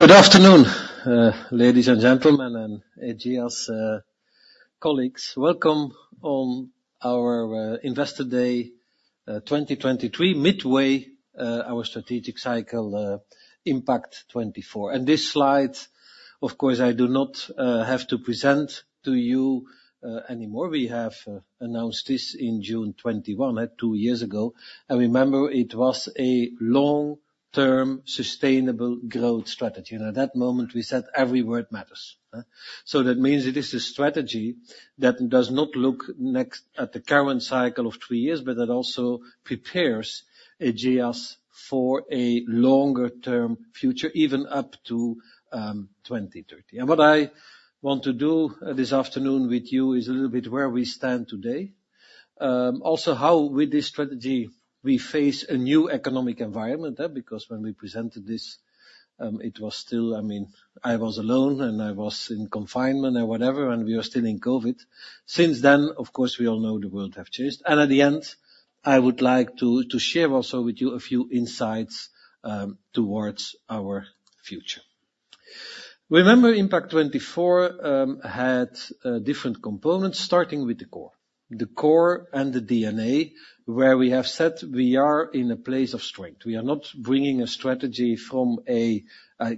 Good afternoon, ladies and gentlemen, and Ageas colleagues. Welcome on our Investor Day 2023, midway our strategic cycle, Impact24. This slide, of course, I do not have to present to you anymore. We have announced this in June 2021, two years ago. I remember it was a long-term sustainable growth strategy, and at that moment, we said every word matters, huh? That means it is a strategy that does not look next at the current cycle of three years, but that also prepares Ageas for a longer-term future, even up to 2030. What I want to do this afternoon with you is a little bit where we stand today. Also, how with this strategy, we face a new economic environment, because when we presented this, it was still—I mean, I was alone, and I was in confinement or whatever, and we are still in COVID. Since then, of course, we all know the world have changed, and at the end, I would like to share also with you a few insights towards our future. Remember, Impact24 had different components, starting with the core. The core and the DNA, where we have said we are in a place of strength. We are not bringing a strategy from a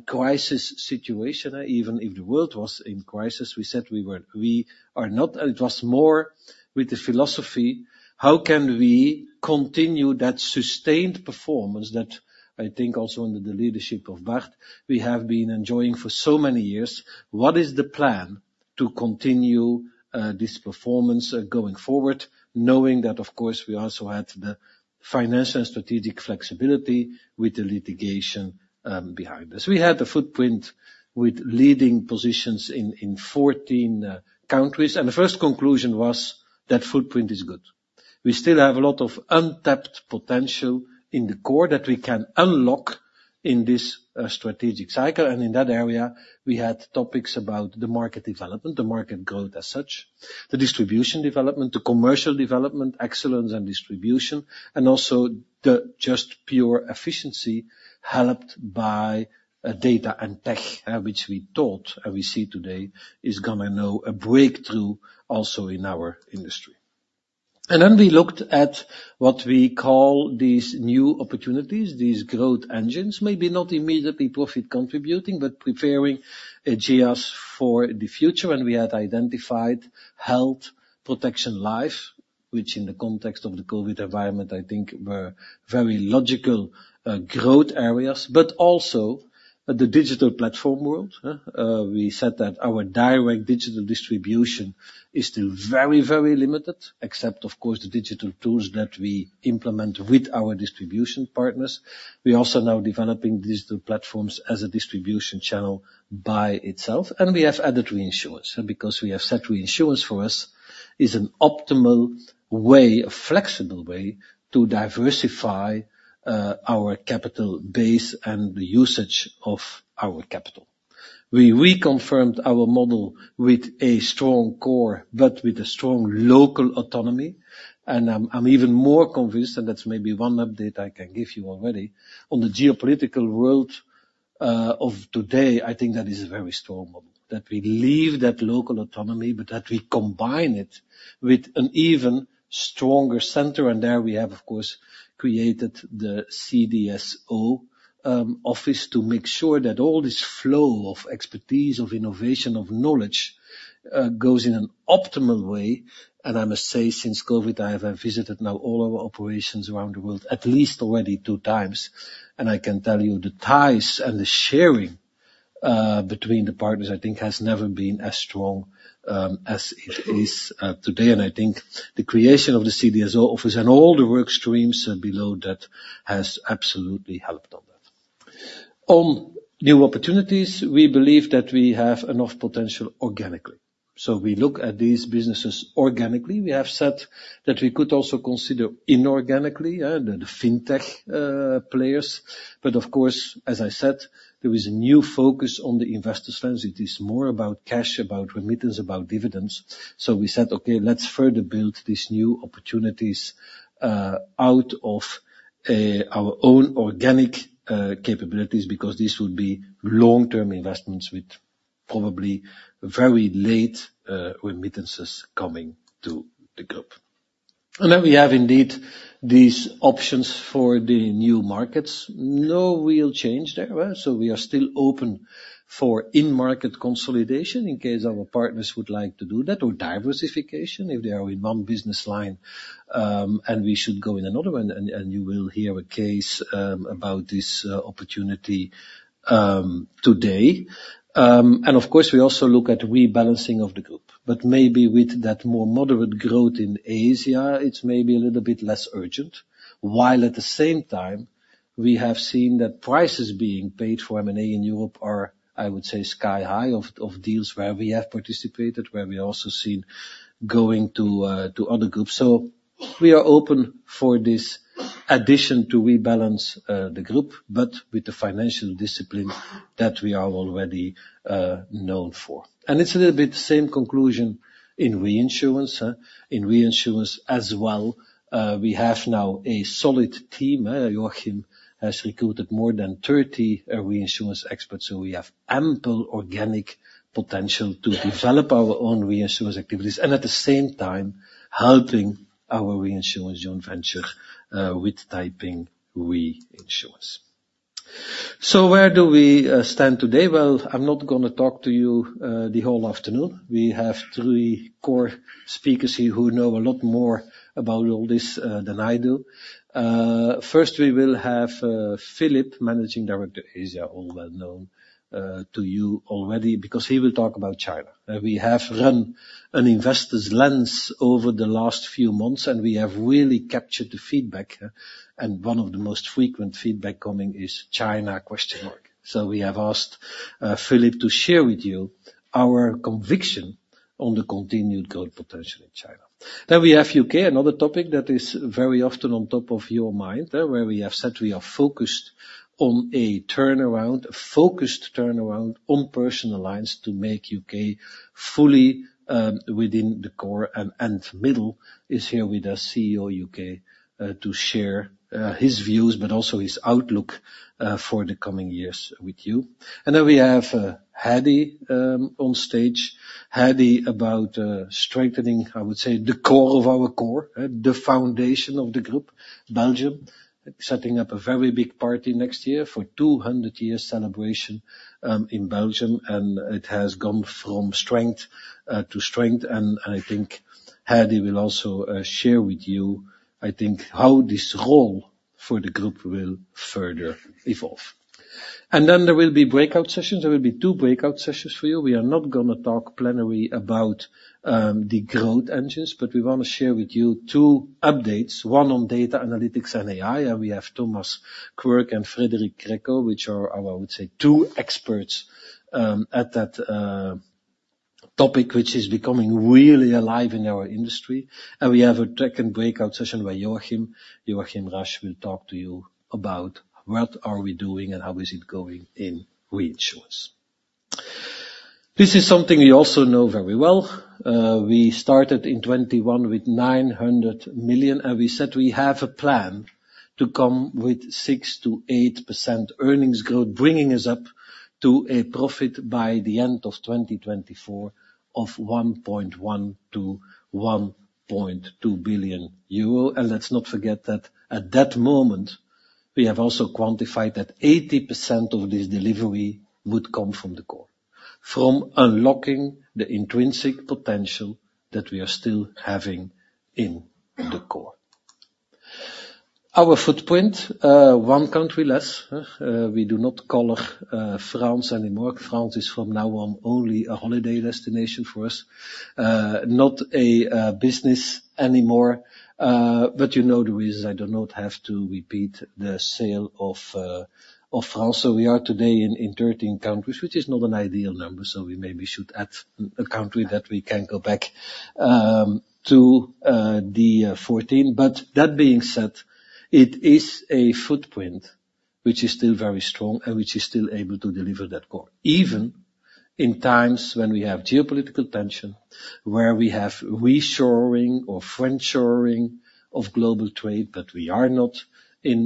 crisis situation, even if the world was in crisis, we said we were, we are not. It was more with the philosophy, how can we continue that sustained performance that I think also under the leadership of Bart, we have been enjoying for so many years. What is the plan to continue this performance going forward, knowing that, of course, we also had the financial and strategic flexibility with the litigation behind us? We had a footprint with leading positions in 14 countries, and the first conclusion was that footprint is good. We still have a lot of untapped potential in the core that we can unlock in this strategic cycle, and in that area, we had topics about the market development, the market growth as such, the distribution development, the commercial development, excellence and distribution, and also the just pure efficiency, helped by data and tech, which we thought, and we see today, is gonna know a breakthrough also in our industry. And then we looked at what we call these new opportunities, these growth engines, maybe not immediately profit-contributing, but preparing Ageas for the future. And we had identified health, protection, life, which in the context of the COVID environment, I think were very logical growth areas, but also the digital platform world. We said that our direct digital distribution is still very, very limited, except, of course, the digital tools that we implement with our distribution partners. We are also now developing digital platforms as a distribution channel by itself, and we have added reinsurance. Because we have said reinsurance for us is an optimal way, a flexible way, to diversify, our capital base and the usage of our capital. We reconfirmed our model with a strong core, but with a strong local autonomy, and I'm even more convinced, and that's maybe one update I can give you already, on the geopolitical world, of today, I think that is a very strong model. That we leave that local autonomy, but that we combine it with an even stronger center, and there we have, of course, created the CDSO office to make sure that all this flow of expertise, of innovation, of knowledge goes in an optimal way. And I must say, since COVID, I have visited now all our operations around the world, at least already two times, and I can tell you the ties and the sharing between the partners, I think, has never been as strong as it is today. And I think the creation of the CDSO office and all the work streams below that has absolutely helped on that. On new opportunities, we believe that we have enough potential organically. So we look at these businesses organically. We have said that we could also consider inorganically the fintech players. But of course, as I said, there is a new focus on the investor side. It is more about cash, about remittance, about dividends. So we said, "Okay, let's further build these new opportunities out of our own organic capabilities," because this would be long-term investments with probably very late remittances coming to the group. And then we have indeed these options for the new markets. No real change there, so we are still open for in-market consolidation in case our partners would like to do that, or diversification if they are in one business line, and we should go in another one, and you will hear a case about this opportunity today. And of course, we also look at rebalancing of the group, but maybe with that more moderate growth in Asia, it's maybe a little bit less urgent. While at the same time, we have seen that prices being paid for M&A in Europe are, I would say, sky-high of deals where we have participated, where we also seen going to to other groups. So we are open for this addition to rebalance the group, but with the financial discipline that we are already known for. And it's a little bit same conclusion in reinsurance, in reinsurance as well. We have now a solid team, Joachim has recruited more than 30 reinsurance experts, so we have ample organic potential to develop our own reinsurance activities, and at the same time, helping our reinsurance joint venture with Taiping Reinsurance. So where do we stand today? Well, I'm not gonna talk to you the whole afternoon. We have three core speakers here who know a lot more about all this than I do. First, we will have Filip, Managing Director, Asia, all well-known to you already, because he will talk about China. We have run an investor's lens over the last few months, and we have really captured the feedback. And one of the most frequent feedback coming is China, question mark. So we have asked Filip to share with you our conviction on the continued growth potential in China. Then we have U.K., another topic that is very often on top of your mind, where we have said we are focused on a turnaround, a focused turnaround on personal lines to make U.K. fully within the core. Ant Middle is here, our CEO U.K., to share his views, but also his outlook for the coming years with you. And then we have Heidi on stage. Heidi about strengthening, I would say, the core of our core, the foundation of the group, Belgium. Setting up a very big party next year for 200 years celebration in Belgium, and it has gone from strength to strength. And I think Heidi will also share with you, I think, how this role for the group will further evolve. And then there will be breakout sessions. There will be two breakout sessions for you. We are not gonna talk plenary about the growth engines, but we wanna share with you two updates, one on data analytics and AI. We have Thomas Quirke and Frederic Crecco, which are our, I would say, two experts at that topic, which is becoming really alive in our industry. We have a second breakout session where Joachim Racz will talk to you about what we are doing and how it is going in reinsurance. This is something you also know very well. We started in 2021 with 900 million, and we said we have a plan to come with 6%-8% earnings growth, bringing us up to a profit by the end of 2024 of 1.1 billion-1.2 billion euro. Let's not forget that at that moment, we have also quantified that 80% of this delivery would come from the core, from unlocking the intrinsic potential that we are still having in the core. Our footprint, one country less, we do not call France anymore. France is from now on, only a holiday destination for us, not a business anymore. But you know the reasons. I do not have to repeat the sale of France. So we are today in 13 countries, which is not an ideal number, so we maybe should add a country that we can go back to the 14. But that being said, it is a footprint which is still very strong and which is still able to deliver that core, even in times when we have geopolitical tension, where we have reshoring or friendshoring of global trade. But we are not in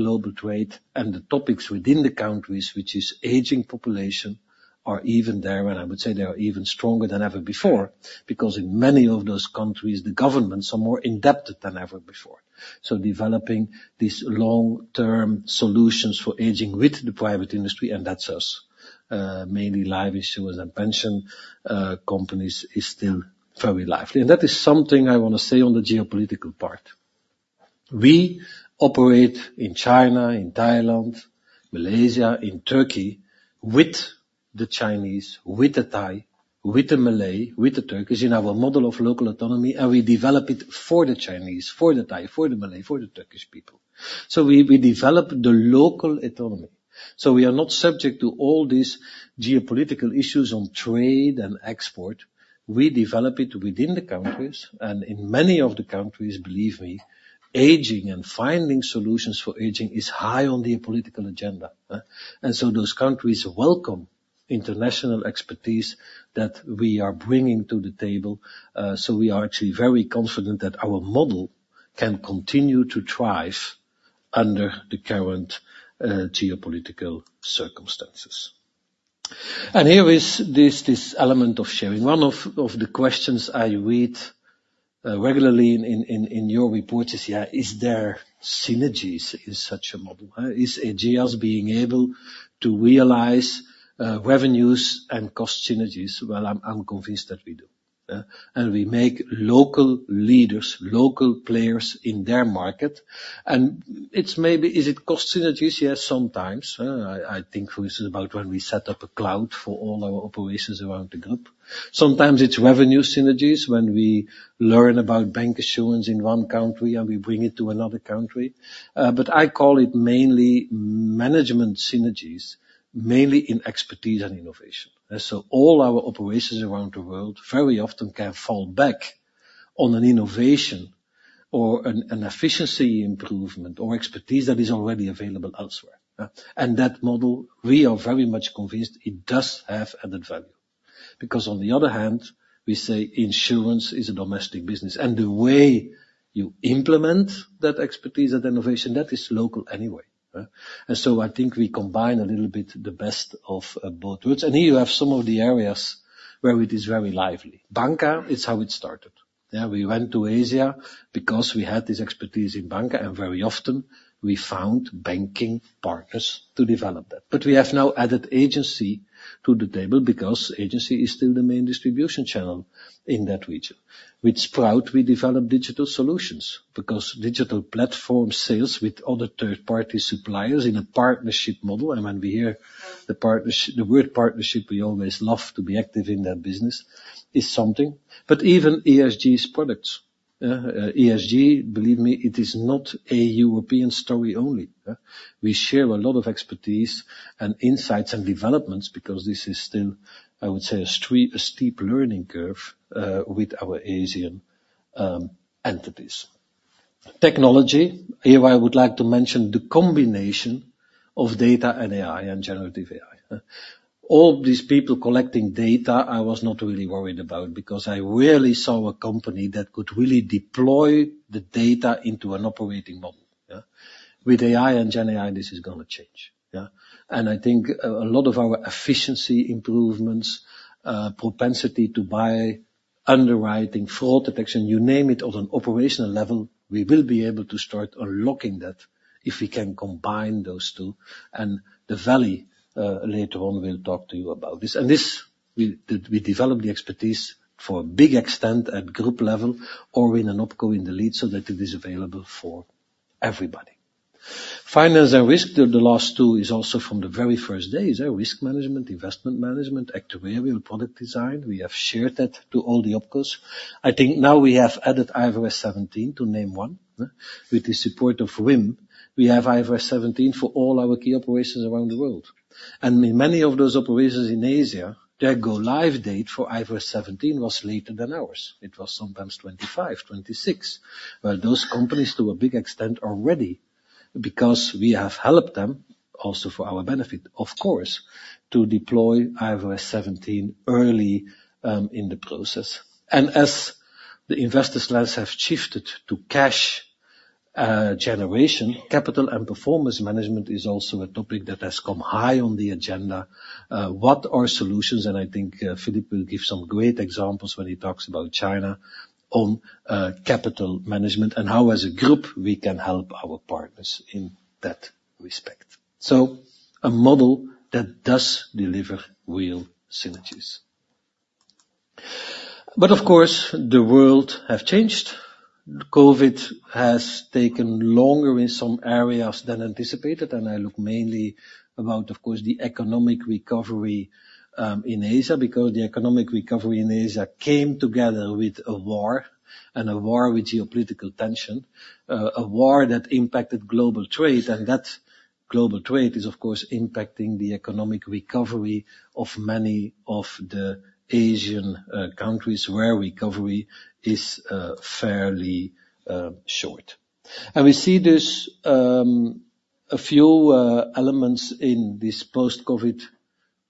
global trade, and the topics within the countries, which is aging population, are even there, and I would say they are even stronger than ever before, because in many of those countries, the governments are more indebted than ever before. So developing these long-term solutions for aging with the private industry, and that's us, mainly life issuers and pension companies, is still very lively. And that is something I wanna say on the geopolitical part. We operate in China, in Thailand, Malaysia, in Turkey, with the Chinese, with the Thai, with the Malay, with the Turkish, in our model of local autonomy, and we develop it for the Chinese, for the Thai, for the Malay, for the Turkish people. So we develop the local autonomy, so we are not subject to all these geopolitical issues on trade and export. We develop it within the countries, and in many of the countries, believe me, Ageas and finding solutions for Ageas is high on the political agenda. So those countries welcome international expertise that we are bringing to the table, so we are actually very confident that our model can continue to thrive under the current geopolitical circumstances. And here is this element of sharing. One of the questions I read regularly in your report is, yeah, is there synergies in such a model? Is Ageas being able to realize revenues and cost synergies? Well, I'm convinced that we do, and we make local leaders, local players in their market. And it's maybe... Is it cost synergies? Yes, sometimes. I think, for instance, about when we set up a cloud for all our operations around the group. Sometimes it's revenue synergies when we learn about bancassurance in one country, and we bring it to another country. But I call it mainly management synergies, mainly in expertise and innovation. So all our operations around the world very often can fall back on an innovation or an efficiency improvement or expertise that is already available elsewhere. And that model, we are very much convinced it does have added value, because on the other hand, we say insurance is a domestic business, and the way you implement that expertise and innovation, that is local anyway. And so I think we combine a little bit the best of both worlds. And here you have some of the areas where it is very lively. Banca is how it started. Yeah, we went to Asia because we had this expertise in banca, and very often we found banking partners to develop that. But we have now added agency to the table because agency is still the main distribution channel in that region. With Sprout, we develop digital solutions because digital platform sales with other third-party suppliers in a partnership model, and when we hear the word partnership, we always love to be active in that business, is something. But even ESG's products, ESG, believe me, it is not a European story only. We share a lot of expertise and insights and developments because this is still, I would say, a steep learning curve with our Asian entities. Technology, here I would like to mention the combination of data and AI and generative AI. All these people collecting data, I was not really worried about because I rarely saw a company that could really deploy the data into an operating model, yeah. With AI and GenAI, this is gonna change, yeah? And I think a lot of our efficiency improvements, propensity to buy, underwriting, fraud detection, you name it, on an operational level, we will be able to start unlocking that if we can combine those two. And the value, later on, we'll talk to you about this. And this, we develop the expertise to a large extent at group level or in an opco in the lead, so that it is available for everybody. Finance and risk, the last two, is also from the very first days. Risk management, investment management, actuarial, product design, we have shared that to all the opcos. I think now we have added IFRS 17, to name one, with the support of Wim. We have IFRS 17 for all our key operations around the world. Many of those operations in Asia, their go-live date for IFRS 17 was later than ours. It was sometimes 2025, 2026. Well, those companies, to a big extent, are ready because we have helped them, also for our benefit, of course, to deploy IFRS 17 early in the process. As the investors' lens have shifted to cash generation, capital and performance management is also a topic that has come high on the agenda. What are solutions? I think Philippe will give some great examples when he talks about China on capital management and how, as a group, we can help our partners in that respect. So a model that does deliver real synergies. But of course, the world have changed. COVID has taken longer in some areas than anticipated, and I look mainly about, of course, the economic recovery in Asia, because the economic recovery in Asia came together with a war, and a war with geopolitical tension. A war that impacted global trade, and that global trade is, of course, impacting the economic recovery of many of the Asian countries, where recovery is fairly short. And we see this, a few elements in this post-COVID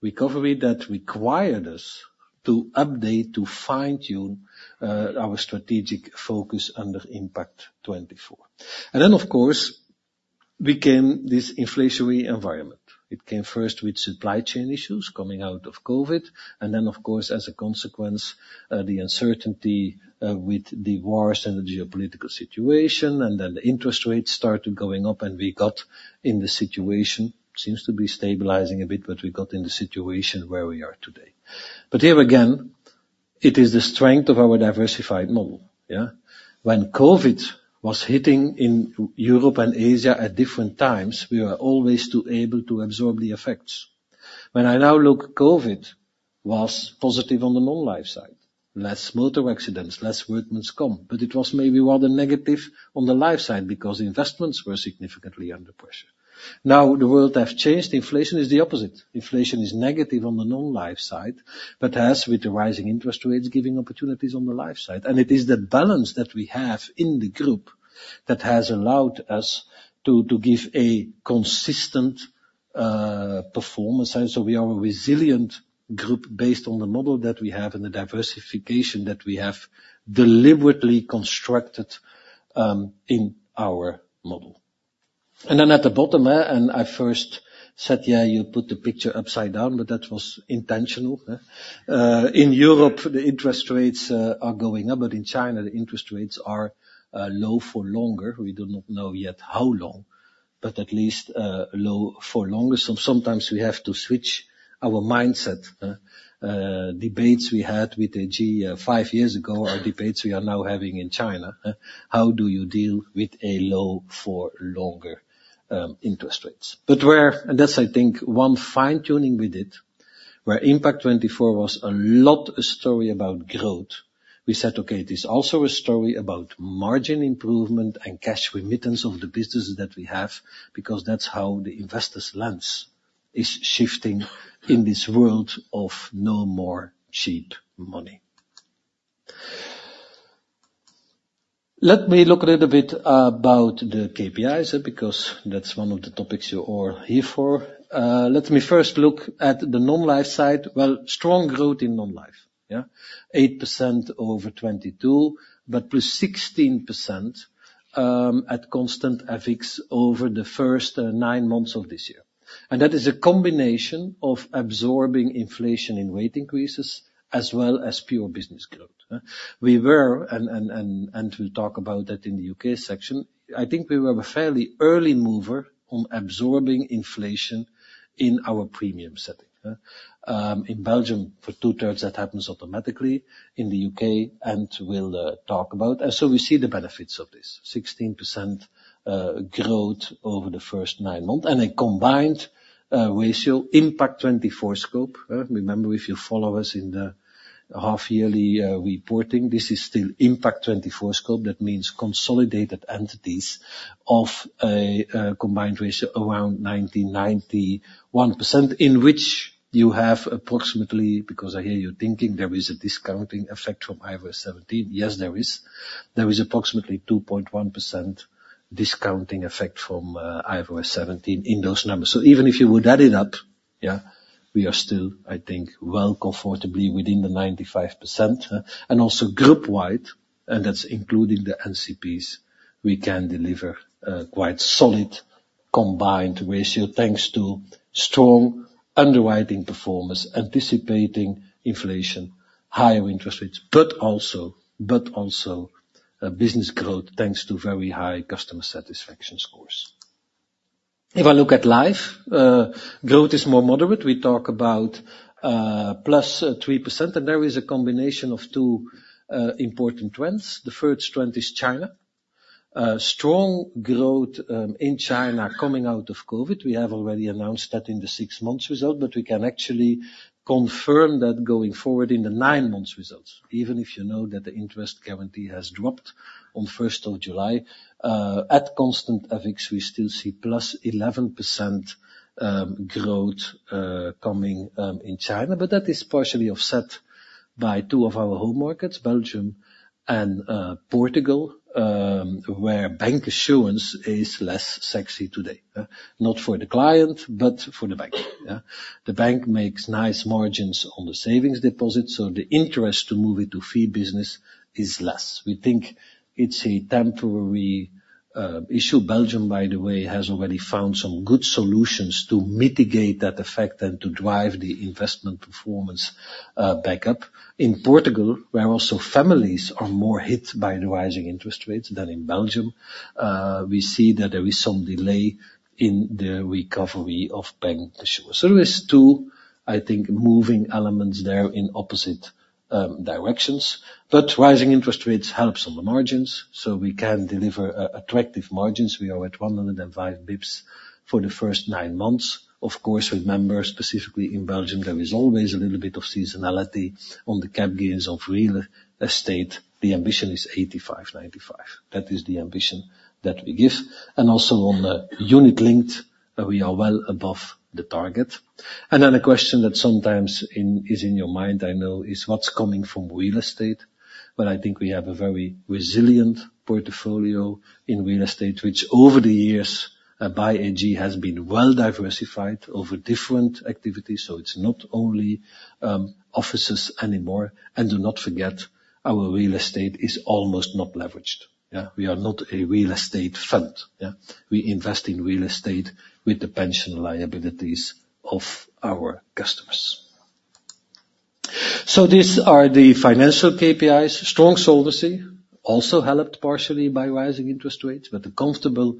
recovery that required us to update, to fine-tune, our strategic focus under Impact24. And then, of course, became this inflationary environment. It came first with supply chain issues coming out of COVID, and then, of course, as a consequence, the uncertainty with the wars and the geopolitical situation, and then interest rates started going up and we got in the situation. Seems to be stabilizing a bit, but we got in the situation where we are today. But here again, it is the strength of our diversified model, yeah? When COVID was hitting in Europe and Asia at different times, we were always able to absorb the effects. When I now look, COVID was positive on the non-life side: less motor accidents, less workmen's comp. But it was maybe rather negative on the life side because investments were significantly under pressure. Now, the world have changed. Inflation is the opposite. Inflation is negative on the non-life side, but has, with the rising interest rates, giving opportunities on the life side. And it is the balance that we have in the group that has allowed us to give a consistent performance. And so we are a resilient group based on the model that we have and the diversification that we have deliberately constructed in our model. And then at the bottom, and I first said, "Yeah, you put the picture upside down," but that was intentional. In Europe, the interest rates are going up, but in China, the interest rates are low for longer. We do not know yet how long, but at least low for longer. So sometimes we have to switch our mindset, debates we had with AG, five years ago, are debates we are now having in China. How do you deal with a low-for-longer, interest rates? But where... And that's, I think, one fine-tuning we did, where Impact24 was a lot a story about growth. We said, "Okay, it is also a story about margin improvement and cash remittance of the businesses that we have," because that's how the investor's lens is shifting in this world of no more cheap money. Let me look a little bit about the KPIs, because that's one of the topics you're all here for. Let me first look at the non-life side. Well, strong growth in non-life, yeah? 8% over 2022, but +16%, at constant FX over the first, nine months of this year. That is a combination of absorbing inflation and rate increases, as well as pure business growth. We were and we'll talk about that in the U.K. section. I think we were a fairly early mover on absorbing inflation in our premium setting. In Belgium, for 2/3, that happens automatically. In the U.K., and we'll talk about. And so we see the benefits of this 16% growth over the first nine months. And a combined ratio Impact24 scope? Remember, if you follow us in the half-yearly reporting, this is still Impact24 scope. That means consolidated entities of a combined ratio around 90-91%, in which you have approximately, because I hear you thinking, there is a discounting effect from IFRS 17. Yes, there is. There is approximately 2.1% discounting effect from IFRS 17 in those numbers. So even if you would add it up, yeah, we are still, I think, well comfortably within the 95%. And also group-wide, and that's including the NCPs, we can deliver a quite solid combined ratio, thanks to strong underwriting performance, anticipating inflation, higher interest rates, but also, but also, business growth, thanks to very high customer satisfaction scores. If I look at life, growth is more moderate. We talk about +3%, and there is a combination of two important trends. The first trend is China. Strong growth in China coming out of COVID. We have already announced that in the six months result, but we can actually confirm that going forward in the nine months results, even if you know that the interest guarantee has dropped on first of July. At constant FX, we still see +11% growth coming in China. But that is partially offset by two of our home markets, Belgium and Portugal, where bancassurance is less sexy today, not for the client, but for the bank, yeah. The bank makes nice margins on the savings deposits, so the interest to move it to fee business is less. We think it's a temporary issue. Belgium, by the way, has already found some good solutions to mitigate that effect and to drive the investment performance back up. In Portugal, where also families are more hit by the rising interest rates than in Belgium, we see that there is some delay in the recovery of bancassurance. So there is two, I think, moving elements there in opposite directions. But rising interest rates helps on the margins, so we can deliver attractive margins. We are at 105 basis points for the first nine months. Of course, remember, specifically in Belgium, there is always a little bit of seasonality on the cap gains of real estate. The ambition is 85-95. That is the ambition that we give. And also on the Unit Linked, we are well above the target. And then a question that sometimes is in your mind, I know, is what's coming from real estate? But I think we have a very resilient portfolio in real estate, which over the years by AG has been well diversified over different activities, so it's not only offices anymore. And do not forget, our real estate is almost not leveraged. Yeah, we are not a real estate fund, yeah. We invest in real estate with the pension liabilities of our customers. So these are the financial KPIs. Strong solvency also helped partially by rising interest rates, but a comfortable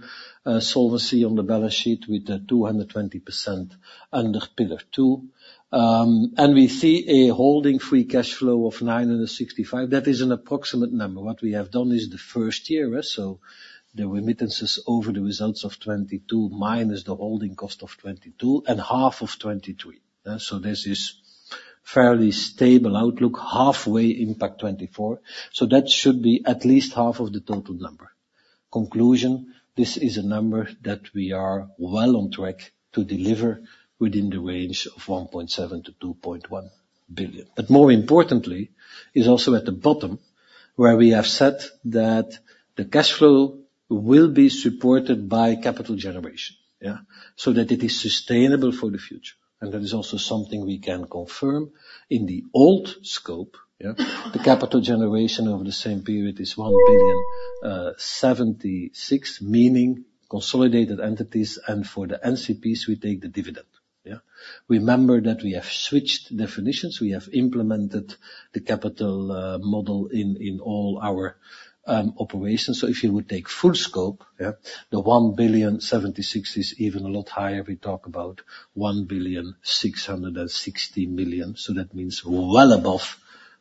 solvency on the balance sheet with the 220% under Pillar Two. And we see a holding free cash flow of 965. That is an approximate number. What we have done is the first year, so the remittances over the results of 2022, minus the holding cost of 2022 and half of 2023. So this is fairly stable outlook, halfway Impact24. So that should be at least half of the total number. Conclusion: this is a number that we are well on track to deliver within the range of 1.7 billion-2.1 billion. But more importantly, is also at the bottom, where we have said that the cash flow will be supported by capital generation, yeah, so that it is sustainable for the future. And that is also something we can confirm in the old scope, yeah. The capital generation over the same period is 1.076 billion, meaning consolidated entities, and for the NCPs, we take the dividend, yeah. Remember that we have switched definitions. We have implemented the capital model in all our operations. So if you would take full scope, yeah, the 1.076 billion is even a lot higher. We talk about 1.66 billion, so that means well above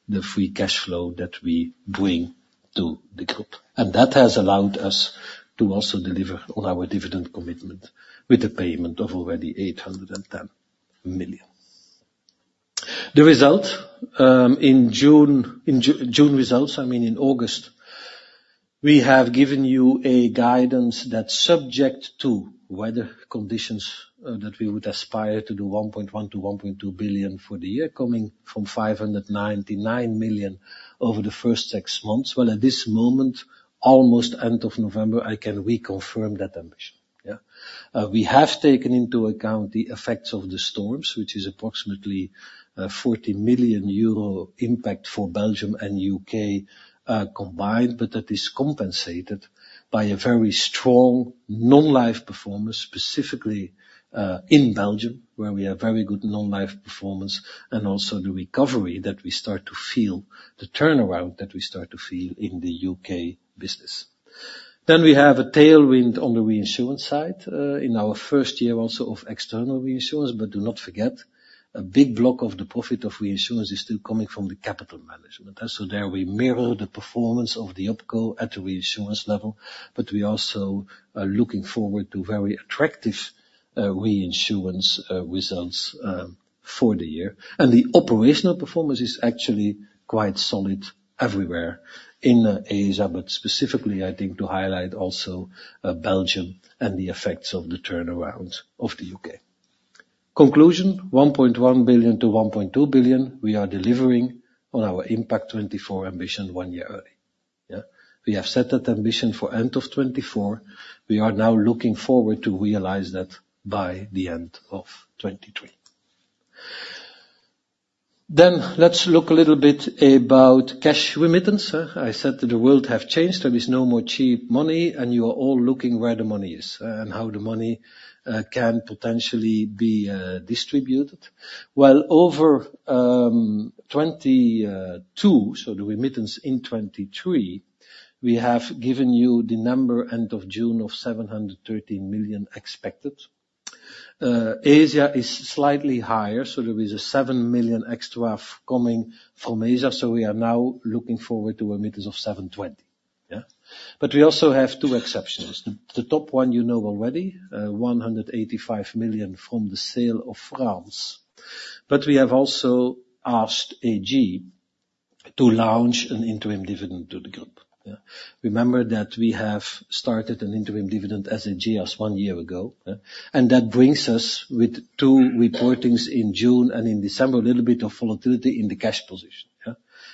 the free cash flow that we bring to the group. That has allowed us to also deliver on our dividend commitment with a payment of already 810 million. The result in June results, I mean, in August, we have given you a guidance that's subject to weather conditions that we would aspire to do 1.1 billion-1.2 billion for the year coming, from 599 million over the first six months. Well, at this moment, almost end of November, I can reconfirm that ambition, yeah. We have taken into account the effects of the storms, which is approximately 40 million euro impact for Belgium and U.K. combined, but that is compensated by a very strong non-life performance, specifically in Belgium, where we have very good non-life performance, and also the recovery that we start to feel, the turnaround that we start to feel in the U.K. business. Then we have a tailwind on the reinsurance side in our first year also of external reinsurance. But do not forget, a big block of the profit of reinsurance is still coming from the capital management. And so there we mirror the performance of the opco at the reinsurance level, but we also are looking forward to very attractive reinsurance results for the year. The operational performance is actually quite solid everywhere in Asia, but specifically, I think, to highlight also Belgium and the effects of the turnaround of the U.K. Conclusion: 1.1 billion-1.2 billion, we are delivering on our Impact24 ambition one year early, yeah. We have set that ambition for end of 2024. We are now looking forward to realize that by the end of 2023. Let's look a little bit about cash remittance. I said that the world have changed. There is no more cheap money, and you are all looking where the money is and how the money can potentially be distributed. Well, over 2022, so the remittance in 2023, we have given you the number, end of June, of 713 million expected. Asia is slightly higher, so there is a 7 million extra coming from Asia, so we are now looking forward to remittances of 720 million, yeah? But we also have two exceptions. The top one you know already, 185 million from the sale of France. But we have also asked AG to launch an interim dividend to the group, yeah. Remember that we have started an interim dividend as AG as one year ago, and that brings us with two reportings in June and in December, a little bit of volatility in the cash position, yeah.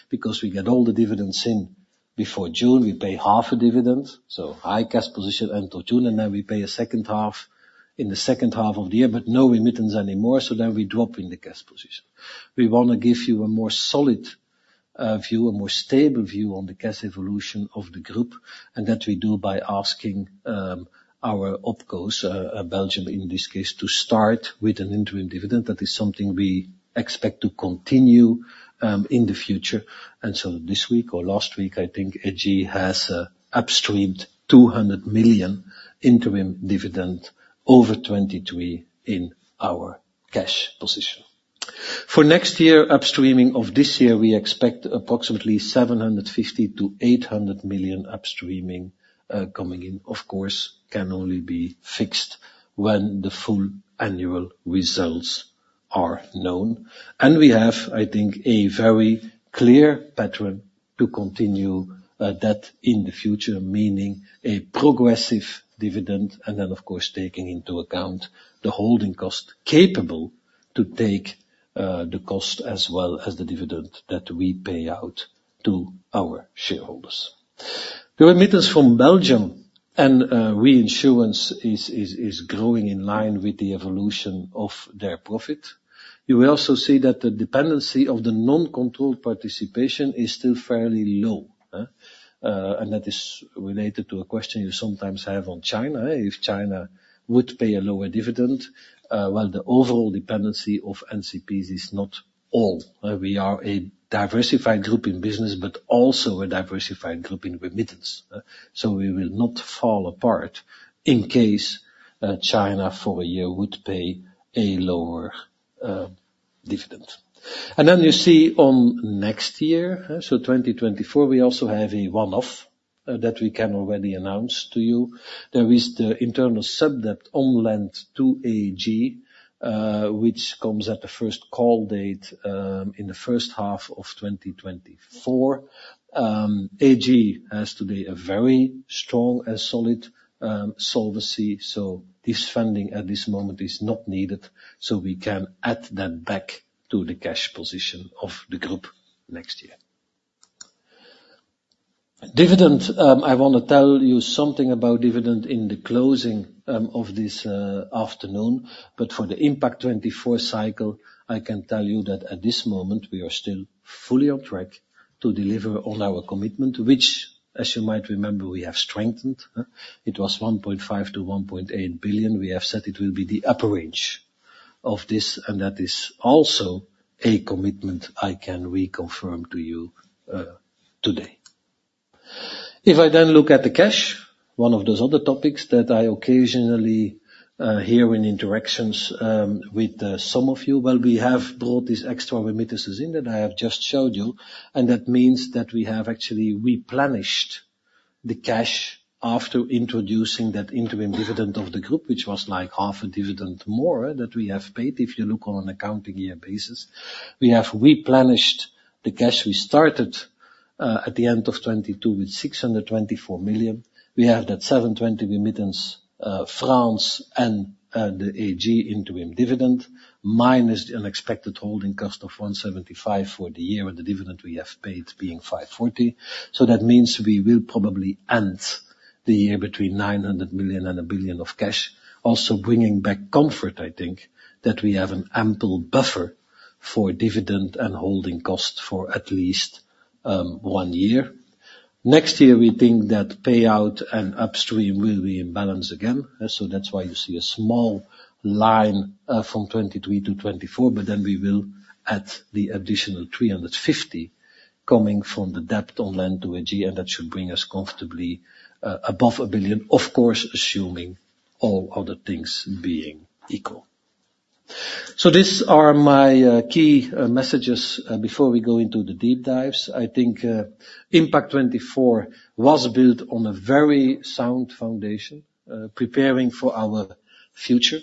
Because we get all the dividends in before June, we pay half a dividend, so high cash position until June, and then we pay a second half in the second half of the year, but no remittance anymore, so then we drop in the cash position. We wanna give you a more solid, view, a more stable view on the cash evolution of the group, and that we do by asking, our opcos, Belgium, in this case, to start with an interim dividend. That is something we expect to continue, in the future. And so this week or last week, I think, AG has, upstreamed 200 million interim dividend over 2023 in our cash position. For next year, upstreaming of this year, we expect approximately 750 million-800 million upstreaming, coming in. Of course, can only be fixed when the full annual results are known. We have, I think, a very clear pattern to continue that in the future, meaning a progressive dividend, and then, of course, taking into account the holding cost, capable to take the cost as well as the dividend that we pay out to our shareholders. The remittance from Belgium and reinsurance is growing in line with the evolution of their profit. You will also see that the dependency of the non-controlled participation is still fairly low, and that is related to a question you sometimes have on China. If China would pay a lower dividend, well, the overall dependency of NCPs is not all. We are a diversified group in business, but also a diversified group in remittance. So we will not fall apart in case China, for a year, would pay a lower dividend. Then you see on next year, so 2024, we also have a one-off, that we can already announce to you. There is the internal sub-debt on-lent to AG, which comes at the first call date, in the first half of 2024. AG has today a very strong and solid, solvency, so this funding at this moment is not needed, so we can add that back to the cash position of the group next year. Dividend, I want to tell you something about dividend in the closing, of this, afternoon, but for the Impact24 cycle, I can tell you that at this moment, we are still fully on track to deliver on our commitment, which, as you might remember, we have strengthened. It was 1.5 billion-1.8 billion. We have said it will be the upper range of this, and that is also a commitment I can reconfirm to you today. If I then look at the cash, one of those other topics that I occasionally hear in interactions with some of you, well, we have brought these extra remittances in, that I have just showed you, and that means that we have actually replenished the cash after introducing that interim dividend of the group, which was like half a dividend more that we have paid. If you look on an accounting year basis, we have replenished the cash we started at the end of 2022 with 624 million. We have that 720 remittance, France and the AG interim dividend, minus the unexpected holding cost of 175 for the year, and the dividend we have paid being 540. So that means we will probably end the year between 900 million and 1 billion of cash. Also bringing back comfort, I think, that we have an ample buffer for dividend and holding costs for at least one year. Next year, we think that payout and upstream will be in balance again. So that's why you see a small line from 2023 to 2024, but then we will add the additional 350 coming from the debt on-lent to AG, and that should bring us comfortably above 1 billion, of course, assuming all other things being equal. So these are my key messages before we go into the deep dives. I think Impact24 was built on a very sound foundation, preparing for our future.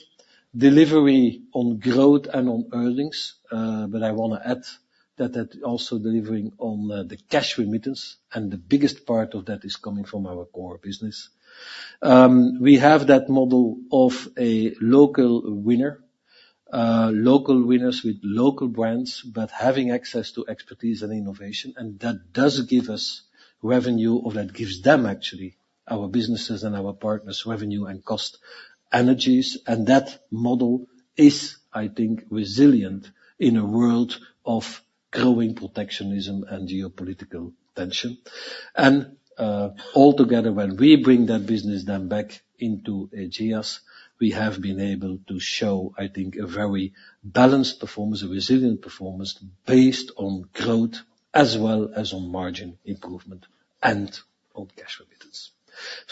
Delivery on growth and on earnings, but I wanna add that, that also delivering on the cash remittance, and the biggest part of that is coming from our core business. We have that model of a local winner, local winners with local brands, but having access to expertise and innovation, and that does give us revenue, or that gives them, actually, our businesses and our partners, revenue and cost synergies. And that model is, I think, resilient in a world of growing protectionism and geopolitical tension. Altogether, when we bring that business then back into Ageas, we have been able to show, I think, a very balanced performance, a resilient performance, based on growth as well as on margin improvement and on cash remittance.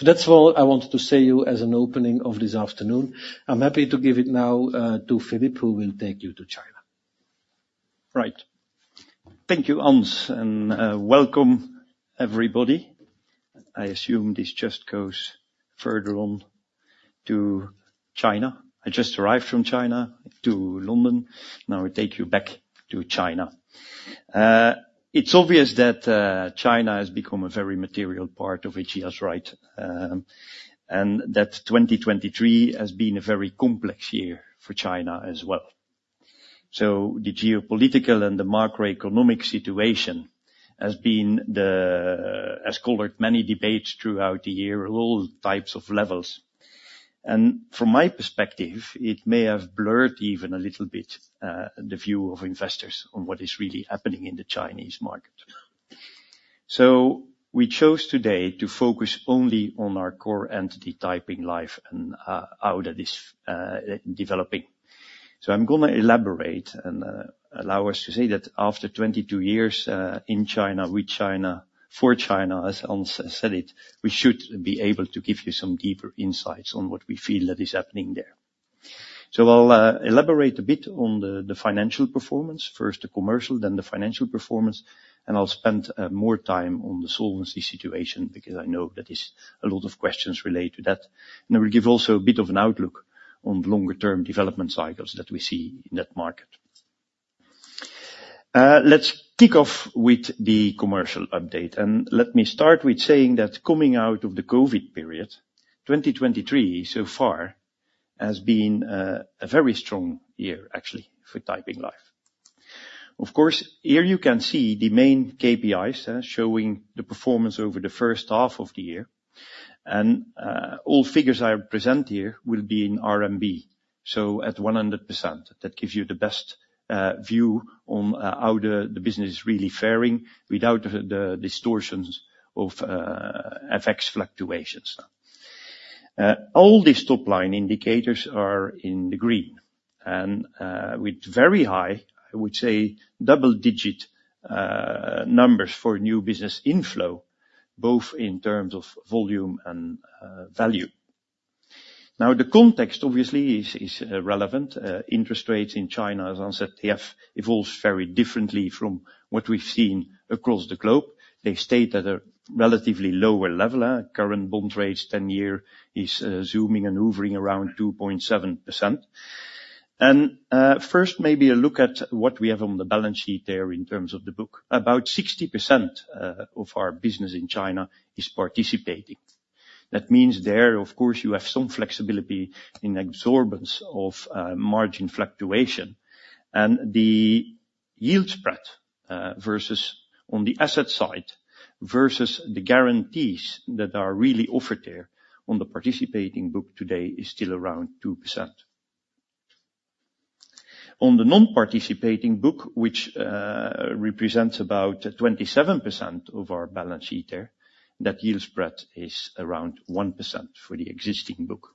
That's all I wanted to say you as an opening of this afternoon. I'm happy to give it now to Philippe, who will take you to China. Right. Thank you, Hans, and, welcome, everybody. I assume this just goes further on to China. I just arrived from China to London. Now, I take you back to China. It's obvious that, China has become a very material part of Ageas, right? And that 2023 has been a very complex year for China as well. So the geopolitical and the macroeconomic situation has been the has colored many debates throughout the year at all types of levels. And from my perspective, it may have blurred even a little bit, the view of investors on what is really happening in the Chinese market. So we chose today to focus only on our core entity, Taiping Life, and, how that is, developing. So I'm gonna elaborate and allow us to say that after 22 years in China, with China, for China, as Hans said it, we should be able to give you some deeper insights on what we feel that is happening there. So I'll elaborate a bit on the financial performance, first, the commercial, then the financial performance, and I'll spend more time on the solvency situation, because I know that is a lot of questions related to that. And I will give also a bit of an outlook on the longer-term development cycles that we see in that market. Let's kick off with the commercial update, and let me start with saying that coming out of the COVID period, 2023 so far has been a very strong year, actually, for Taiping Life. Of course, here you can see the main KPIs showing the performance over the first half of the year. All figures I present here will be in RMB, so at 100%. That gives you the best view on how the business is really faring without the distortions of FX fluctuations. All these top-line indicators are in the green with very high, I would say, double-digit numbers for new business inflow, both in terms of volume and value. Now, the context, obviously, is relevant. Interest rates in China, as Hans said, they have evolved very differently from what we've seen across the globe. They stayed at a relatively lower level. Current bond rates, 10-year is zooming and hovering around 2.7%. First, maybe a look at what we have on the balance sheet there in terms of the book. About 60% of our business in China is participating. That means there, of course, you have some flexibility in absorption of margin fluctuation. And the yield spread versus on the asset side, versus the guarantees that are really offered there on the participating book today is still around 2%. On the non-participating book, which represents about 27% of our balance sheet there, that yield spread is around 1% for the existing book.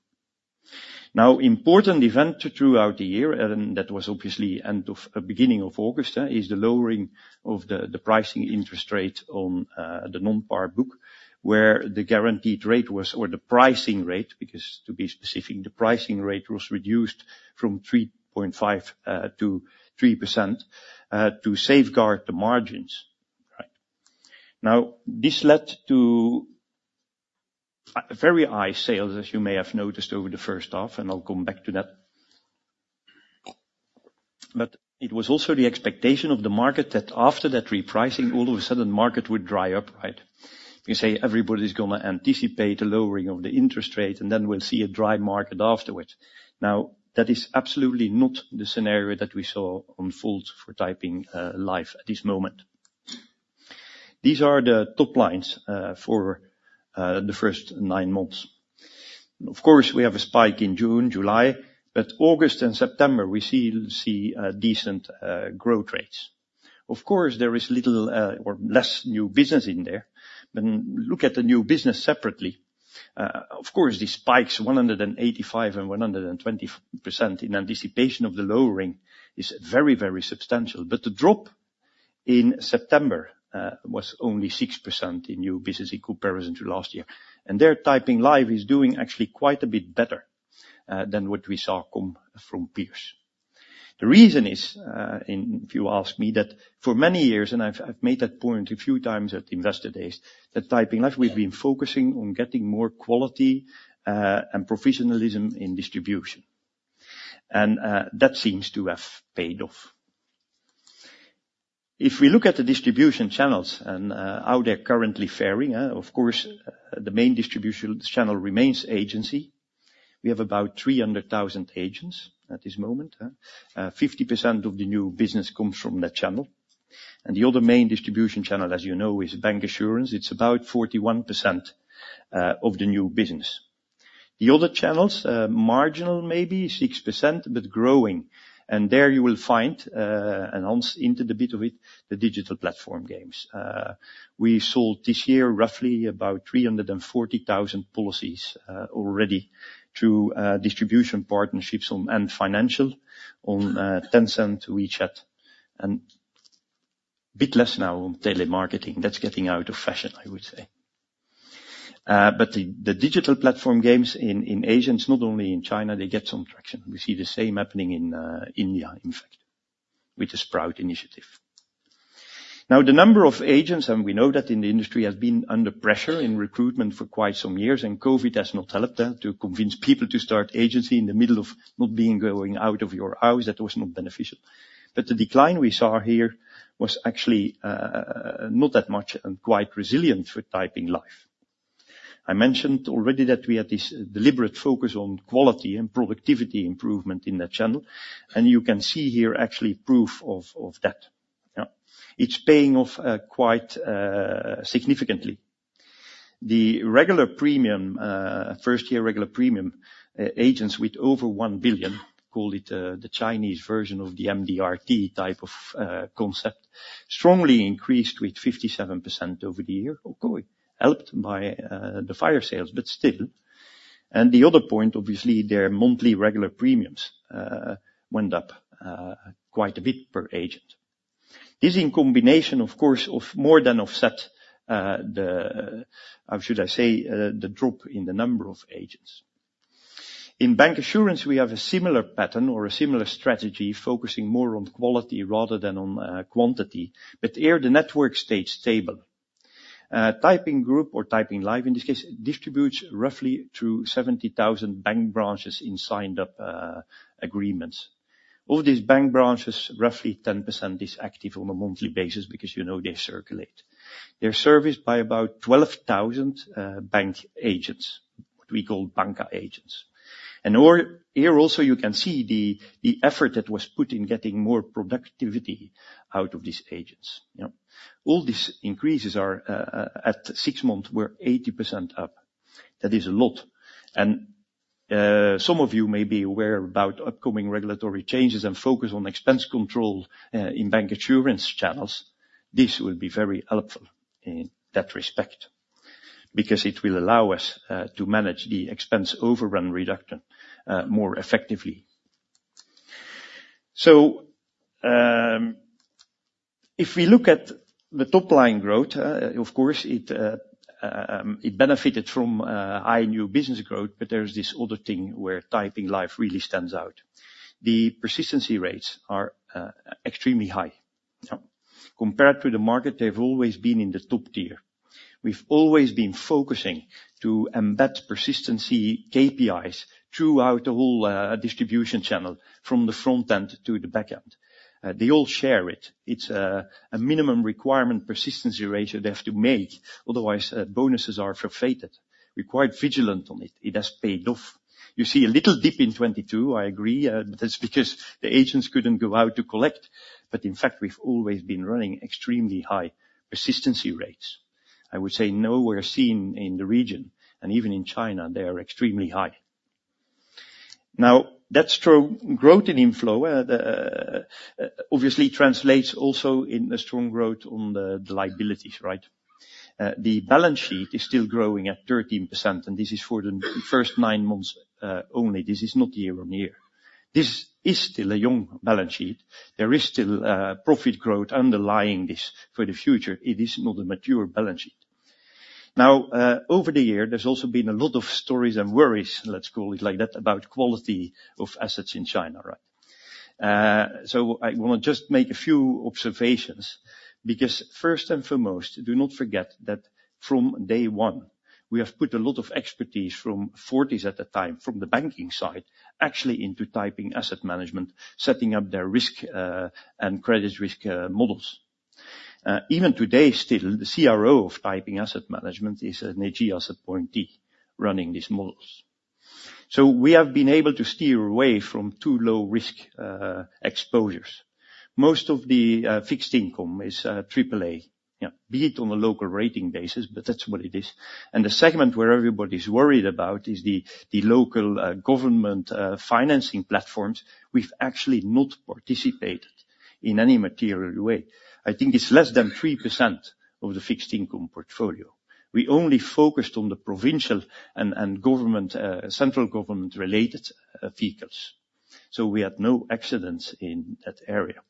Now, important event throughout the year, and that was obviously end of... Beginning of August is the lowering of the pricing interest rate on the non-par book, where the guaranteed rate was, or the pricing rate, because to be specific, the pricing rate was reduced from 3.5% to 3% to safeguard the margins. Now, this led to very high sales, as you may have noticed over the first half, and I'll come back to that. But it was also the expectation of the market that after that repricing, all of a sudden, the market would dry up, right? You say everybody's gonna anticipate a lowering of the interest rate, and then we'll see a dry market afterwards. Now, that is absolutely not the scenario that we saw unfold for Taiping Life at this moment. These are the top lines for the first nine months. Of course, we have a spike in June, July, but August and September, we see decent growth rates. Of course, there is little or less new business in there. When we look at the new business separately, of course, the spikes 185% and 120% in anticipation of the lowering is very, very substantial. But the drop in September was only 6% in new business in comparison to last year. And there, Taiping Life is doing actually quite a bit better than what we saw come from peers. The reason is, and if you ask me, that for many years, and I've made that point a few times at Investor Days, that Taiping Life, we've been focusing on getting more quality and professionalism in distribution. And that seems to have paid off. If we look at the distribution channels and how they're currently faring, of course, the main distribution channel remains agency. We have about 300,000 agents at this moment. 50% of the new business comes from that channel. The other main distribution channel, as you know, is bancassurance. It's about 41% of the new business. The other channels marginal, maybe 6%, but growing. There you will find and Hans into the bit of it, the digital platform gains. We sold this year, roughly about 340,000 policies already through distribution partnerships on Ant Financial, on Tencent, WeChat, and a bit less now on telemarketing. That's getting out of fashion, I would say. But the digital platform gains in Asia, not only in China, they get some traction. We see the same happening in, India, in fact, with the Sprout initiative. Now, the number of agents, and we know that in the industry, has been under pressure in recruitment for quite some years, and COVID has not helped them to convince people to start agency in the middle of not being going out of your house. That was not beneficial. But the decline we saw here was actually, not that much and quite resilient for Taiping Life. I mentioned already that we had this deliberate focus on quality and productivity improvement in that channel, and you can see here actually proof of, of that. Yeah. It's paying off, quite, significantly. The regular premium, first-year regular premium, agents with over 1 billion, call it, the Chinese version of the MDRT type of, concept, strongly increased with 57% over the year. Of course, helped by the fire sales, but still. And the other point, obviously, their monthly regular premiums went up quite a bit per agent. This in combination, of course, more than offset the, or should I say, the drop in the number of agents. In bancassurance, we have a similar pattern or a similar strategy, focusing more on quality rather than on quantity, but here, the network stays stable. Taiping Group or Taiping Life, in this case, distributes roughly through 70,000 bank branches in signed up agreements. All these bank branches, roughly 10%, is active on a monthly basis because, you know, they circulate. They're serviced by about 12,000 bank agents, what we call banca agents. Here also, you can see the effort that was put in getting more productivity out of these agents. Yeah. All these increases are, at six months, we're 80% up. That is a lot. And some of you may be aware about upcoming regulatory changes and focus on expense control in bancassurance channels. This will be very helpful in that respect because it will allow us to manage the expense overrun reduction more effectively. So, if we look at the top line growth, of course, it benefited from high new business growth, but there is this other thing where Taiping Life really stands out. The persistency rates are extremely high. Compared to the market, they've always been in the top tier. We've always been focusing to embed persistency KPIs throughout the whole distribution channel, from the front end to the back end. They all share it. It's a minimum requirement persistency ratio they have to make, otherwise bonuses are forfeited. We're quite vigilant on it. It has paid off. You see a little dip in 2022, I agree, but that's because the agents couldn't go out to collect. But in fact, we've always been running extremely high persistency rates. I would say nowhere seen in the region, and even in China, they are extremely high. Now, that strong growth in inflow, the, obviously translates also in a strong growth on the, the liabilities, right? The balance sheet is still growing at 13%, and this is for the first nine months only. This is not year-on-year. This is still a young balance sheet. There is still profit growth underlying this for the future. It is not a mature balance sheet. Now, over the year, there's also been a lot of stories and worries, let's call it like that, about quality of assets in China, right? So I wanna just make a few observations, because first and foremost, do not forget that from day one, we have put a lot of expertise from Fortis at the time, from the banking side, actually into Taiping Asset Management, setting up their risk and credit risk models. Even today, still, the CRO of Taiping Asset Management is an AG asset appointee running these models. So we have been able to steer away from too low risk exposures. Most of the fixed income is triple A. Yeah, be it on a local rating basis, but that's what it is. The segment where everybody's worried about is the local government financing platforms. We've actually not participated in any material way. I think it's less than 3% of the fixed income portfolio. We only focused on the provincial and government central government-related vehicles, so we had no accidents in that area.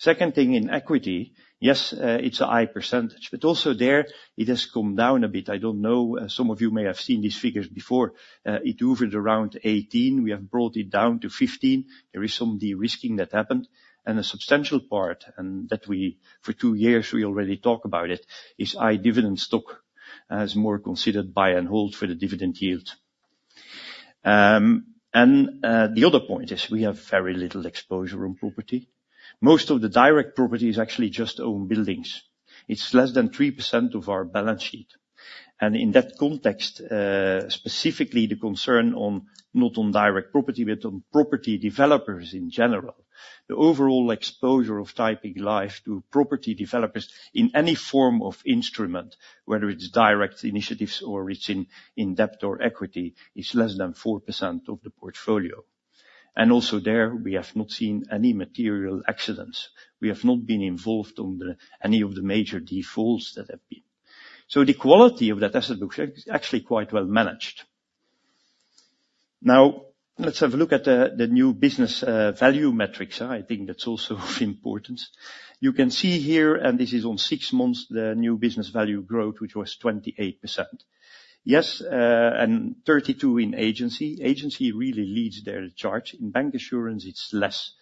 Second thing, in equity, yes, it's a high percentage, but also there, it has come down a bit. I don't know, some of you may have seen these figures before. It hovered around 18, we have brought it down to 15. There is some de-risking that happened, and a substantial part, and that we, for two years, we already talk about it, is high dividend stock, as more considered buy and hold for the dividend yield. The other point is we have very little exposure on property. Most of the direct property is actually just owned buildings. It's less than 3% of our balance sheet. In that context, specifically, the concern on not on direct property, but on property developers in general. The overall exposure of Taiping Life to property developers in any form of instrument, whether it's direct initiatives or it's in debt or equity, is less than 4% of the portfolio. Also there, we have not seen any material accidents. We have not been involved on the, any of the major defaults that have been. So the quality of that asset book is actually quite well managed. Now, let's have a look at the new business value metrics. I think that's also of importance. You can see here, and this is on six months, the new business value growth, which was 28%. Yes, and 325 in agency. Agency really leads their charge. In bancassurance, it's less.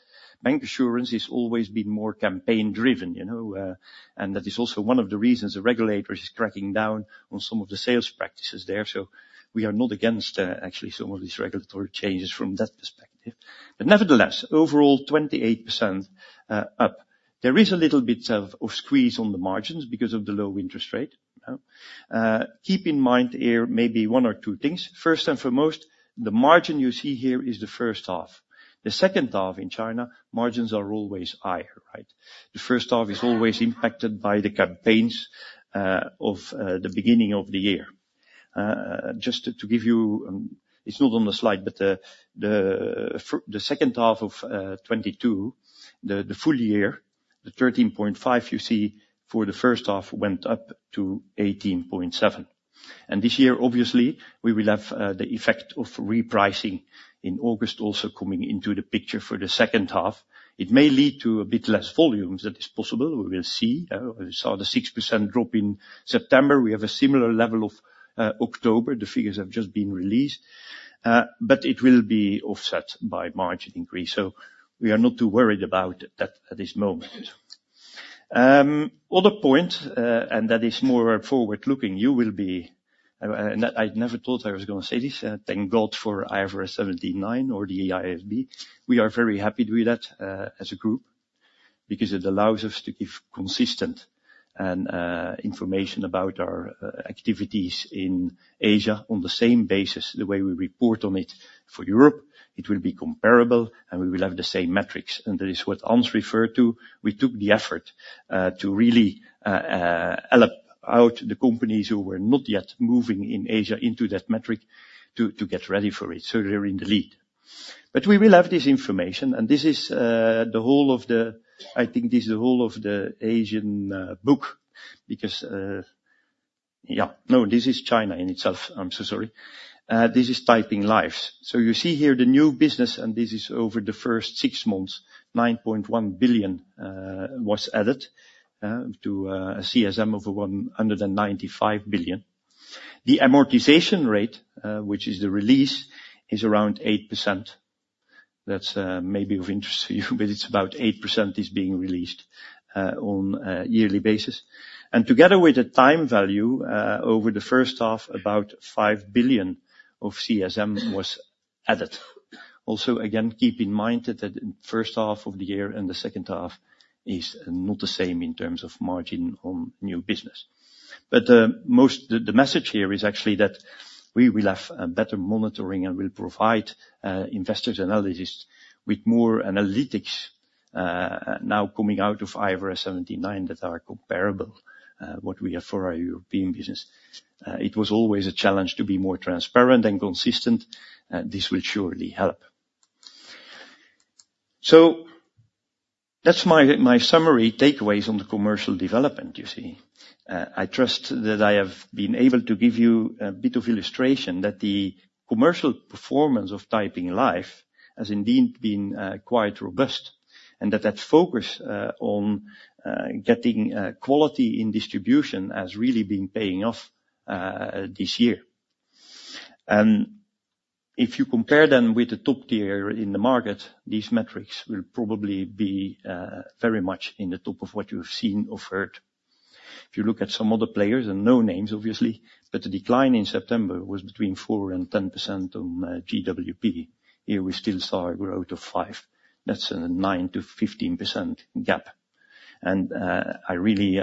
Bancassurance has always been more campaign-driven, you know, and that is also one of the reasons the regulator is cracking down on some of the sales practices there. So we are not against, actually, some of these regulatory changes from that perspective. But nevertheless, overall, 28%, up. There is a little bit of squeeze on the margins because of the low interest rate. Keep in mind here, maybe one or two things. First and foremost, the margin you see here is the first half. The second half in China, margins are always higher, right? The first half is always impacted by the campaigns of the beginning of the year. Just to give you... It's not on the slide, but the second half of 2022, the full year, the 13.5 you see for the first half went up to 18.7. And this year, obviously, we will have the effect of repricing in August, also coming into the picture for the second half. It may lead to a bit less volumes. That is possible. We will see, we saw the 6% drop in September. We have a similar level of October. The figures have just been released, but it will be offset by margin increase, so we are not too worried about that at this moment. Other point, and that is more forward-looking. You will be, and I never thought I was gonna say this, thank God for IFRS 17 or the IFRS 9. We are very happy with that, as a group because it allows us to give consistent and information about our activities in Asia on the same basis, the way we report on it for Europe. It will be comparable, and we will have the same metrics. And that is what Hans referred to. We took the effort to really help out the companies who were not yet moving in Asia into that metric, to get ready for it, so they're in the lead. But we will have this information, and this is the whole of the—I think this is the whole of the Asian book, because... Yeah. No, this is China in itself. I'm so sorry. This is Taiping Life. So you see here the new business, and this is over the first six months, 9.1 billion was added to a CSM of 195 billion. The amortization rate, which is the release, is around 8%. That's maybe of interest to you, but it's about 8% is being released on a yearly basis. And together with the time value, over the first half, about 5 billion of CSM was added. Also, again, keep in mind that the first half of the year and the second half is not the same in terms of margin on new business. But the message here is actually that we will have better monitoring and will provide investors and analysts with more analytics now coming out of IFRS 17 that are comparable what we have for our European business. It was always a challenge to be more transparent and consistent; this will surely help. So that's my summary takeaways on the commercial development, you see. I trust that I have been able to give you a bit of illustration that the commercial performance of Taiping Life has indeed been quite robust, and that focus on getting quality in distribution has really been paying off this year. If you compare them with the top tier in the market, these metrics will probably be very much in the top of what you've seen or heard. If you look at some other players, and no names, obviously, but the decline in September was between 4% and 10% on GWP. Here, we still saw a growth of 5%. That's a 9%-15% gap. I really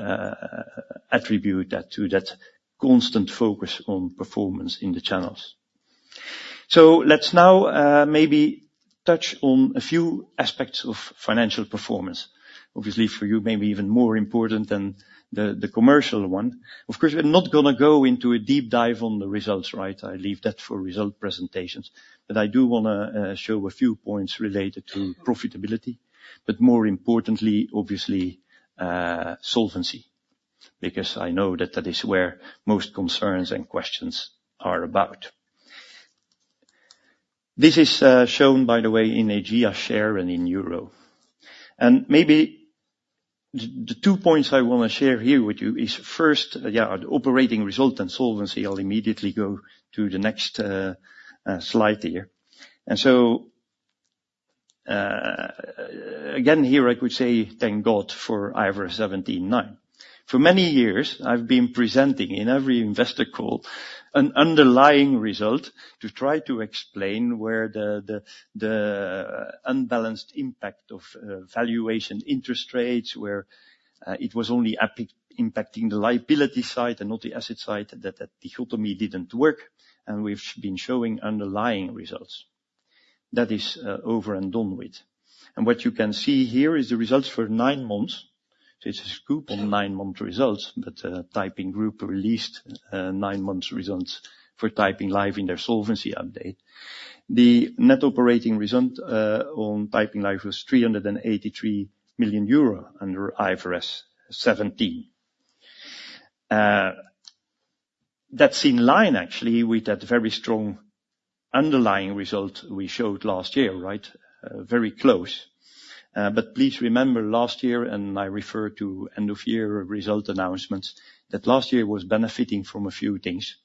attribute that to that constant focus on performance in the channels. So let's now maybe touch on a few aspects of financial performance. Obviously, for you, maybe even more important than the commercial one. Of course, we're not gonna go into a deep dive on the results, right? I leave that for result presentations. But I do wanna show a few points related to profitability, but more importantly, obviously, solvency, because I know that that is where most concerns and questions are about. This is shown, by the way, in an Ageas share and in euro. And maybe the two points I wanna share here with you is first, yeah, the operating result and solvency. I'll immediately go to the next slide here. And so, again, here, I could say, thank God for IFRS 17 now. For many years, I've been presenting in every investor call an underlying result to try to explain where the unbalanced impact of valuation interest rates, where it was only optically impacting the liability side and not the asset side, that the dichotomy didn't work, and we've been showing underlying results. That is, over and done with. What you can see here is the results for nine months. It's a scoop on nine-month results, but, Taiping Group released nine-month results for Taiping Life in their solvency update. The net operating result on Taiping Life was 383 million euro under IFRS 17. That's in line, actually, with that very strong underlying result we showed last year, right? Very close. But please remember last year, and I refer to end-of-year result announcements, that last year was benefiting from a few things.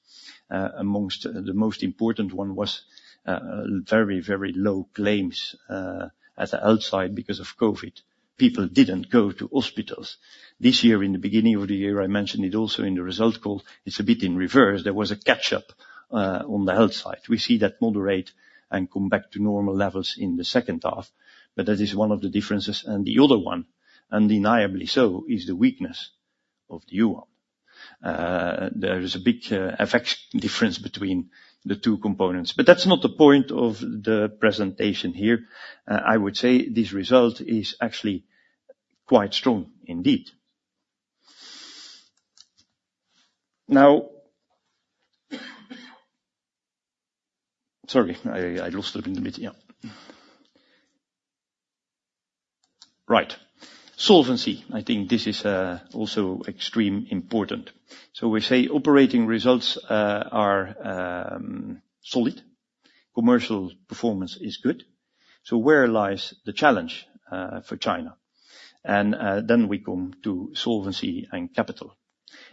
Among the most important one was, very, very low claims at the outset because of COVID. People didn't go to hospitals. This year, in the beginning of the year, I mentioned it also in the result call, it's a bit in reverse. There was a catch-up on the health side. We see that moderate and come back to normal levels in the second half, but that is one of the differences. And the other one, undeniably so, is the weakness of the yuan. There is a big effect difference between the two components. But that's not the point of the presentation here. I would say this result is actually quite strong indeed. Now, sorry, I lost it a little bit. Yeah. Right. Solvency. I think this is also extremely important. So we say operating results are solid. Commercial performance is good. So where lies the challenge for China? And then we come to solvency and capital.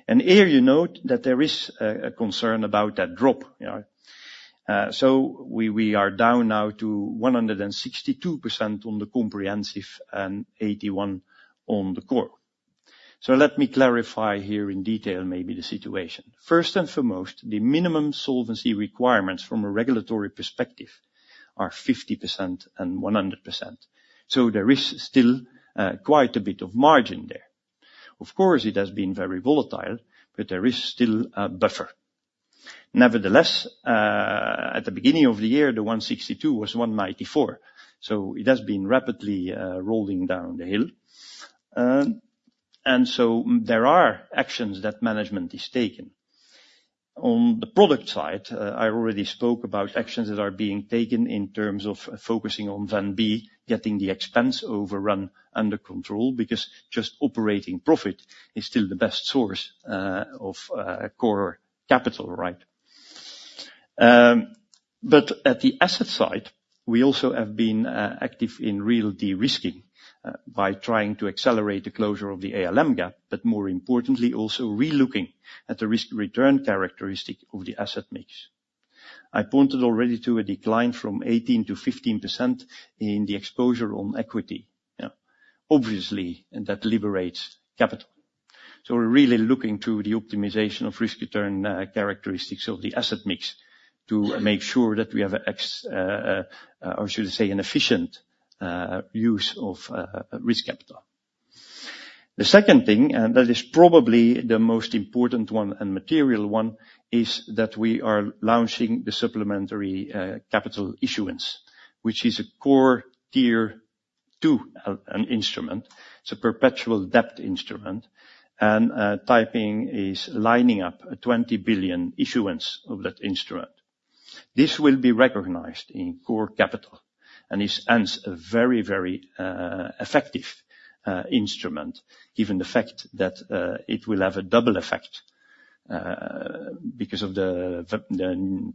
And here, you note that there is a concern about that drop, you know? So we are down now to 162% on the comprehensive and 81% on the core. So let me clarify here in detail, maybe the situation. First and foremost, the minimum solvency requirements from a regulatory perspective are 50% and 100%, so there is still quite a bit of margin there. Of course, it has been very volatile, but there is still a buffer. Nevertheless, at the beginning of the year, the 162 was 194, so it has been rapidly rolling down the hill. And so there are actions that management is taking. On the product side, I already spoke about actions that are being taken in terms of focusing on VNB, getting the expense overrun under control, because just operating profit is still the best source of core capital, right? But at the asset side, we also have been active in real de-risking by trying to accelerate the closure of the ALM gap, but more importantly, also relooking at the risk-return characteristic of the asset mix. I pointed already to a decline from 18%-15% in the exposure on equity. Obviously, and that liberates capital. So we're really looking to the optimization of risk return characteristics of the asset mix to make sure that we have an ex- or should I say, an efficient use of risk capital. The second thing, and that is probably the most important one and material one, is that we are launching the supplementary capital issuance, which is a Core Tier 2 instrument. It's a perpetual debt instrument, and timing is lining up a 20 billion issuance of that instrument. This will be recognized in core capital, and is hence a very, very effective instrument, given the fact that it will have a double effect because of the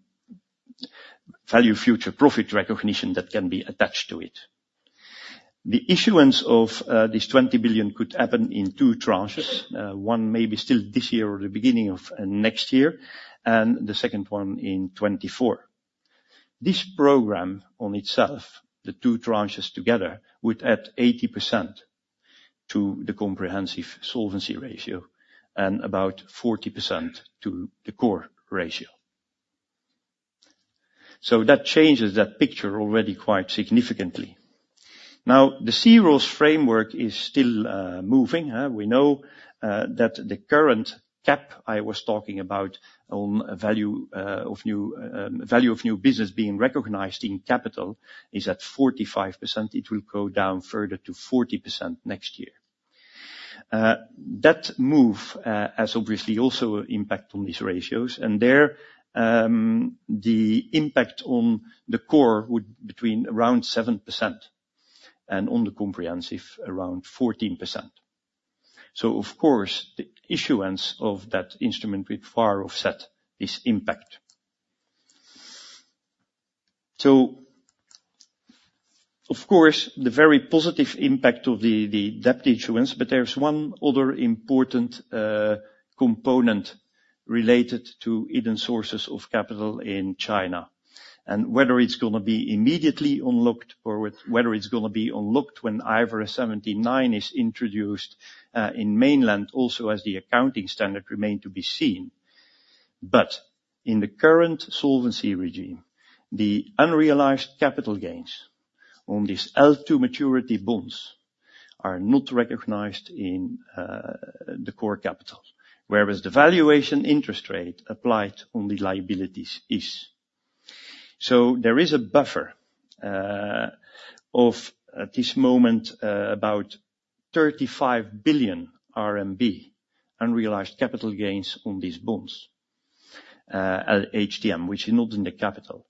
value future profit recognition that can be attached to it. The issuance of this 20 billion could happen in two tranches. One may be still this year or the beginning of next year, and the second one in 2024. This program on itself, the two tranches together, would add 80% to the comprehensive solvency ratio and about 40% to the core ratio. So that changes that picture already quite significantly. Now, the C-ROSS framework is still moving. We know that the current cap I was talking about on value of new business being recognized in capital is at 45%. It will go down further to 40% next year. That move has obviously also impact on these ratios, and there, the impact on the core would between around 7%, and on the comprehensive, around 14%. So of course, the issuance of that instrument will far offset this impact. So of course, the very positive impact of the, the debt issuance, but there is one other important component related to hidden sources of capital in China. And whether it's gonna be immediately unlocked or whether it's gonna be unlocked when IFRS 17 is introduced in mainland, also as the accounting standard remain to be seen. But in the current solvency regime, the unrealized capital gains on this held-to-maturity bonds are not recognized in the core capital, whereas the valuation interest rate applied on the liabilities is. There is a buffer of, at this moment, about 35 billion RMB unrealized capital gains on these bonds at HTM, which is not in the capital.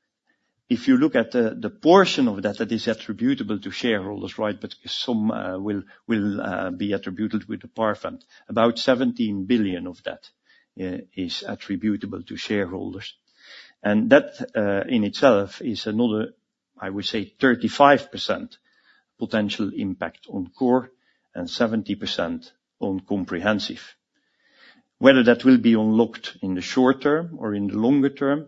If you look at the portion of that that is attributable to shareholders, right, but some will be attributed with the Par Fund, about 17 billion of that is attributable to shareholders. And that in itself is another, I would say, 35% potential impact on core and 70% on comprehensive. Whether that will be unlocked in the short term or in the longer term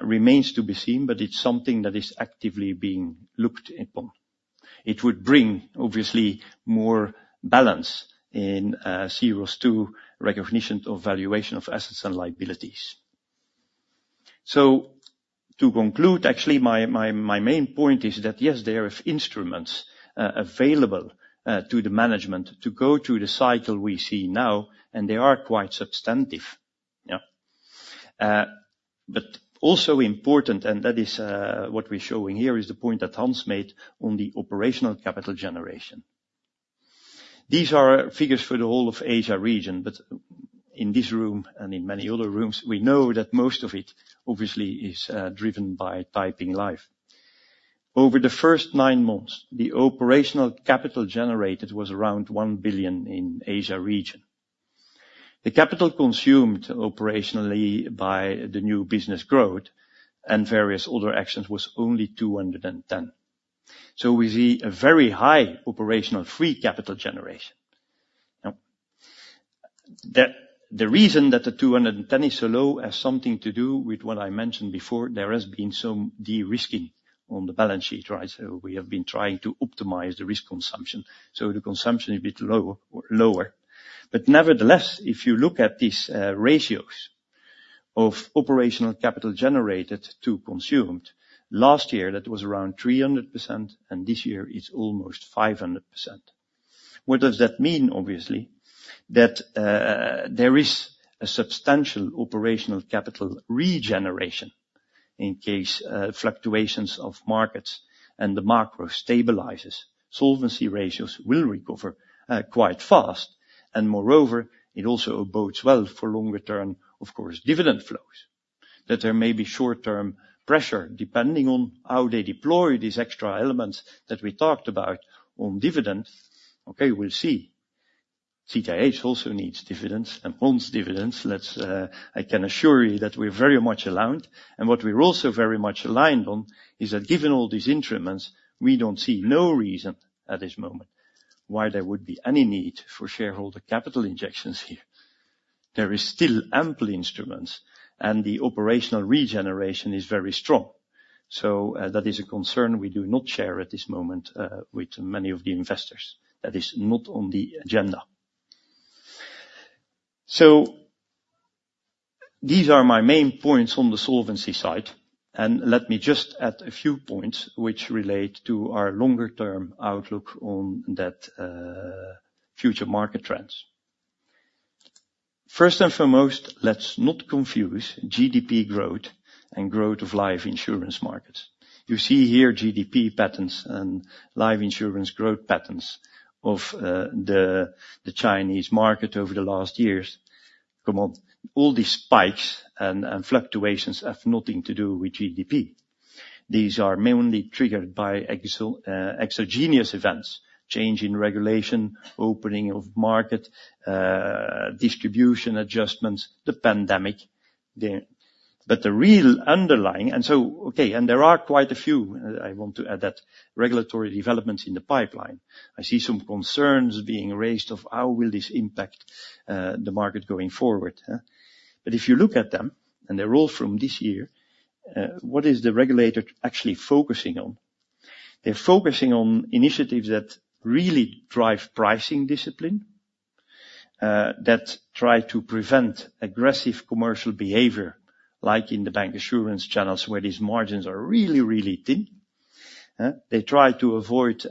remains to be seen, but it's something that is actively being looked upon. It would bring, obviously, more balance in C-ROSS II recognition of valuation of assets and liabilities. So to conclude, actually, my main point is that, yes, there are instruments available to the management to go through the cycle we see now, and they are quite substantive. Yeah. But also important, and that is what we're showing here, is the point that Hans made on the operational capital generation. These are figures for the whole of Asia region, but in this room and in many other rooms, we know that most of it, obviously, is driven by Taiping Life. Over the first nine months, the operational capital generated was around 1 billion in Asia region. The capital consumed operationally by the new business growth and various other actions was only 210 million. So we see a very high operational free capital generation. Now, the reason that the 210 million is so low has something to do with what I mentioned before. There has been some de-risking on the balance sheet, right? So we have been trying to optimize the risk consumption, so the consumption is a bit lower. But nevertheless, if you look at these ratios of operational capital generated to consumed, last year, that was around 300%, and this year, it's almost 500%. What does that mean? Obviously, that there is a substantial operational capital regeneration in case fluctuations of markets and the macro stabilizes, solvency ratios will recover quite fast. And moreover, it also bodes well for longer term, of course, dividend flows. That there may be short-term pressure, depending on how they deploy these extra elements that we talked about on dividends. Okay, we'll see. CTIH also needs dividends and wants dividends. Let's, I can assure you that we're very much aligned. And what we're also very much aligned on is that given all these instruments, we don't see no reason at this moment why there would be any need for shareholder capital injections here. There is still ample instruments, and the operational regeneration is very strong. So, that is a concern we do not share at this moment, with many of the investors. That is not on the agenda. So these are my main points on the solvency side, and let me just add a few points which relate to our longer-term outlook on that, future market trends. First and foremost, let's not confuse GDP growth and growth of life insurance markets. You see here GDP patterns and life insurance growth patterns of the Chinese market over the last years. Come on, all these spikes and fluctuations have nothing to do with GDP. These are mainly triggered by exogenous events, change in regulation, opening of market, distribution adjustments, the pandemic. But the real underlying, and there are quite a few, I want to add that regulatory developments in the pipeline. I see some concerns being raised of how will this impact the market going forward, huh? But if you look at them, and they're all from this year, what is the regulator actually focusing on? They're focusing on initiatives that really drive pricing discipline, that try to prevent aggressive commercial behavior, like in the bancassurance channels, where these margins are really, really thin. They try to avoid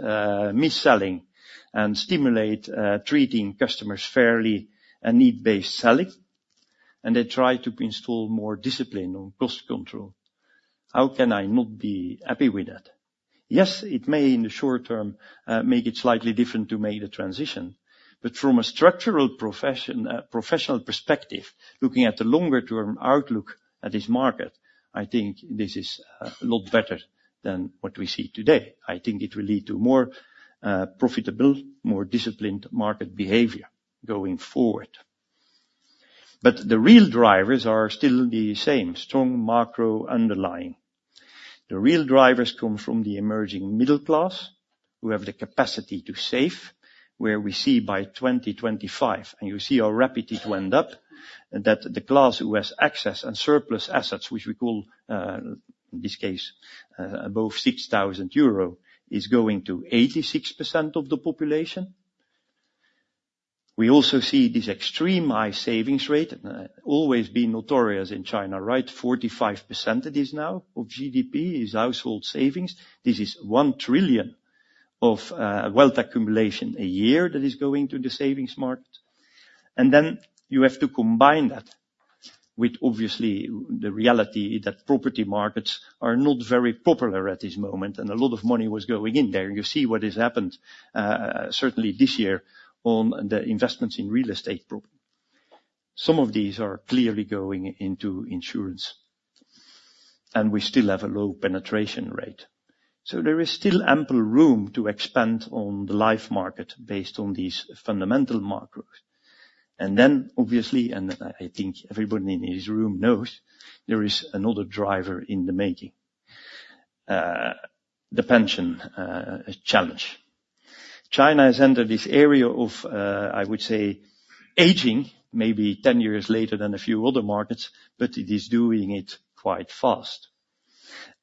mis-selling and stimulate treating customers fairly and need-based selling, and they try to install more discipline on cost control. How can I not be happy with that? Yes, it may, in the short term, make it slightly different to make the transition, but from a structural professional perspective, looking at the longer-term outlook at this market, I think this is a lot better than what we see today. I think it will lead to more profitable, more disciplined market behavior going forward. But the real drivers are still the same, strong macro underlying. The real drivers come from the emerging middle class, who have the capacity to save, where we see by 2025, and you see how rapidly to end up, that the class who has access and surplus assets, which we call, in this case, above 6,000 euro, is going to 86% of the population. We also see this extreme high savings rate, always been notorious in China, right? 45% it is now, of GDP, is household savings. This is 1 trillion of wealth accumulation a year that is going to the savings market. And then you have to combine that with, obviously, the reality that property markets are not very popular at this moment, and a lot of money was going in there. You see what has happened, certainly this year, on the investments in real estate problem. Some of these are clearly going into insurance, and we still have a low penetration rate. So there is still ample room to expand on the life market based on these fundamental macros. And then, obviously, and I, I think everybody in this room knows, there is another driver in the making, the pension challenge. China has entered this area of, I would say, aging, maybe 10 years later than a few other markets, but it is doing it quite fast.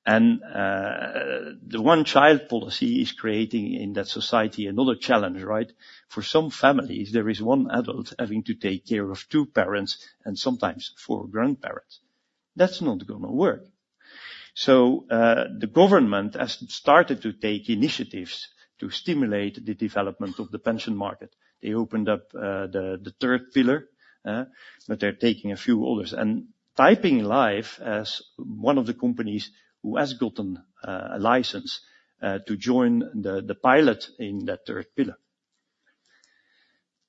And, the One Child Policy is creating in that society another challenge, right? For some families, there is one adult having to take care of two parents and sometimes four grandparents. That's not gonna work. So, the government has started to take initiatives to stimulate the development of the pension market. They opened up the third pillar, but they're taking a few others, and Taiping Life as one of the companies who has gotten a license to join the pilot in that third pillar.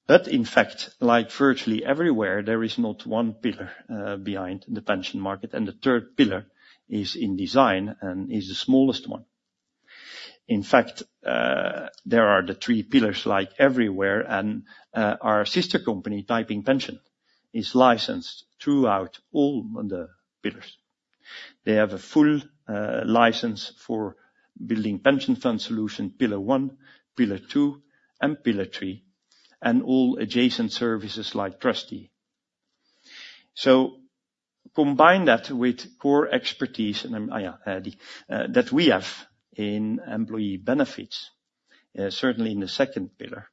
But in fact, like virtually everywhere, there is not one pillar behind the pension market, and the third pillar is in design and is the smallest one. In fact, there are the three pillars, like everywhere, and our sister company, Taiping Pension, is licensed throughout all under pillars. They have a full license for building pension fund solution, pillar one, pillar two, and pillar three, and all adjacent services like trustee. So combine that with core expertise and that we have in employee benefits, certainly in the second pillar,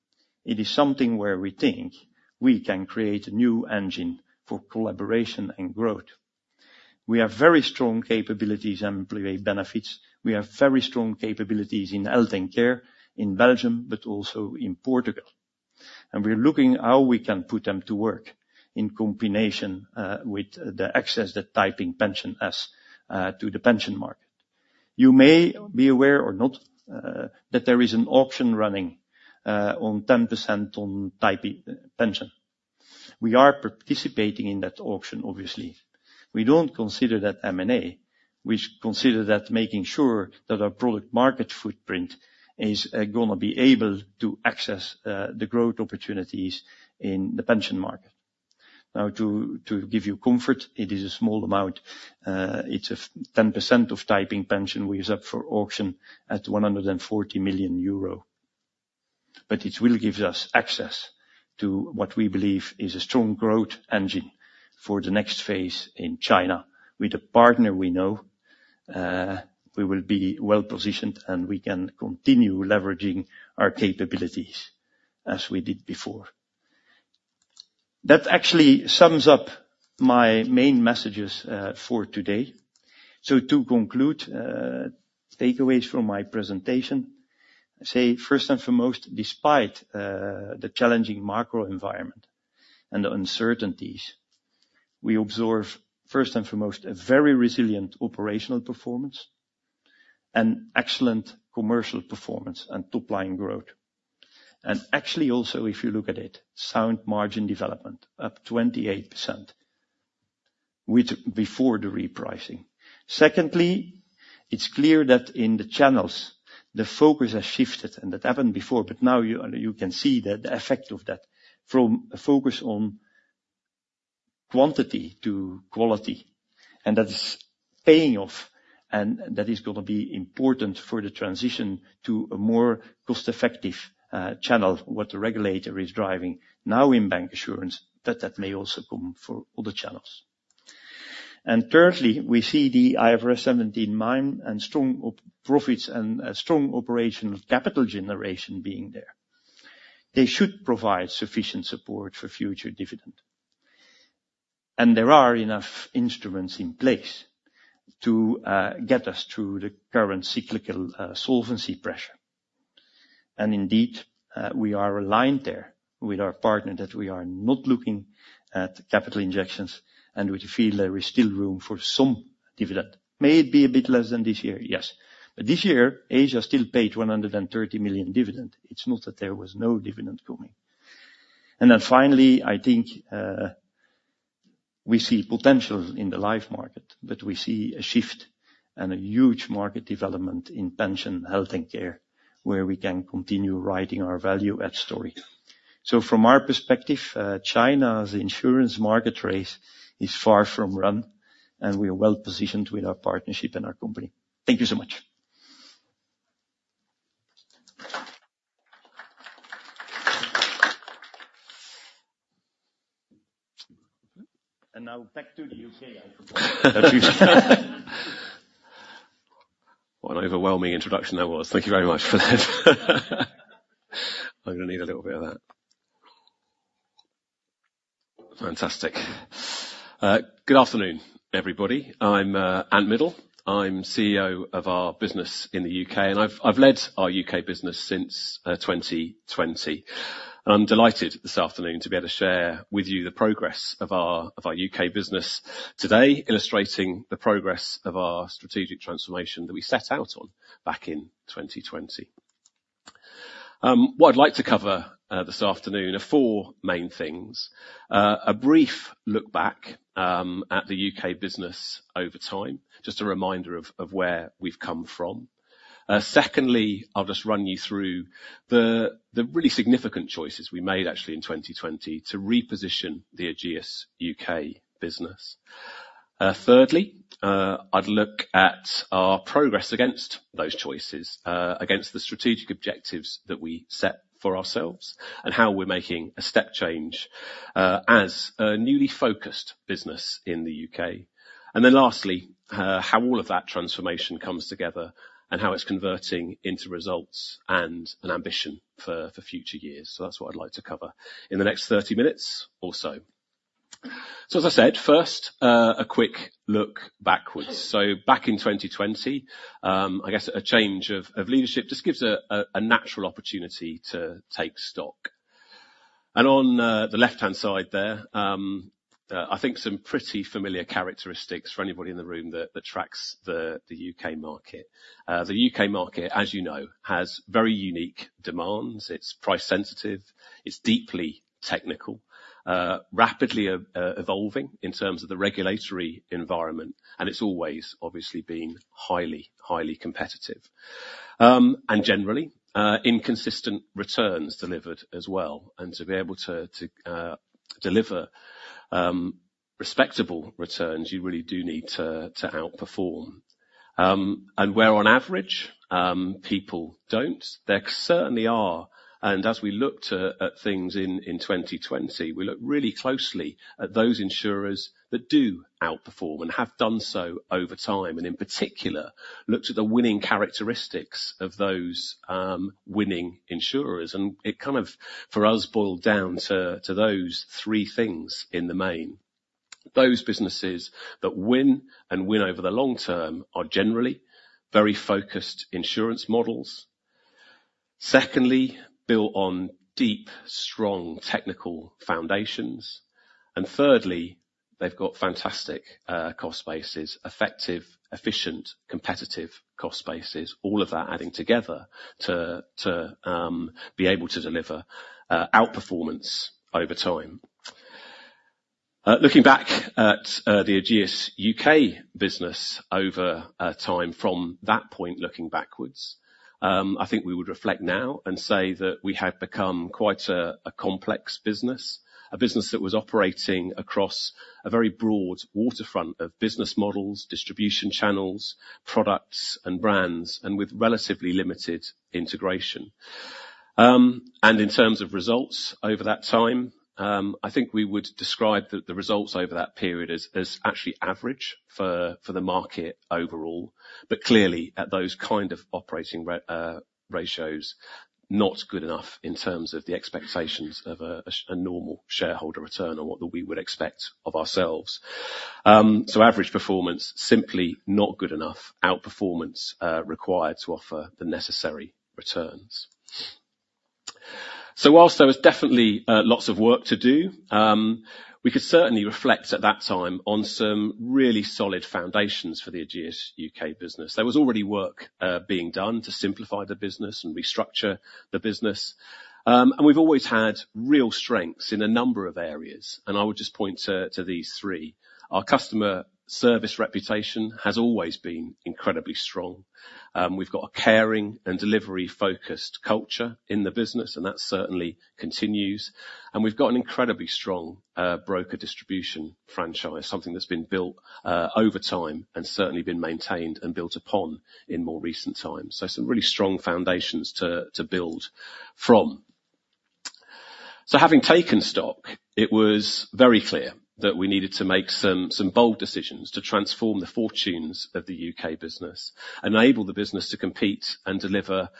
it is something where we think we can create a new engine for collaboration and growth. We have very strong capabilities in employee benefits. We have very strong capabilities in health and care in Belgium, but also in Portugal. And we're looking how we can put them to work in combination with the access that Taiping Pension has to the pension market. You may be aware or not that there is an auction running on 10% on Taiping Pension. We are participating in that auction, obviously. We don't consider that M&A, we consider that making sure that our product market footprint is gonna be able to access the growth opportunities in the pension market. Now, to give you comfort, it is a small amount. It's a 10% of Taiping Pension, which is up for auction at 140 million euro. But it will give us access to what we believe is a strong growth engine for the next phase in China. With a partner we know, we will be well-positioned, and we can continue leveraging our capabilities as we did before. That actually sums up my main messages for today. So to conclude, takeaways from my presentation, I say, first and foremost, despite the challenging macro environment and the uncertainties, we observe, first and foremost, a very resilient operational performance and excellent commercial performance and top line growth. And actually, also, if you look at it, sound margin development, up 28%, which before the repricing. Secondly, it's clear that in the channels, the focus has shifted, and that happened before, but now you can see the effect of that from a focus on quantity to quality, and that is paying off, and that is gonna be important for the transition to a more cost-effective channel. What the regulator is driving now in bancassurance, that may also come for other channels. And thirdly, we see the IFRS 17 regime and strong operating profits and a strong operating capital generation being there. They should provide sufficient support for future dividend. And there are enough instruments in place to get us through the current cyclical solvency pressure. And indeed, we are aligned there with our partner, that we are not looking at capital injections and we feel there is still room for some dividend. May it be a bit less than this year? Yes. But this year, Asia still paid 130 million dividend. It's not that there was no dividend coming. And then finally, I think, we see potential in the life market, that we see a shift and a huge market development in pension health and care, where we can continue riding our value add story. So from our perspective, China's insurance market race is far from run, and we are well-positioned with our partnership and our company. Thank you so much. And now back to the U.K., I forgot. What an overwhelming introduction that was. Thank you very much for that. I'm gonna need a little bit of that. Fantastic. Good afternoon, everybody. I'm Ant Middle. I'm CEO of our business in the U.K., and I've led our U.K. business since 2020. I'm delighted this afternoon to be able to share with you the progress of our U.K. business today, illustrating the progress of our strategic transformation that we set out on back in 2020. What I'd like to cover this afternoon are four main things. A brief look back at the U.K. business over time. Just a reminder of where we've come from. Secondly, I'll just run you through the really significant choices we made actually in 2020 to reposition the Ageas U.K. business. Thirdly, I'd look at our progress against those choices, against the strategic objectives that we set for ourselves, and how we're making a step change, as a newly focused business in the U.K. Then lastly, how all of that transformation comes together, and how it's converting into results and an ambition for future years. So that's what I'd like to cover in the next 30 minutes or so. So as I said, first, a quick look backwards. Back in 2020, I guess a change of leadership just gives a natural opportunity to take stock. And on the left-hand side there, I think some pretty familiar characteristics for anybody in the room that tracks the U.K. market. The U.K. market, as you know, has very unique demands. It's price sensitive, it's deeply technical, rapidly evolving in terms of the regulatory environment, and it's always obviously been highly, highly competitive. And generally, inconsistent returns delivered as well. And to be able to, to, deliver, respectable returns, you really do need to, to outperform. And where on average, people don't, there certainly are, and as we look at things in 2020, we look really closely at those insurers that do outperform and have done so over time. And in particular, looked at the winning characteristics of those, winning insurers. And it kind of, for us, boiled down to, to those three things in the main. Those businesses that win and win over the long term are generally very focused insurance models. Secondly, built on deep, strong technical foundations. And thirdly, they've got fantastic cost bases, effective, efficient, competitive cost bases, all of that adding together to be able to deliver outperformance over time. Looking back at the Ageas U.K. business over time from that point looking backwards, I think we would reflect now and say that we had become quite a complex business. A business that was operating across a very broad waterfront of business models, distribution channels, products, and brands, and with relatively limited integration. And in terms of results over that time, I think we would describe the results over that period as actually average for the market overall, but clearly at those kind of operating ratios, not good enough in terms of the expectations of a normal shareholder return or what we would expect of ourselves. So average performance, simply not good enough. Outperformance required to offer the necessary returns. So while there was definitely lots of work to do, we could certainly reflect at that time on some really solid foundations for the Ageas U.K. business. There was already work being done to simplify the business and restructure the business. And we've always had real strengths in a number of areas, and I would just point to these three. Our customer service reputation has always been incredibly strong. We've got a caring and delivery-focused culture in the business, and that certainly continues, and we've got an incredibly strong broker distribution franchise, something that's been built over time and certainly been maintained and built upon in more recent times. So some really strong foundations to build from. So having taken stock, it was very clear that we needed to make some bold decisions to transform the fortunes of the U.K. business, enable the business to compete and deliver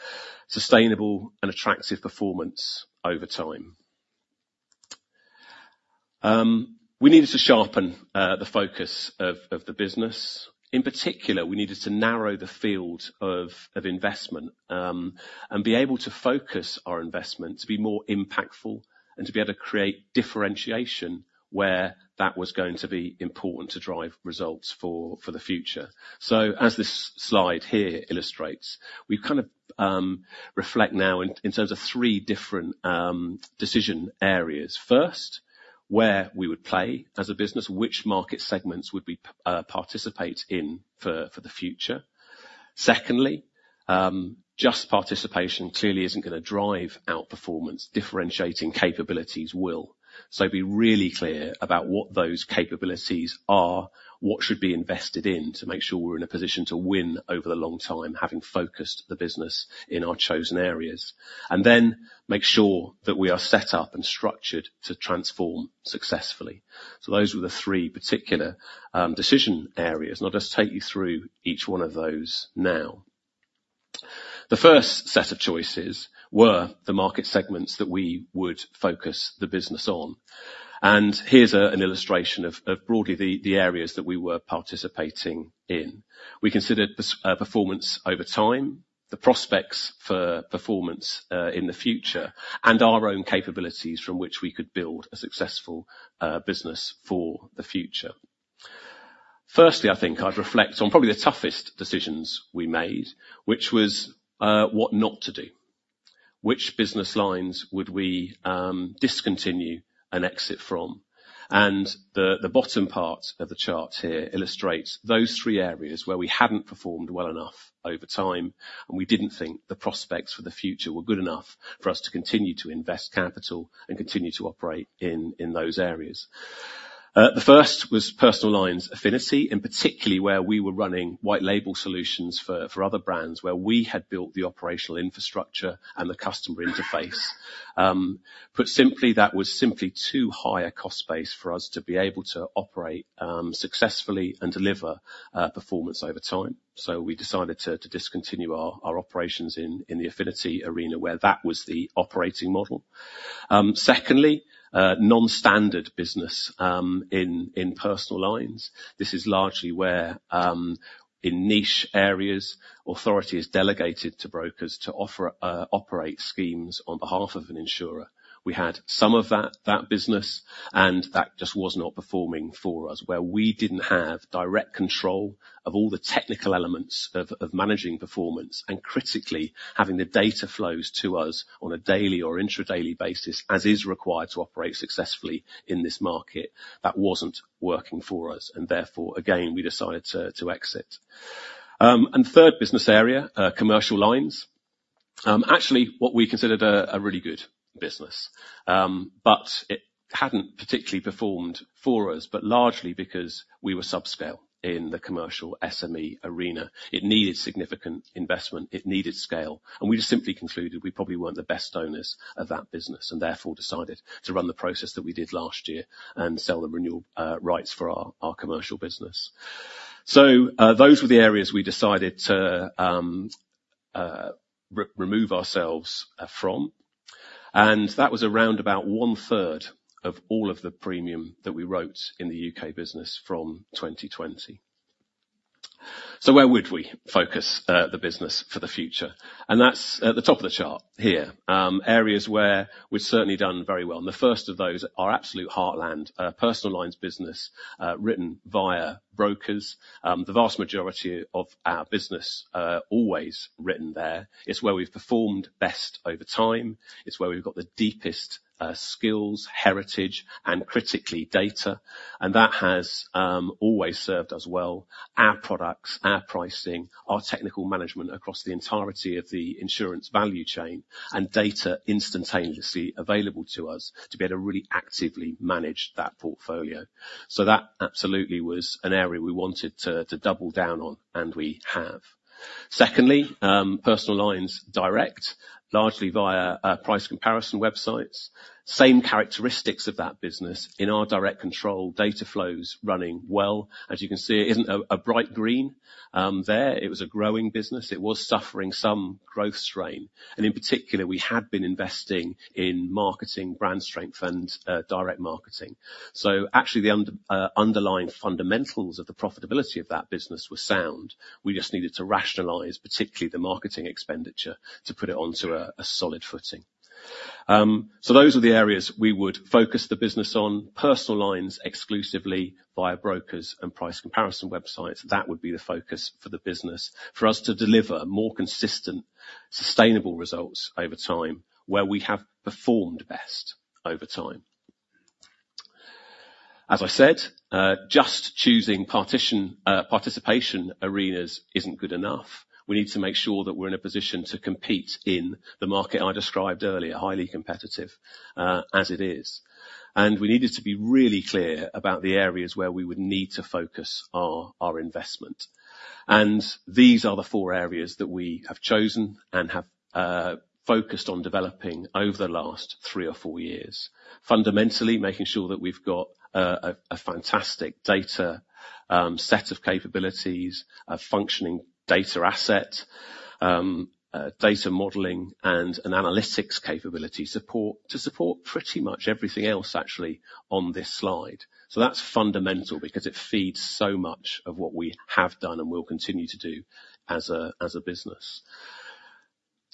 sustainable and attractive performance over time. We needed to sharpen the focus of the business. In particular, we needed to narrow the field of investment, and be able to focus our investment to be more impactful and to be able to create differentiation where that was going to be important to drive results for the future. So as this slide here illustrates, we kind of reflect now in terms of three different decision areas. First, where we would play as a business, which market segments would we participate in for the future? Secondly, just participation clearly isn't gonna drive out performance. Differentiating capabilities will. So be really clear about what those capabilities are, what should be invested in, to make sure we're in a position to win over the long time, having focused the business in our chosen areas. And then make sure that we are set up and structured to transform successfully. So those were the three particular decision areas. And I'll just take you through each one of those now. The first set of choices were the market segments that we would focus the business on, and here's an illustration of broadly the areas that we were participating in. We considered this performance over time, the prospects for performance in the future, and our own capabilities from which we could build a successful business for the future. Firstly, I think I'd reflect on probably the toughest decisions we made, which was what not to do. Which business lines would we discontinue and exit from? And the bottom part of the chart here illustrates those three areas where we hadn't performed well enough over time, and we didn't think the prospects for the future were good enough for us to continue to invest capital and continue to operate in those areas. The first was personal lines affinity, and particularly where we were running white label solutions for other brands, where we had built the operational infrastructure and the customer interface. Put simply, that was simply too high a cost base for us to be able to operate successfully and deliver performance over time. So we decided to discontinue our operations in the affinity arena, where that was the operating model. Secondly, non-standard business in personal lines. This is largely where, in niche areas, authority is delegated to brokers to offer, operate schemes on behalf of an insurer. We had some of that business, and that just was not performing for us. Where we didn't have direct control of all the technical elements of managing performance, and critically, having the data flows to us on a daily or intra-daily basis, as is required to operate successfully in this market, that wasn't working for us, and therefore, again, we decided to exit. And third business area, commercial lines. Actually, what we considered a really good business. But it hadn't particularly performed for us, but largely because we were subscale in the commercial SME arena. It needed significant investment. It needed scale, and we just simply concluded we probably weren't the best owners of that business, and therefore decided to run the process that we did last year and sell the renewal rights for our commercial business. So, those were the areas we decided to re-remove ourselves from, and that was around about one third of all of the premium that we wrote in the U.K. business from 2020. So where would we focus the business for the future? And that's at the top of the chart here. Areas where we've certainly done very well. And the first of those are absolute heartland personal lines business written via brokers. The vast majority of our business, always written there. It's where we've performed best over time. It's where we've got the deepest skills, heritage, and critically, data, and that has always served us well. Our products, our pricing, our technical management across the entirety of the insurance value chain and data instantaneously available to us to be able to really actively manage that portfolio. So that absolutely was an area we wanted to double down on, and we have. Secondly, personal lines direct, largely via price comparison websites. Same characteristics of that business. In our direct control, data flows running well. As you can see, it isn't a bright green there. It was a growing business. It was suffering some growth strain, and in particular, we had been investing in marketing, brand strength, and direct marketing. So actually, the underlying fundamentals of the profitability of that business were sound. We just needed to rationalize, particularly the marketing expenditure, to put it onto a solid footing. So those are the areas we would focus the business on. Personal lines, exclusively via brokers and price comparison websites. That would be the focus for the business, for us to deliver more consistent, sustainable results over time, where we have performed best over time. As I said, just choosing participation arenas isn't good enough. We need to make sure that we're in a position to compete in the market I described earlier, highly competitive, as it is. And we needed to be really clear about the areas where we would need to focus our investment. These are the four areas that we have chosen and have focused on developing over the last three or four years. Fundamentally, making sure that we've got a fantastic data set of capabilities, a functioning data asset, data modeling, and an analytics capability to support pretty much everything else, actually, on this slide. So that's fundamental because it feeds so much of what we have done and will continue to do as a business.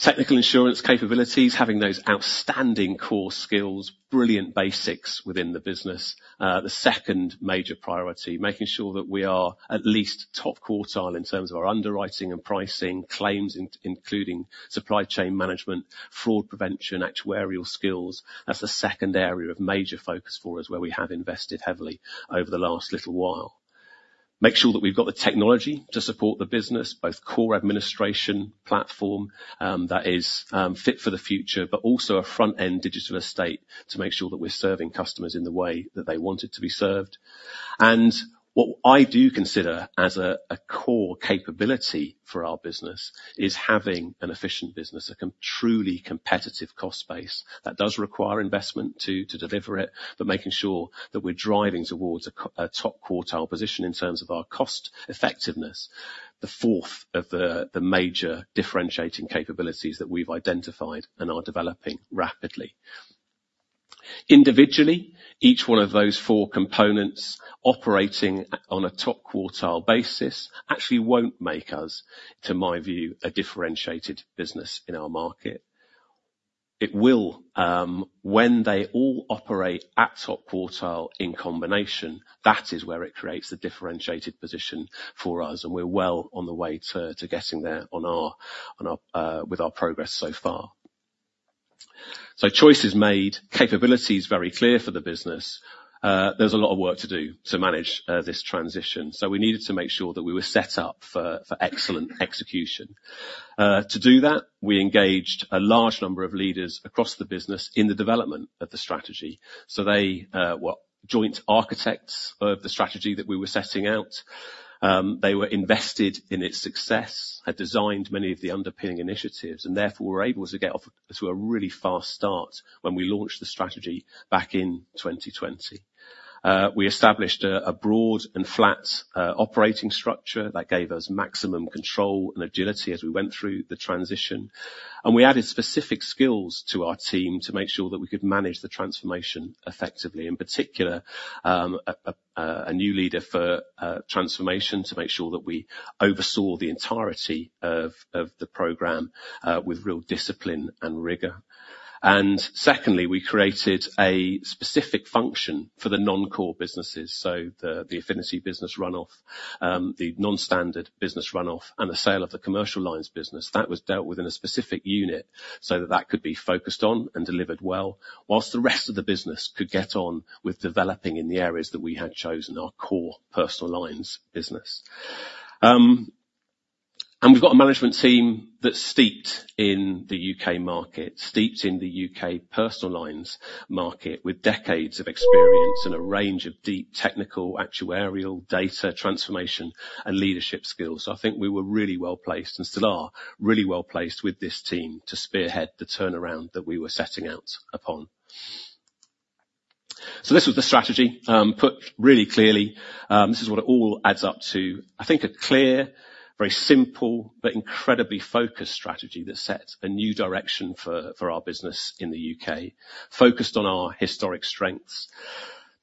Technical insurance capabilities, having those outstanding core skills, brilliant basics within the business. The second major priority, making sure that we are at least top quartile in terms of our underwriting and pricing, claims, including supply chain management, fraud prevention, actuarial skills. That's the second area of major focus for us, where we have invested heavily over the last little while. Make sure that we've got the technology to support the business, both core administration platform that is fit for the future, but also a front-end digital estate to make sure that we're serving customers in the way that they want it to be served. What I do consider as a core capability for our business is having an efficient business, truly competitive cost base. That does require investment to deliver it, but making sure that we're driving towards a top quartile position in terms of our cost effectiveness, the fourth of the major differentiating capabilities that we've identified and are developing rapidly. Individually, each one of those four components operating on a top quartile basis actually won't make us, to my view, a differentiated business in our market. It will, when they all operate at top quartile in combination, that is where it creates a differentiated position for us, and we're well on the way to getting there with our progress so far. So choices made, capabilities very clear for the business. There's a lot of work to do to manage this transition, so we needed to make sure that we were set up for excellent execution. To do that, we engaged a large number of leaders across the business in the development of the strategy. So they were joint architects of the strategy that we were setting out. They were invested in its success, had designed many of the underpinning initiatives, and therefore, were able to get off to a really fast start when we launched the strategy back in 2020. We established a broad and flat operating structure that gave us maximum control and agility as we went through the transition. We added specific skills to our team to make sure that we could manage the transformation effectively. In particular, a new leader for transformation to make sure that we oversaw the entirety of the program with real discipline and rigor. Secondly, we created a specific function for the non-core businesses, so the affinity business run-off, the non-standard business run-off, and the sale of the commercial lines business. That was dealt with in a specific unit, so that could be focused on and delivered well, while the rest of the business could get on with developing in the areas that we had chosen, our core personal lines business. And we've got a management team that's steeped in the U.K. market, steeped in the U.K. personal lines market, with decades of experience and a range of deep technical, actuarial, data, transformation, and leadership skills. So I think we were really well-placed, and still are, really well-placed with this team to spearhead the turnaround that we were setting out upon. So this was the strategy. Put really clearly, this is what it all adds up to. I think, a clear, very simple, but incredibly focused strategy that sets a new direction for, for our business in the U.K. Focused on our historic strengths,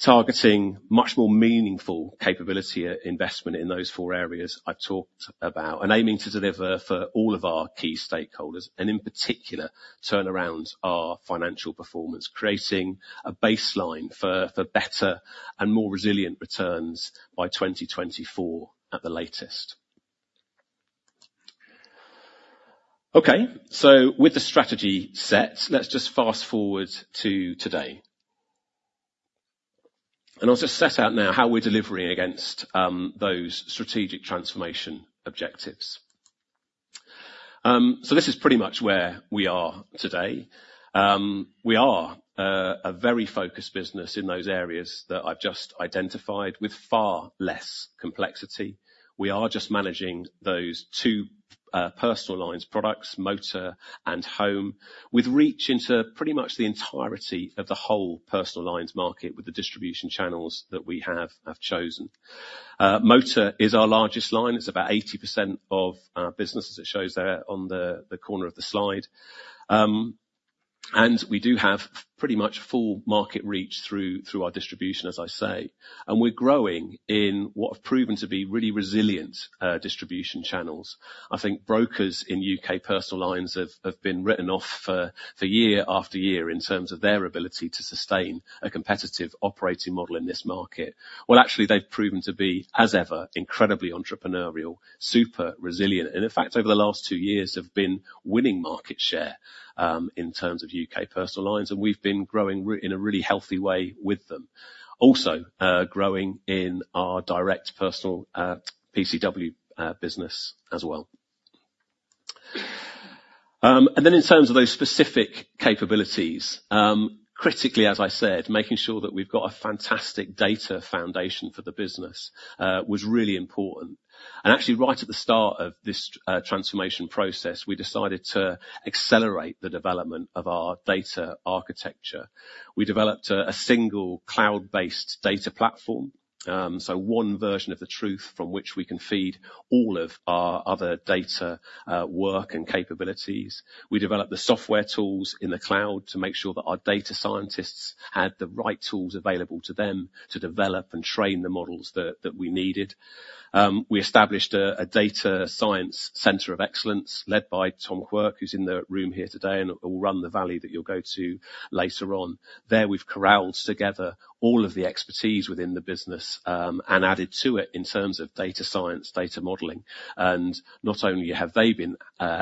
targeting much more meaningful capability investment in those four areas I've talked about, and aiming to deliver for all of our key stakeholders, and in particular, turn around our financial performance, creating a baseline for better and more resilient returns by 2024 at the latest. Okay, so with the strategy set, let's just fast-forward to today. I'll just set out now how we're delivering against those strategic transformation objectives. So this is pretty much where we are today. We are a very focused business in those areas that I've just identified with far less complexity. We are just managing those two personal lines products, motor and home, with reach into pretty much the entirety of the whole personal lines market with the distribution channels that we have chosen. Motor is our largest line. It's about 80% of our business, as it shows there on the corner of the slide. And we do have pretty much full market reach through our distribution, as I say, and we're growing in what have proven to be really resilient distribution channels. I think brokers in U.K. personal lines have been written off for year after year in terms of their ability to sustain a competitive operating model in this market. Well, actually, they've proven to be, as ever, incredibly entrepreneurial, super resilient, and in fact, over the last two years, have been winning market share in terms of U.K. personal lines, and we've been growing in a really healthy way with them. Also, growing in our direct personal PCW business as well. And then in terms of those specific capabilities, critically, as I said, making sure that we've got a fantastic data foundation for the business was really important. Actually, right at the start of this transformation process, we decided to accelerate the development of our data architecture. We developed a single cloud-based data platform, so one version of the truth from which we can feed all of our other data work and capabilities. We developed the software tools in the cloud to make sure that our data scientists had the right tools available to them to develop and train the models that we needed. We established a data science center of excellence led by Tom Quirke, who's in the room here today, and will run the valley that you'll go to later on. There, we've corralled together all of the expertise within the business, and added to it in terms of data science, data modeling, and not only have they been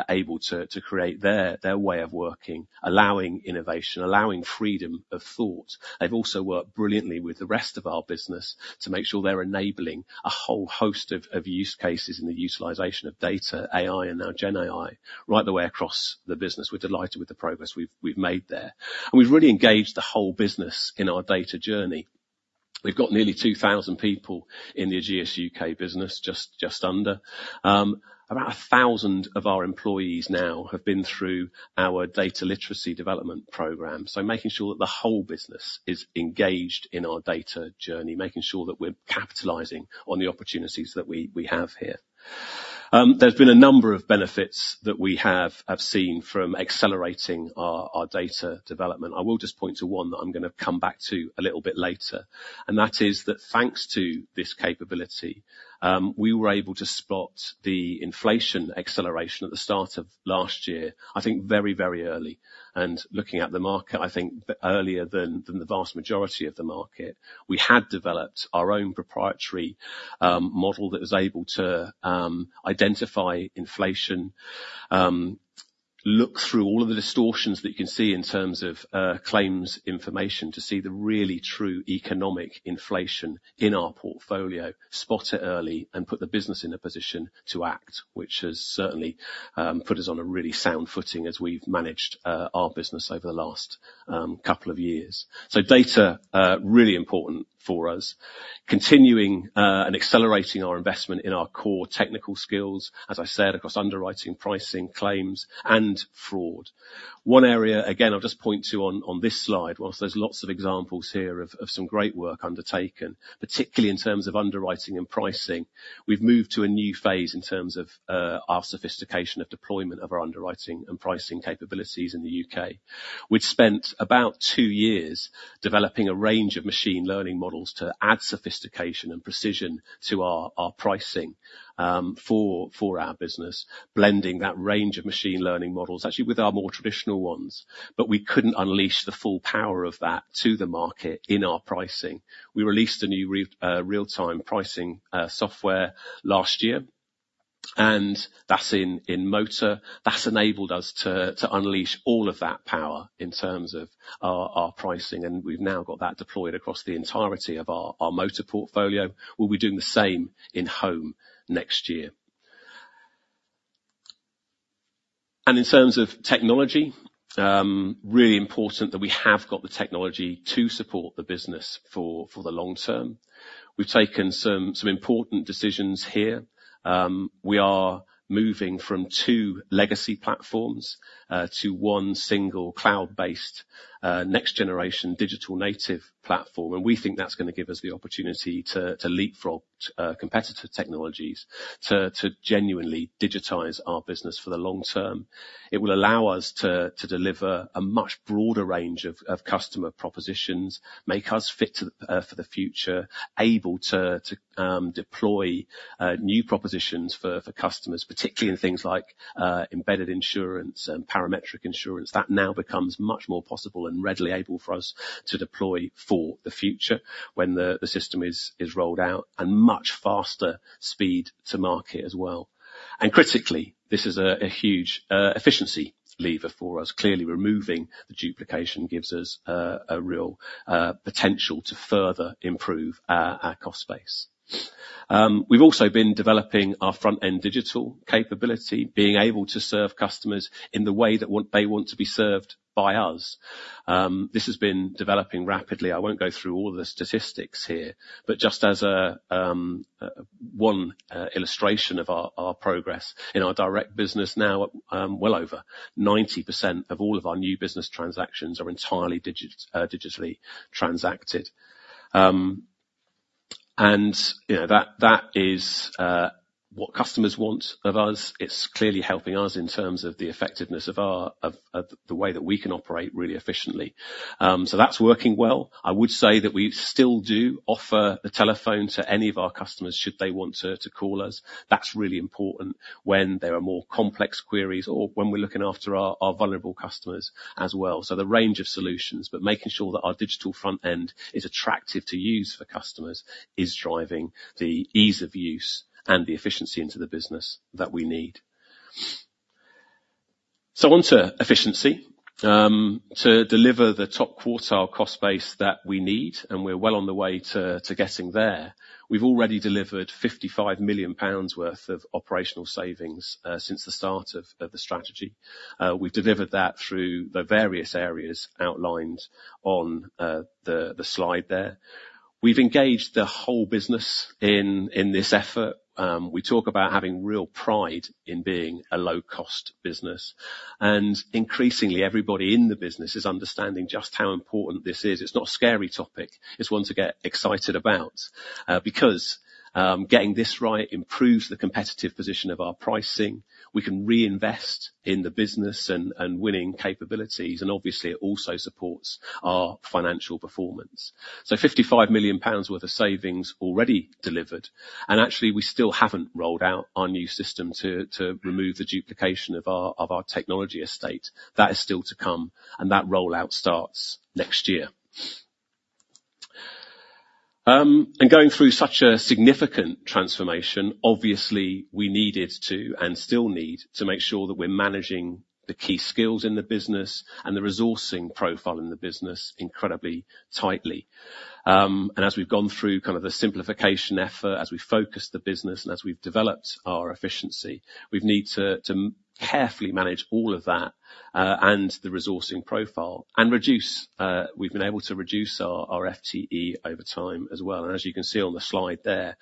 able to create their way of working, allowing innovation, allowing freedom of thought, they've also worked brilliantly with the rest of our business to make sure they're enabling a whole host of use cases in the utilization of data, AI, and now GenAI, right the way across the business. We're delighted with the progress we've made there. And we've really engaged the whole business in our data journey. We've got nearly 2,000 people in the Ageas U.K. business, just under. About 1,000 of our employees now have been through our data literacy development program, so making sure that the whole business is engaged in our data journey, making sure that we're capitalizing on the opportunities that we have here. There's been a number of benefits that we have seen from accelerating our data development. I will just point to one that I'm gonna come back to a little bit later, and that is that thanks to this capability, we were able to spot the inflation acceleration at the start of last year, I think very, very early, and looking at the market, I think earlier than the vast majority of the market. We had developed our own proprietary model that was able to identify inflation, look through all of the distortions that you can see in terms of claims information to see the really true economic inflation in our portfolio, spot it early, and put the business in a position to act, which has certainly put us on a really sound footing as we've managed our business over the last couple of years. So data really important for us. Continuing and accelerating our investment in our core technical skills, as I said, across underwriting, pricing, claims, and fraud. One area, again, I'll just point to on this slide, while there's lots of examples here of some great work undertaken, particularly in terms of underwriting and pricing. We've moved to a new phase in terms of our sophistication of deployment of our underwriting and pricing capabilities in the U.K. We'd spent about two years developing a range of machine learning models to add sophistication and precision to our pricing for our business, blending that range of machine learning models, actually, with our more traditional ones. But we couldn't unleash the full power of that to the market in our pricing. We released a new real-time pricing software last year, and that's in motor. That's enabled us to unleash all of that power in terms of our pricing, and we've now got that deployed across the entirety of our motor portfolio. We'll be doing the same in home next year. In terms of technology, really important that we have got the technology to support the business for the long term. We've taken some important decisions here. We are moving from two legacy platforms to one single cloud-based next-generation digital native platform, and we think that's gonna give us the opportunity to leapfrog competitor technologies, to genuinely digitize our business for the long term. It will allow us to deliver a much broader range of customer propositions, make us fit for the future, able to deploy new propositions for customers, particularly in things like embedded insurance and parametric insurance. That now becomes much more possible and readily able for us to deploy for the future when the system is rolled out, and much faster speed to market as well. Critically, this is a huge efficiency lever for us. Clearly, removing the duplication gives us a real potential to further improve our cost base. We've also been developing our front-end digital capability, being able to serve customers in the way that want... They want to be served by us. This has been developing rapidly. I won't go through all the statistics here, but just as one illustration of our progress, in our direct business now, well over 90% of all of our new business transactions are entirely digitally transacted. You know, that is what customers want of us. It's clearly helping us in terms of the effectiveness of the way that we can operate really efficiently. So that's working well. I would say that we still do offer the telephone to any of our customers should they want to, to call us. That's really important when there are more complex queries or when we're looking after our, our vulnerable customers as well. So the range of solutions, but making sure that our digital front end is attractive to use for customers, is driving the ease of use and the efficiency into the business that we need. So on to efficiency. To deliver the top quartile cost base that we need, and we're well on the way to, to getting there, we've already delivered 55 million pounds worth of operational savings, since the start of, of the strategy. We've delivered that through the various areas outlined on, the, the slide there. We've engaged the whole business in, in this effort. We talk about having real pride in being a low-cost business, and increasingly, everybody in the business is understanding just how important this is. It's not a scary topic, it's one to get excited about, because getting this right improves the competitive position of our pricing. We can reinvest in the business and winning capabilities, and obviously, it also supports our financial performance. So 55 million pounds worth of savings already delivered, and actually, we still haven't rolled out our new system to remove the duplication of our technology estate. That is still to come, and that rollout starts next year. Going through such a significant transformation, obviously, we needed to, and still need, to make sure that we're managing the key skills in the business and the resourcing profile in the business incredibly tightly. As we've gone through kind of the simplification effort, as we focus the business and as we've developed our efficiency, we've need to to carefully manage all of that and the resourcing profile and reduce. We've been able to reduce our FTE over time as well. As you can see on the slide there,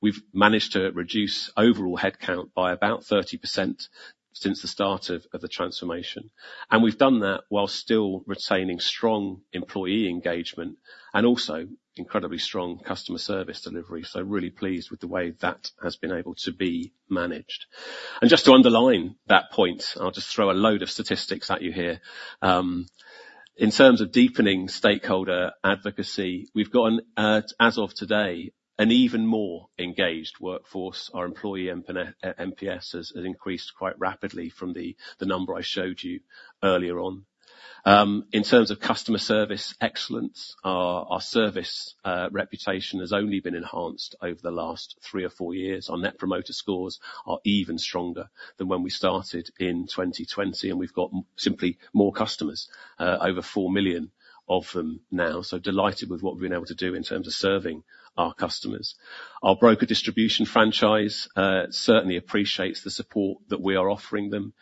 we've managed to reduce overall headcount by about 30% since the start of the transformation. We've done that while still retaining strong employee engagement and also incredibly strong customer service delivery. Really pleased with the way that has been able to be managed. Just to underline that point, I'll just throw a load of statistics at you here. In terms of deepening stakeholder advocacy, we've gotten, as of today, an even more engaged workforce. Our employee NPS has increased quite rapidly from the number I showed you earlier on. In terms of customer service excellence, our service reputation has only been enhanced over the last three or four years. Our net promoter scores are even stronger than when we started in 2020, and we've got simply more customers, over 4 million of them now. So delighted with what we've been able to do in terms of serving our customers. Our broker distribution franchise certainly appreciates the support that we are offering them.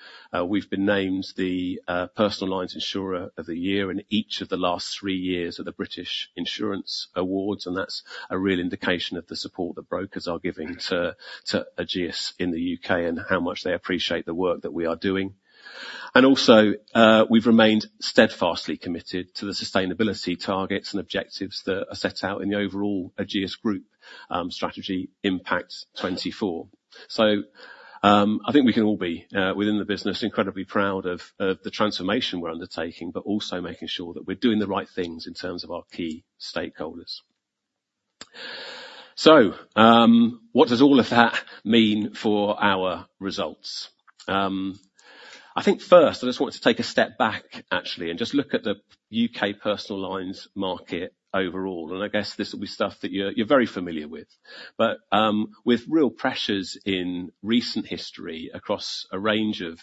We've been named the Personal Lines Insurer of the Year in each of the last three years of the British Insurance Awards, and that's a real indication of the support that brokers are giving to Ageas in the U.K., and how much they appreciate the work that we are doing. And also, we've remained steadfastly committed to the sustainability targets and objectives that are set out in the overall Ageas Group strategy Impact24. So, I think we can all be within the business incredibly proud of the transformation we're undertaking but also making sure that we're doing the right things in terms of our key stakeholders. So, what does all of that mean for our results? I think first, I just wanted to take a step back, actually, and just look at the U.K. personal lines market overall, and I guess this will be stuff that you're very familiar with. But with real pressures in recent history across a range of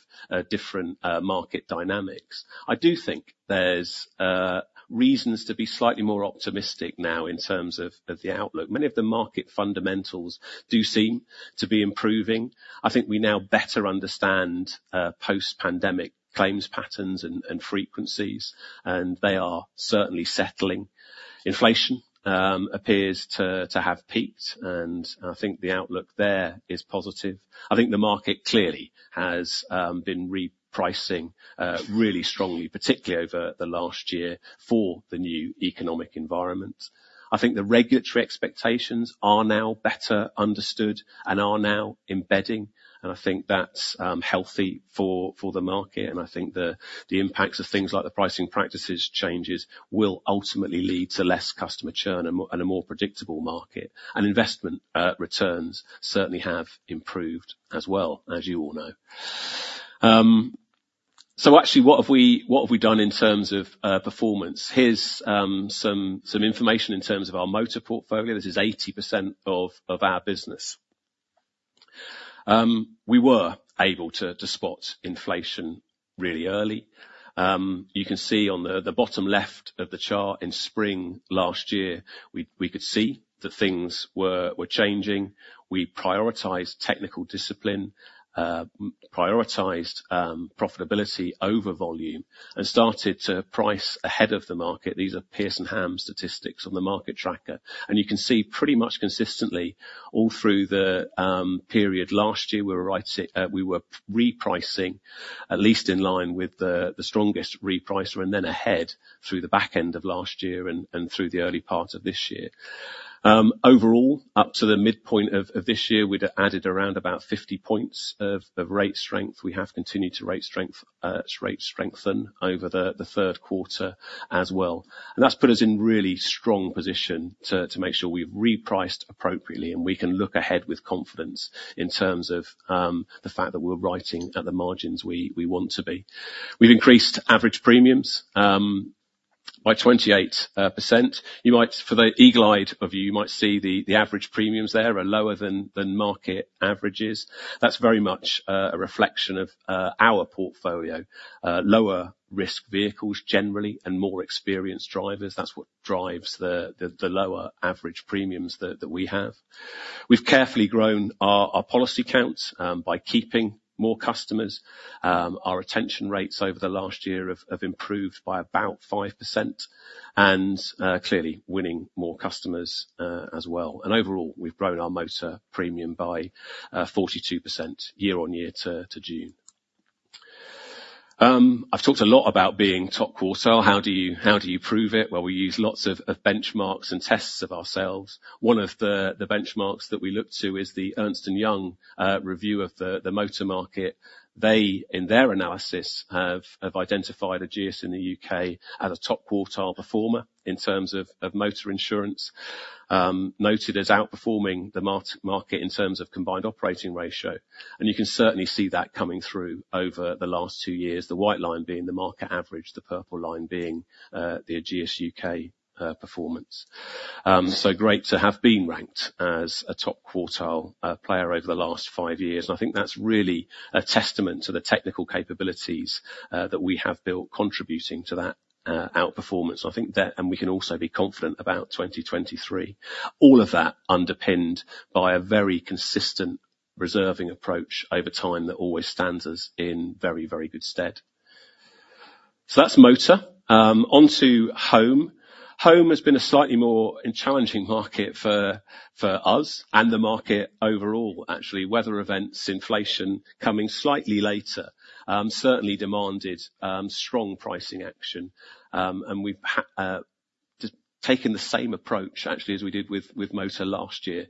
different market dynamics, I do think there's reasons to be slightly more optimistic now in terms of the outlook. Many of the market fundamentals do seem to be improving. I think we now better understand post-pandemic claims patterns and frequencies, and they are certainly settling. Inflation appears to have peaked, and I think the outlook there is positive. I think the market clearly has been repricing really strongly, particularly over the last year, for the new economic environment. I think the regulatory expectations are now better understood and are now embedding, and I think that's healthy for the market, and I think the impacts of things like the pricing practices changes will ultimately lead to less customer churn and a more predictable market. And investment returns certainly have improved as well, as you all know. So actually, what have we done in terms of performance? Here's some information in terms of our motor portfolio. This is 80% of our business. We were able to spot inflation really early. You can see on the bottom left of the chart, in spring last year, we could see that things were changing. We prioritized technical discipline, prioritized profitability over volume, and started to price ahead of the market. These are Pearson Ham statistics on the market tracker. You can see pretty much consistently all through the period. Last year, we were repricing, at least in line with the strongest repricer, and then ahead through the back end of last year and through the early part of this year. Overall, up to the midpoint of this year, we'd added around about 50 points of rate strength. We have continued to rate strengthen over the third quarter as well. That's put us in really strong position to make sure we've repriced appropriately, and we can look ahead with confidence in terms of the fact that we're writing at the margins we want to be. We've increased average premiums by 28%. You might, for the eagle-eyed of you, you might see the average premiums there are lower than market averages. That's very much a reflection of our portfolio. Lower risk vehicles generally, and more experienced drivers, that's what drives the lower average premiums that we have. We've carefully grown our policy counts by keeping more customers. Our retention rates over the last year have improved by about 5% and clearly winning more customers as well. Overall, we've grown our motor premium by 42% year-on-year to June. I've talked a lot about being top quartile. How do you prove it? Well, we use lots of benchmarks and tests of ourselves. One of the benchmarks that we look to is the Ernst & Young review of the motor market. They, in their analysis, have identified Ageas in the U.K. as a top quartile performer in terms of motor insurance. Noted as outperforming the market in terms of combined operating ratio, and you can certainly see that coming through over the last two years. The white line being the market average, the purple line being the Ageas U.K. performance. So great to have been ranked as a top quartile player over the last five years, and I think that's really a testament to the technical capabilities that we have built contributing to that outperformance. I think that... And we can also be confident about 2023. All of that underpinned by a very consistent reserving approach over time that always stands us in very, very good stead. So that's motor. Onto home. Home has been a slightly more challenging market for us and the market overall, actually. Weather events, inflation coming slightly later, certainly demanded strong pricing action. And we've just taken the same approach, actually, as we did with motor last year.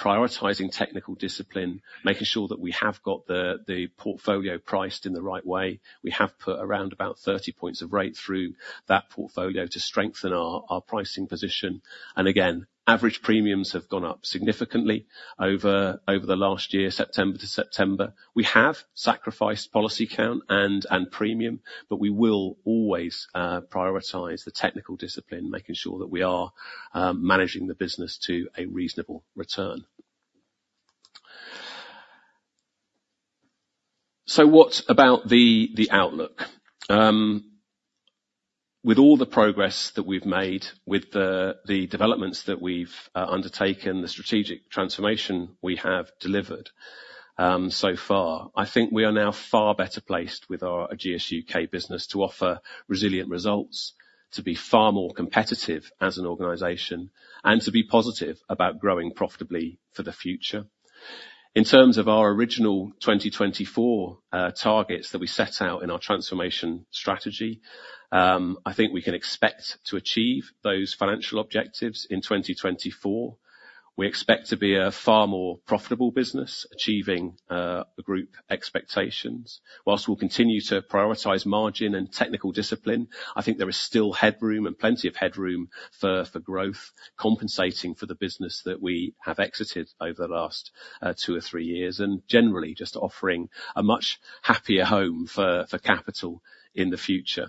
Prioritizing technical discipline, making sure that we have got the portfolio priced in the right way. We have put around about 30 points of rate through that portfolio to strengthen our, our pricing position. And again, average premiums have gone up significantly over, over the last year, September to September. We have sacrificed policy count and premium, but we will always prioritize the technical discipline, making sure that we are managing the business to a reasonable return. So what about the outlook? With all the progress that we've made, with the developments that we've undertaken, the strategic transformation we have delivered so far, I think we are now far better placed with our Ageas U.K. business to offer resilient results, to be far more competitive as an organization, and to be positive about growing profitably for the future. In terms of our original 2024 targets that we set out in our transformation strategy, I think we can expect to achieve those financial objectives in 2024. We expect to be a far more profitable business, achieving the group expectations. Whilst we'll continue to prioritize margin and technical discipline, I think there is still headroom and plenty of headroom for growth, compensating for the business that we have exited over the last two or three years, and generally just offering a much happier home for capital in the future.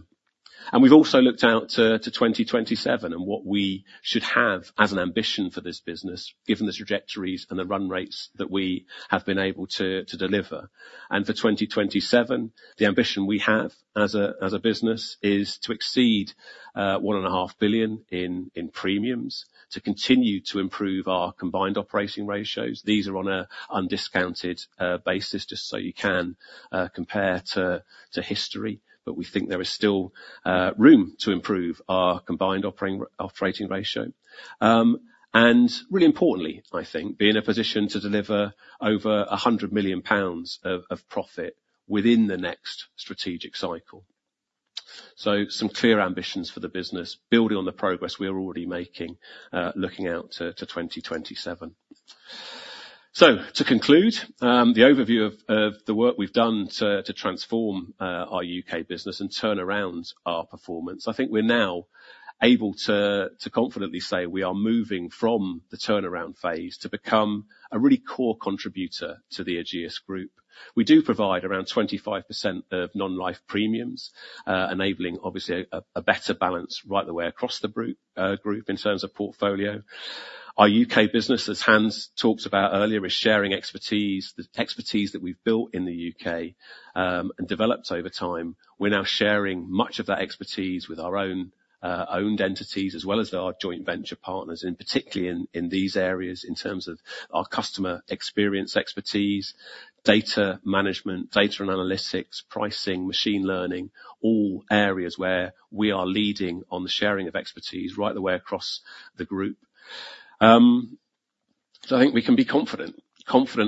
And we've also looked out to 2027, and what we should have as an ambition for this business, given the trajectories and the run rates that we have been able to deliver. And for 2027, the ambition we have as a, as a business, is to exceed 1.5 billion in premiums, to continue to improve our combined operating ratios. These are on a undiscounted basis, just so you can compare to history, but we think there is still room to improve our combined operating, operating ratio. And really importantly, I think, be in a position to deliver over 100 million pounds of profit within the next strategic cycle. So some clear ambitions for the business, building on the progress we are already making, looking out to 2027. So to conclude the overview of the work we've done to transform our U.K. business and turn around our performance, I think we're now able to confidently say we are moving from the turnaround phase to become a really core contributor to the Ageas Group. We do provide around 25% of non-life premiums, enabling obviously a better balance right the way across the group in terms of portfolio. Our U.K. business, as Hans talked about earlier, is sharing expertise, the expertise that we've built in the U.K., and developed over time. We're now sharing much of that expertise with our own owned entities, as well as our joint venture partners, and particularly in these areas, in terms of our customer experience, expertise, data management, data and analytics, pricing, machine learning, all areas where we are leading on the sharing of expertise right the way across the group. So I think we can be confident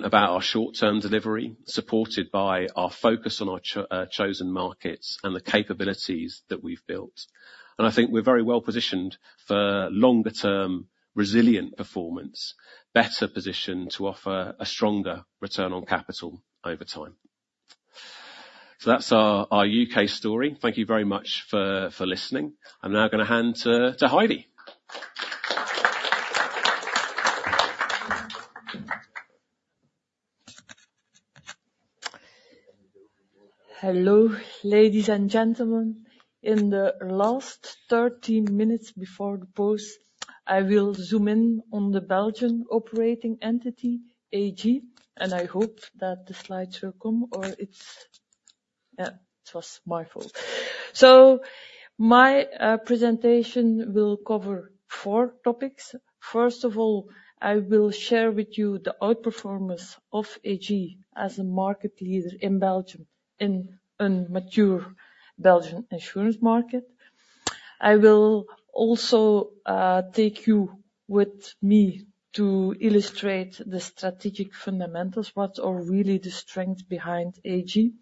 about our short-term delivery, supported by our focus on our chosen markets and the capabilities that we've built. And I think we're very well positioned for longer term, resilient performance, better positioned to offer a stronger return on capital over time. So that's our U.K. story. Thank you very much for listening. I'm now gonna hand to Heidi. Hello, ladies and gentlemen. In the last 13 minutes before the pause, I will zoom in on the Belgian operating entity, AG, and I hope that the slides will come, or it's... Yeah, it was my fault. So my presentation will cover four topics. First of all, I will share with you the outperformance of AG as a market leader in Belgium, in a mature Belgian insurance market. I will also take you with me to illustrate the strategic fundamentals, what are really the strength behind AG.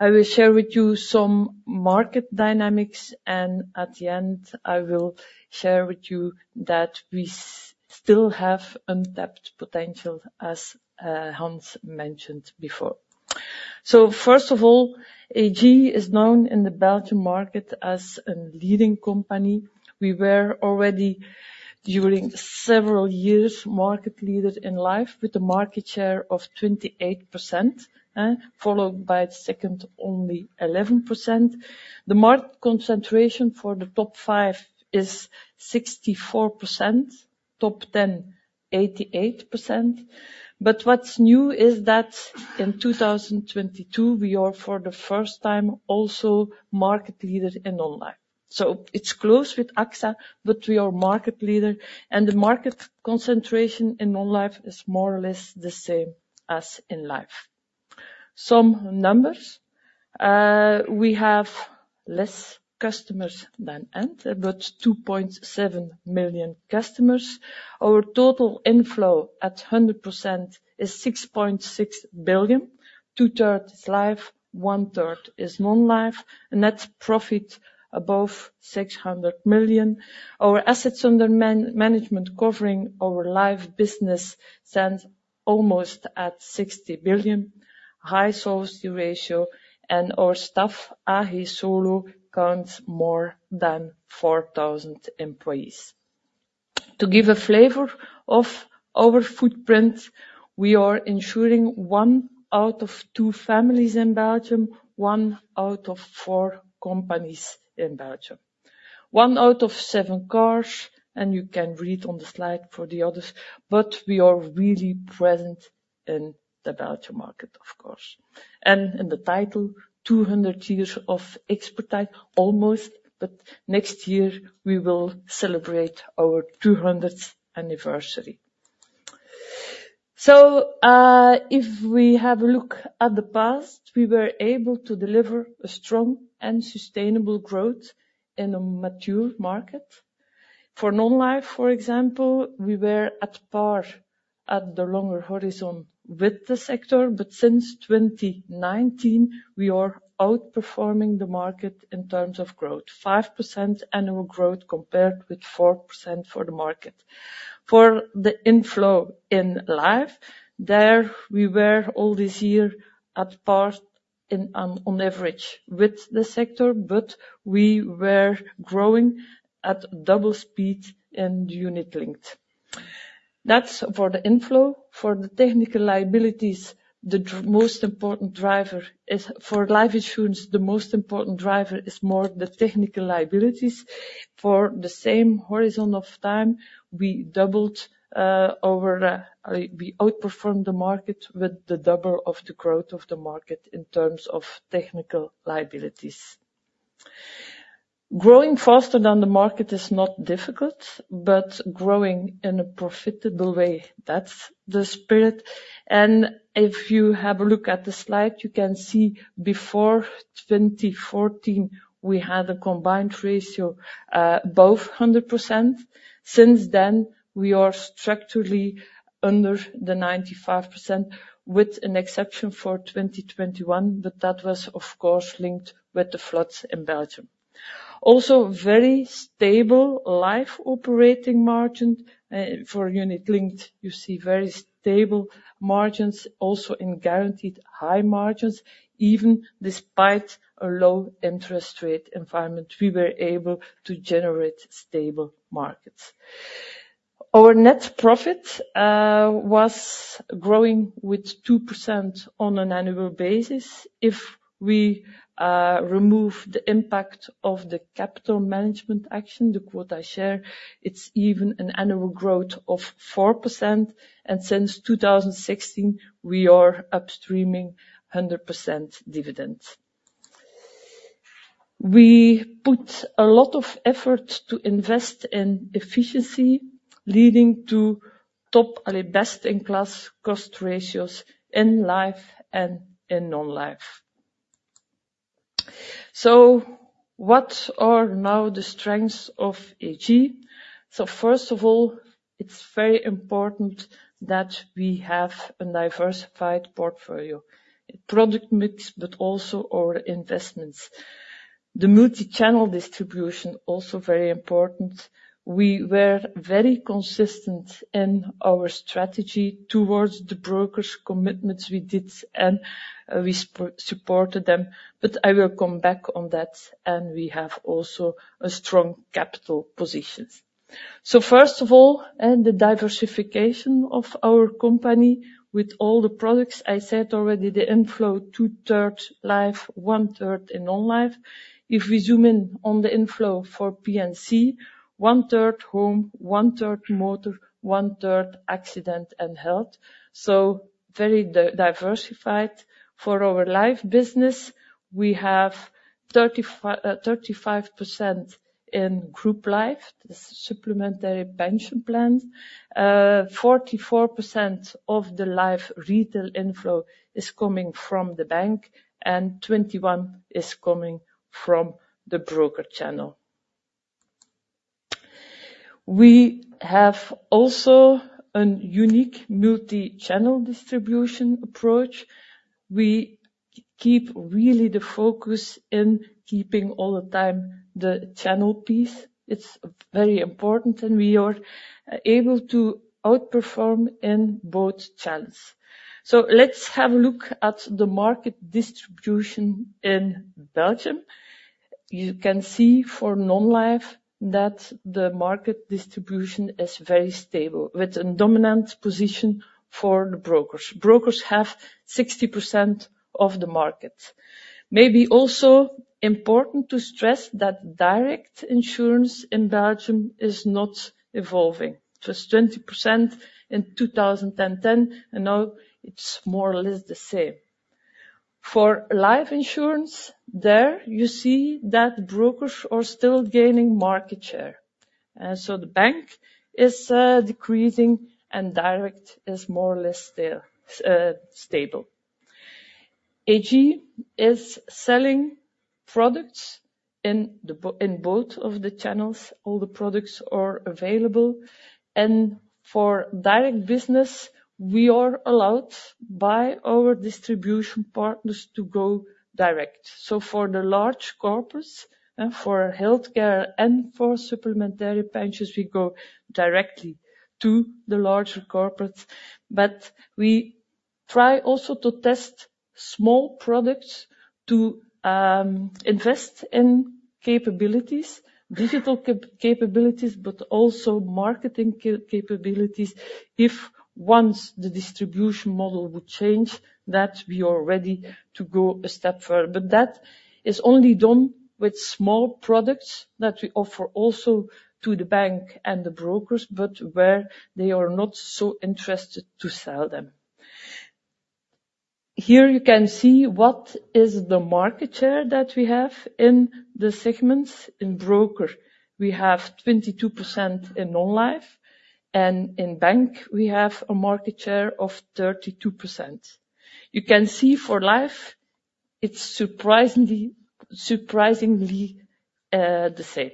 I will share with you some market dynamics, and at the end, I will share with you that we still have untapped potential, as Hans mentioned before. So first of all, AG is known in the Belgian market as a leading company. We were already, during several years, market leader in life, with a market share of 28%, followed by the second, only 11%. The market concentration for the top five is 64%, top ten, 88%. But what's new is that in 2022, we are, for the first time, also market leader in non-life. So it's close with AXA, but we are market leader, and the market concentration in non-life is more or less the same as in life. Some numbers. We have less customers than Ant, about 2.7 million customers. Our total inflow at 100% is 6.6 billion, 2/3 is life, 1/3 is non-life. Net profit above 600 million. Our assets under management, covering our life business, stands almost at 60 billion, high solvency ratio, and our staff, AG Insurance, counts more than 4,000 employees. To give a flavor of our footprint, we are insuring one out of two families in Belgium, one out of four companies in Belgium, one out of seven cars, and you can read on the slide for the others, but we are really present in the Belgian market, of course. In the title, 200 years of expertise, almost, but next year we will celebrate our 200th anniversary. So, if we have a look at the past, we were able to deliver a strong and sustainable growth in a mature market. For non-life, for example, we were at par at the longer horizon with the sector, but since 2019, we are outperforming the market in terms of growth. 5% annual growth, compared with 4% for the market. For the inflow in life, there we were all this year at par in, on average with the sector, but we were growing at double speed in Unit Linked. That's for the inflow. For the technical liabilities, most important driver is... For life insurance, the most important driver is more the technical liabilities. For the same horizon of time, we doubled over, we outperformed the market with the double of the growth of the market in terms of technical liabilities. Growing faster than the market is not difficult, but growing in a profitable way, that's the spirit. And if you have a look at the slide, you can see before 2014, we had a Combined Ratio above 100%. Since then, we are structurally under the 95%, with an exception for 2021, but that was, of course, linked with the floods in Belgium. Also, very stable Life operating margin for Unit Linked, you see very stable margins, also in guaranteed high margins. Even despite a low-interest rate environment, we were able to generate stable markets. Our net profit was growing with 2% on an annual basis. If we remove the impact of the capital management action, the quota share, it's even an annual growth of 4%, and since 2016, we are upstreaming 100% dividend. We put a lot of effort to invest in efficiency, leading to top best-in-class cost ratios in Life and in Non-Life. So what are now the strengths of AG? So first of all, it's very important that we have a diversified portfolio, product mix, but also our investments. The multi-channel distribution, also very important. We were very consistent in our strategy towards the brokers commitments we did, and we supported them, but I will come back on that, and we have also a strong capital positions. So first of all, and the diversification of our company with all the products, I said already, the inflow 2/3 Life, 1/3 in Non-Life. If we zoom in on the inflow for P&C, 1/3 home, 1/3 motor, 1/3 accident and health, so very diversified. For our Life business, we have 35% in Group Life, the supplementary pension plan. 44% of the Life retail inflow is coming from the bank, and 21% is coming from the broker channel. We have also a unique multi-channel distribution approach. We keep really the focus in keeping all the time the channel piece. It's very important, and we are able to outperform in both channels. So let's have a look at the market distribution in Belgium. You can see for Non-life, that the market distribution is very stable, with a dominant position for the brokers. Brokers have 60% of the market. Maybe also important to stress that direct insurance in Belgium is not evolving. It was 20% in 2010, and now it's more or less the same. For Life insurance, there you see that brokers are still gaining market share, so the bank is decreasing, and direct is more or less there, stable. AG is selling products in both of the channels, all the products are available, and for direct business, we are allowed by our distribution partners to go direct. So for the large corporates, and for healthcare, and for supplementary pensions, we go directly to the larger corporates. But we try also to test small products to invest in capabilities, digital capabilities, but also marketing capabilities. If once the distribution model would change, that we are ready to go a step further. But that is only done with small products that we offer also to the bank and the brokers, but where they are not so interested to sell them. Here you can see what is the market share that we have in the segments. In broker, we have 22% in Non-Life, and in bank, we have a market share of 32%. You can see for Life, it's surprisingly, surprisingly, the same.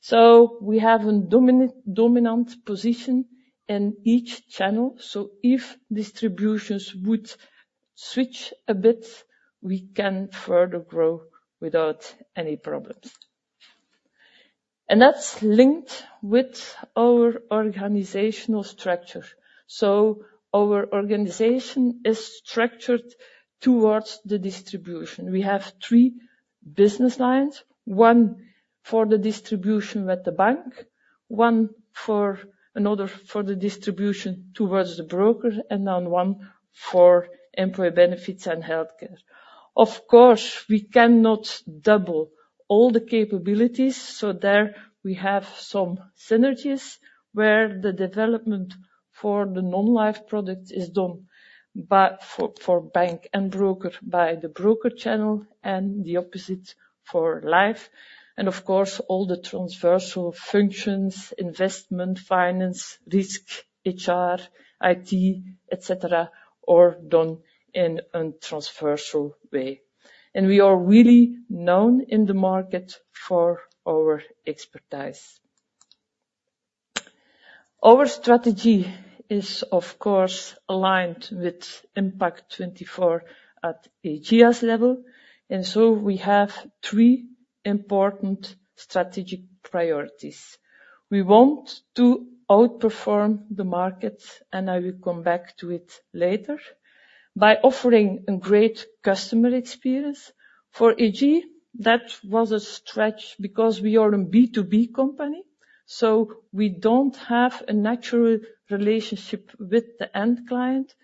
So we have a dominant, dominant position in each channel, so if distributions would switch a bit, we can further grow without any problems. And that's linked with our organizational structure. So our organization is structured towards the distribution. We have three business lines, one for the distribution with the bank, one for another for the distribution towards the broker, and then one for employee benefits and healthcare. Of course, we cannot double all the capabilities, so there we have some synergies where the development for the Non-Life product is done, but for bank and broker, by the broker channel and the opposite for Life. And of course, all the transversal functions, investment, finance, risk, HR, IT, et cetera, are done in a transversal way. And we are really known in the market for our expertise. Our strategy is, of course, aligned with Impact24 at Ageas level, and so we have three important strategic priorities. We want to outperform the market, and I will come back to it later, by offering a great customer experience. For AG, that was a stretch because we are a B2B company, so we don't have a natural relationship with the end client.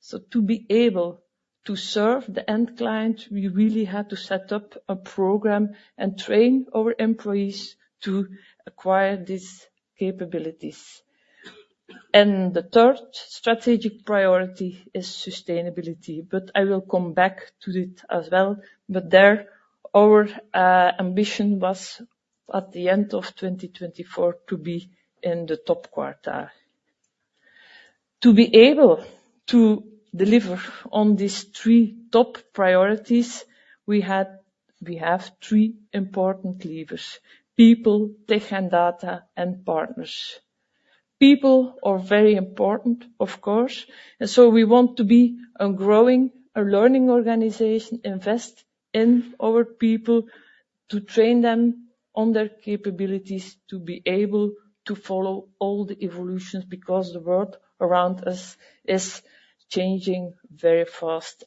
So to be able to serve the end client, we really had to set up a program and train our employees to acquire these capabilities. The third strategic priority is sustainability, but I will come back to it as well. There, our ambition was at the end of 2024 to be in the top quarter. To be able to deliver on these three top priorities, we had, we have three important levers: people, tech and data, and partners. People are very important, of course, and so we want to be a growing, a learning organization, invest in our people to train them on their capabilities, to be able to follow all the evolutions, because the world around us is changing very fast.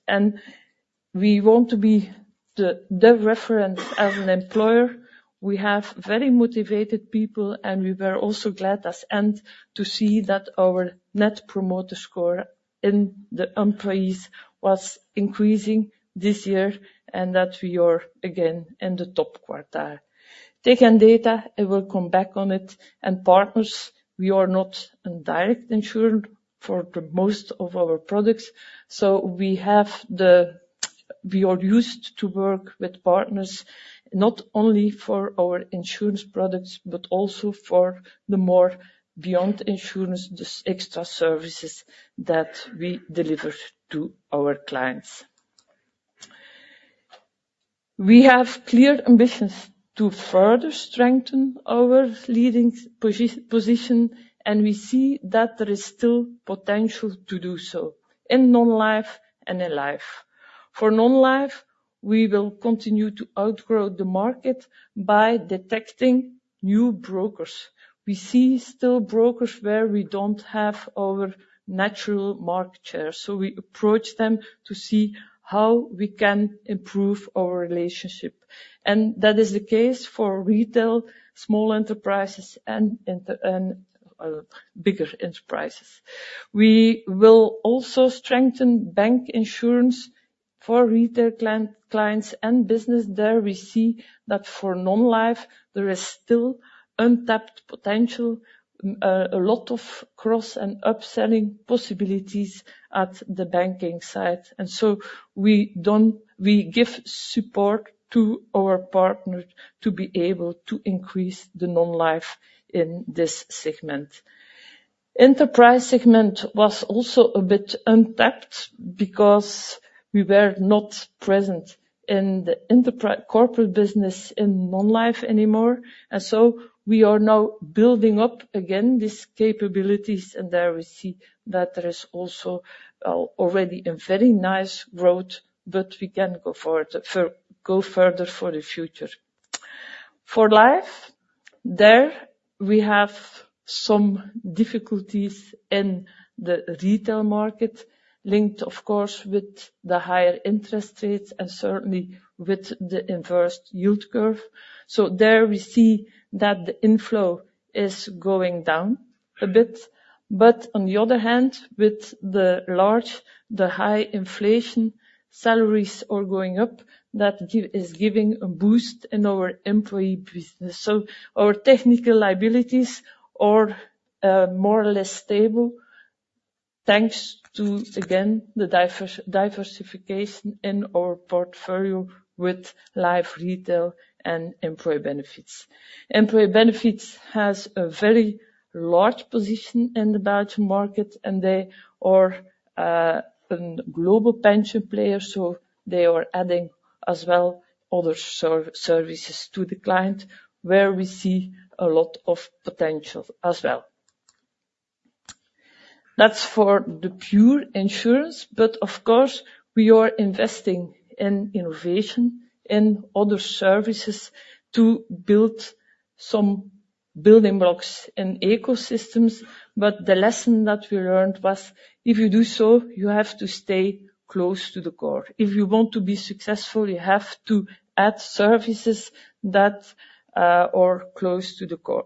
We want to be the, the reference as an employer. We have very motivated people, and we were also glad as well, to see that our Net Promoter Score in the employees was increasing this year, and that we are again in the top quartile. Tech and data, I will come back on it, and partners, we are not a direct insurer for the most of our products, so we... We are used to work with partners, not only for our insurance products, but also for the more beyond insurance, this extra services that we deliver to our clients. We have clear ambitions to further strengthen our leading position, and we see that there is still potential to do so in non-life and in life. For non-life, we will continue to outgrow the market by detecting new brokers. We see still brokers where we don't have our natural market share, so we approach them to see how we can improve our relationship. And that is the case for retail, small enterprises, and and bigger enterprises. We will also strengthen bancassurance retail clients and business. There we see that for non-life, there is still untapped potential, a lot of cross and upselling possibilities at the banking side. And so we give support to our partner to be able to increase the non-life in this segment. Enterprise segment was also a bit untapped because we were not present in the corporate business in non-life anymore, and so we are now building up again these capabilities, and there we see that there is also already a very nice growth, but we can go forward, go further for the future. For life, there we have some difficulties in the retail market, linked, of course, with the higher interest rates and certainly with the inverse yield curve. So there we see that the inflow is going down a bit, but on the other hand, with the large, the high inflation, salaries are going up. That is giving a boost in our employee business. So our technical liabilities are more or less stable, thanks to, again, the diversification in our portfolio with life retail and employee benefits. Employee benefits has a very large position in the Belgian market, and they are a global pension player, so they are adding as well other services to the client, where we see a lot of potential as well. That's for the pure insurance, but of course, we are investing in innovation and other services to build some building blocks and ecosystems. But the lesson that we learned was, if you do so, you have to stay close to the core. If you want to be successful, you have to add services that are close to the core.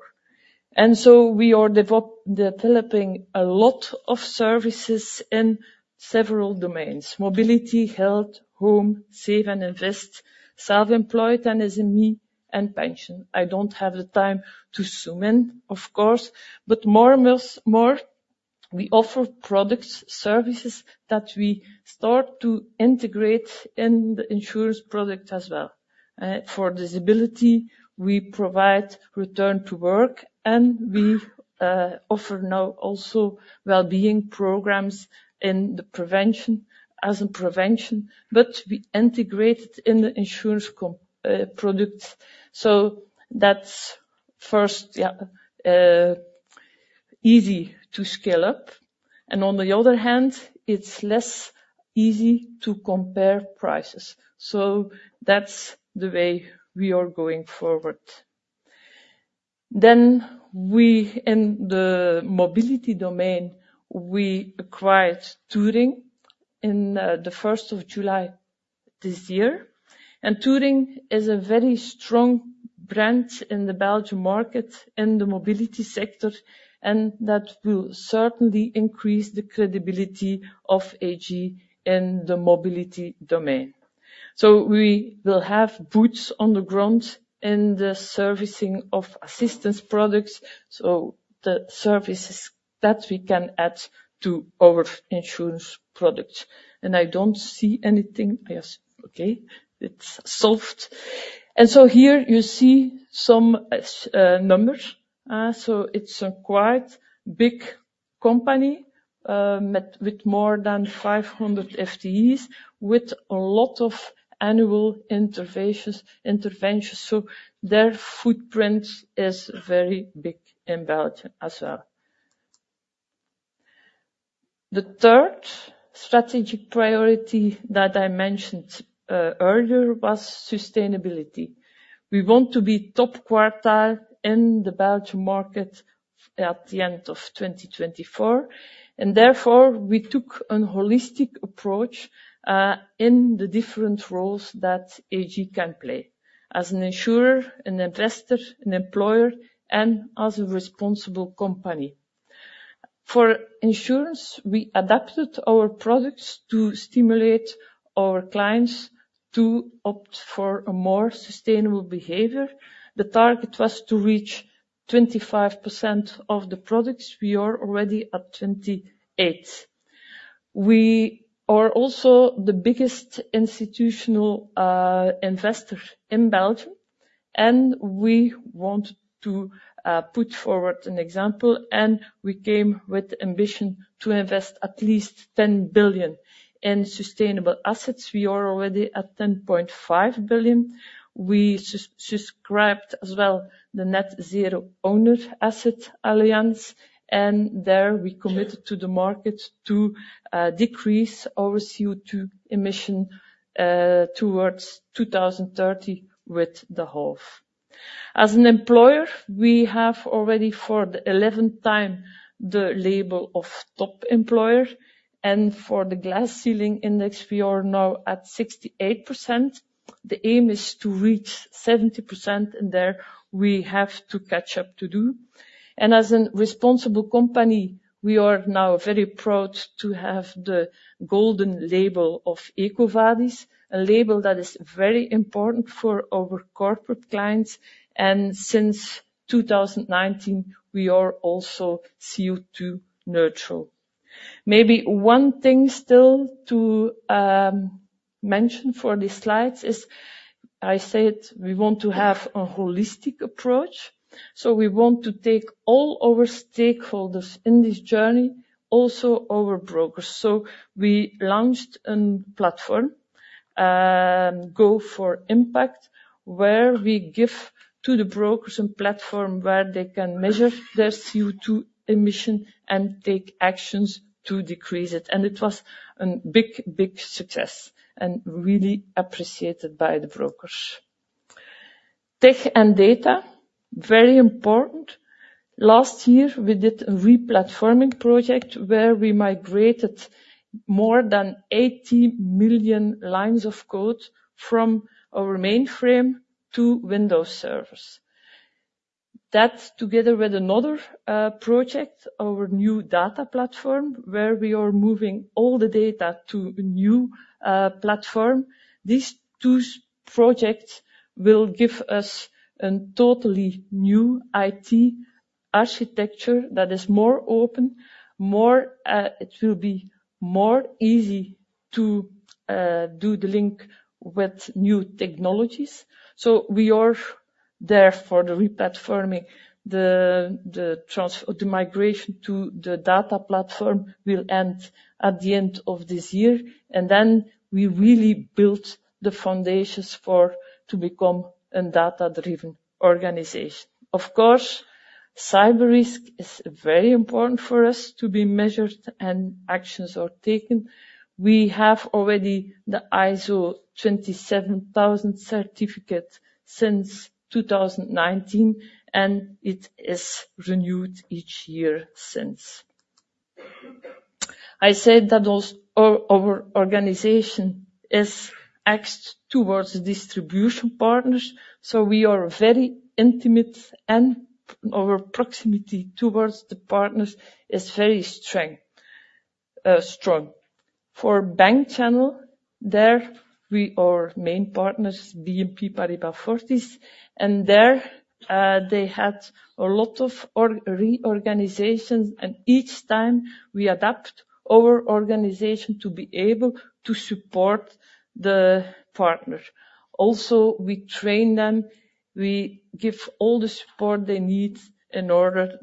And so we are developing a lot of services in several domains: mobility, health, home, save and invest, self-employed and SME, and pension. I don't have the time to zoom in, of course, but more and more, we offer products, services that we start to integrate in the insurance product as well. For disability, we provide return to work, and we offer now also wellbeing programs in the prevention, as a prevention, but we integrate it in the insurance comp, product. So that's first, yeah, easy to scale up, and on the other hand, it's less easy to compare prices. So that's the way we are going forward. Then we, in the mobility domain, we acquired Touring in the first of July this year. And Touring is a very strong brand in the Belgian market, in the mobility sector, and that will certainly increase the credibility of AG in the mobility domain. So we will have boots on the ground in the servicing of assistance products, so the services that we can add to our insurance product. And I don't see anything. Yes. Okay, it's solved. And so here you see some numbers. So it's a quite big company, with more than 500 FTEs, with a lot of annual interventions, so their footprint is very big in Belgium as well. The third strategic priority that I mentioned earlier was sustainability. We want to be top quartile in the Belgian market at the end of 2024, and therefore, we took a holistic approach in the different roles that AG can play. As an insurer, an investor, an employer, and as a responsible company. For insurance, we adapted our products to stimulate our clients to opt for a more sustainable behavior. The target was to reach 25% of the products. We are already at 28%. We are also the biggest institutional investor in Belgium, and we want to put forward an example, and we came with the ambition to invest at least 10 billion in sustainable assets. We are already at 10.5 billion. We subscribed as well to the Net Zero Asset Owner Alliance, and there we committed to the market to decrease our CO2 emission towards 2030 with the half. As an employer, we have already for the eleventh time the label of top employer, and for the Glass Ceiling Index, we are now at 68%. The aim is to reach 70%, and there we have to catch up to do. As a responsible company, we are now very proud to have the golden label of EcoVadis, a label that is very important for our corporate clients, and since 2019, we are also CO2 neutral. Maybe one thing still to mention for these slides is, I said, we want to have a holistic approach, so we want to take all our stakeholders in this journey, also our brokers. So we launched a platform, Go for Impact, where we give to the brokers a platform where they can measure their CO2 emission and take actions to decrease it. And it was a big, big success and really appreciated by the brokers. Tech and data, very important. Last year, we did a replatforming project where we migrated more than 80 million lines of code from our mainframe to Windows servers. That, together with another project, our new data platform, where we are moving all the data to a new platform. These two projects will give us a totally new IT architecture that is more open, more, it will be more easy to do the link with new technologies. So we are there for the replatforming, the migration to the data platform will end at the end of this year, and then we really built the foundations for to become a data-driven organization. Of course, cyber risk is very important for us to be measured and actions are taken. We have already the ISO 27001 certificate since 2019, and it is renewed each year since. I said that also our organization is geared towards distribution partners, so we are very intimate and our proximity towards the partners is very strong. For bank channel, there we are main partners, BNP Paribas Fortis, and there they had a lot of reorganizations, and each time we adapt our organization to be able to support the partner. Also, we train them, we give all the support they need in order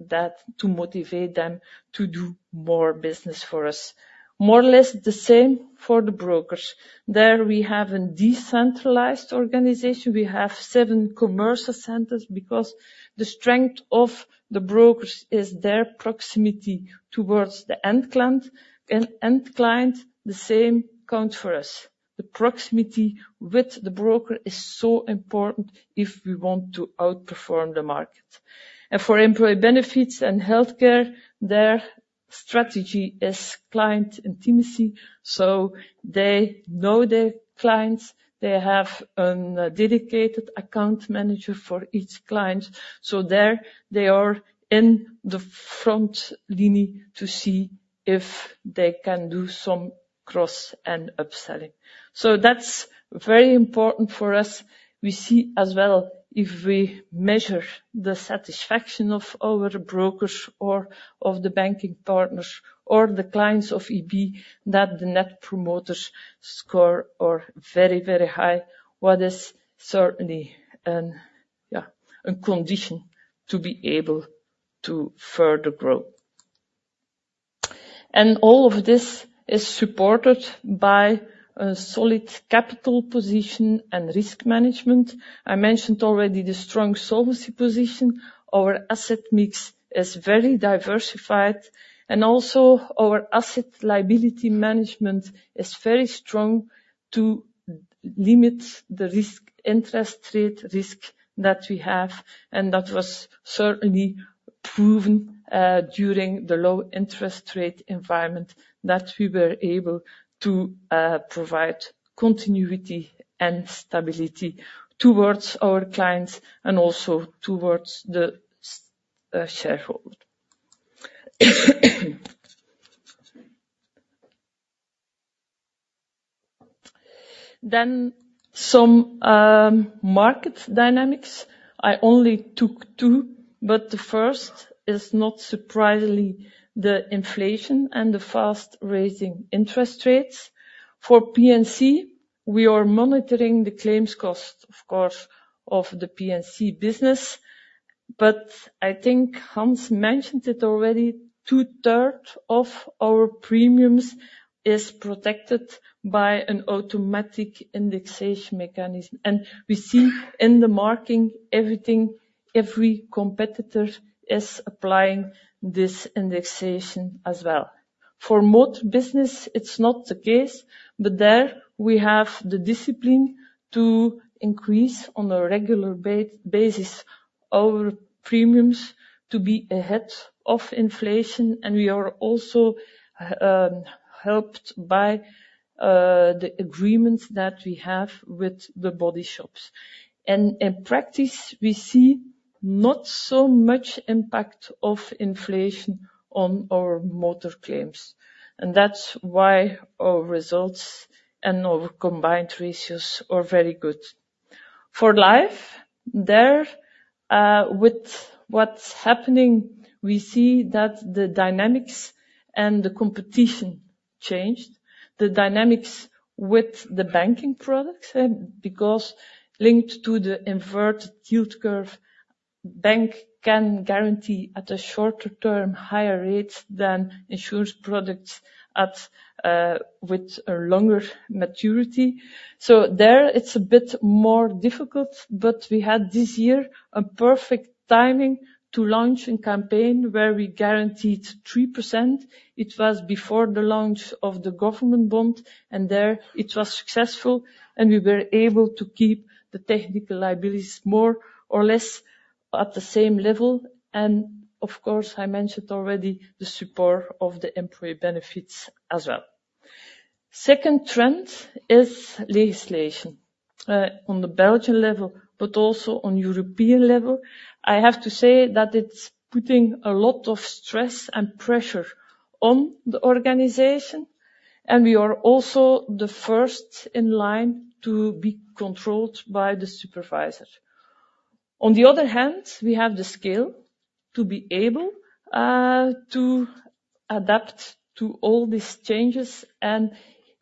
to motivate them to do more business for us. More or less the same for the brokers. There, we have a decentralized organization. We have seven commercial centers because the strength of the brokers is their proximity towards the end client, and end client, the same counts for us. The proximity with the broker is so important if we want to outperform the market. For employee benefits and healthcare, their strategy is client intimacy, so they know their clients. They have a dedicated account manager for each client. So there they are in the front line to see if they can do some cross and upselling. So that's very important for us. We see as well, if we measure the satisfaction of our brokers or of the banking partners, or the clients of EB, that the Net Promoter Score are very, very high, what is certainly, yeah, a condition to be able to further grow. And all of this is supported by a solid capital position and risk management. I mentioned already the strong solvency position. Our asset mix is very diversified, and also our asset liability management is very strong to limit the risk, interest rate risk that we have, and that was certainly proven during the low interest rate environment, that we were able to provide continuity and stability towards our clients and also towards the shareholder. Then some market dynamics. I only took two, but the first is not surprisingly, the inflation and the fast rising interest rates. For P&C, we are monitoring the claims cost, of course, of the P&C business, but I think Hans mentioned it already, two-thirds of our premiums is protected by an automatic indexation mechanism, and we see in the market, everything, every competitor is applying this indexation as well. For motor business, it's not the case, but there we have the discipline to increase on a regular basis our premiums to be ahead of inflation, and we are also helped by the agreements that we have with the body shops. In practice, we see not so much impact of inflation on our motor claims, and that's why our results and our combined ratios are very good. For Life, there, with what's happening, we see that the dynamics and the competition changed. The dynamics with the banking products, because linked to the inverted yield curve, bank can guarantee at a shorter term, higher rates than insurance products at, with a longer maturity. So there, it's a bit more difficult, but we had this year a perfect timing to launch a campaign where we guaranteed 3%. It was before the launch of the government bond, and there it was successful, and we were able to keep the technical liabilities more or less at the same level. And of course, I mentioned already the support of the employee benefits as well. Second trend is legislation on the Belgian level, but also on European level. I have to say that it's putting a lot of stress and pressure on the organization, and we are also the first in line to be controlled by the supervisor. On the other hand, we have the scale to be able to adapt to all these changes, and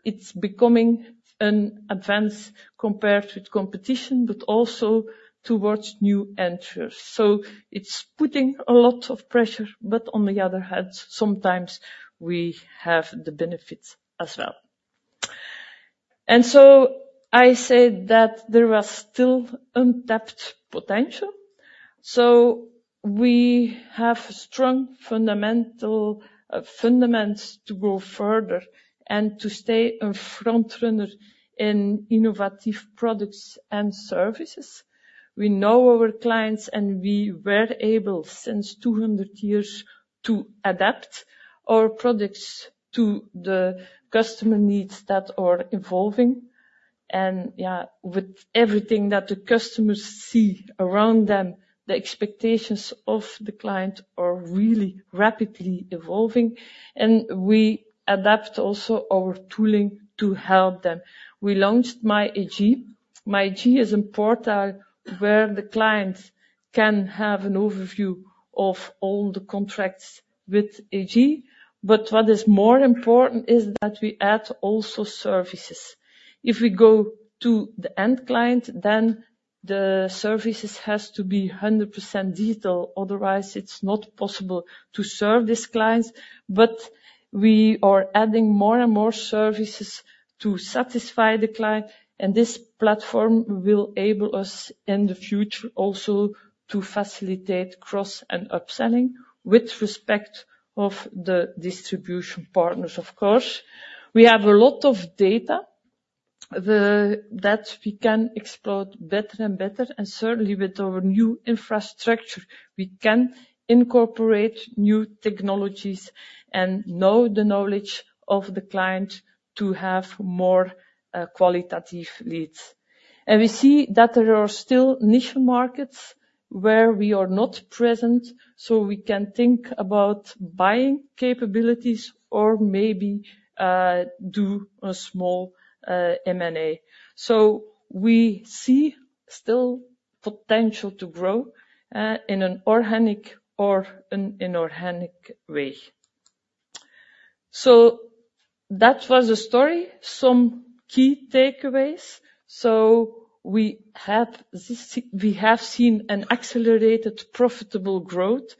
it's becoming an advance compared with competition, but also towards new entrants. So it's putting a lot of pressure, but on the other hand, sometimes we have the benefits as well. And so I said that there was still untapped potential. So we have strong fundamental, fundamentals to go further and to stay a front runner in innovative products and services. We know our clients, and we were able, since 200 years, to adapt our products to the customer needs that are evolving. And, yeah, with everything that the customers see around them, the expectations of the client are really rapidly evolving, and we adapt also our tooling to help them. We launched MyAG. MyAG is a portal where the client can have an overview of all the contracts with AG, but what is more important is that we add also services. If we go to the end client, then the services has to be 100% digital, otherwise it's not possible to serve these clients. But we are adding more and more services to satisfy the client, and this platform will enable us in the future also to facilitate cross and upselling with respect to the distribution partners, of course. We have a lot of data that we can explore better and better, and certainly with our new infrastructure, we can incorporate new technologies and know the knowledge of the client to have more qualitative leads. We see that there are still niche markets where we are not present, so we can think about buying capabilities or maybe do a small M&A. So we see still potential to grow in an organic or an inorganic way. So that was the story. Some key takeaways: so we have seen an accelerated profitable growth,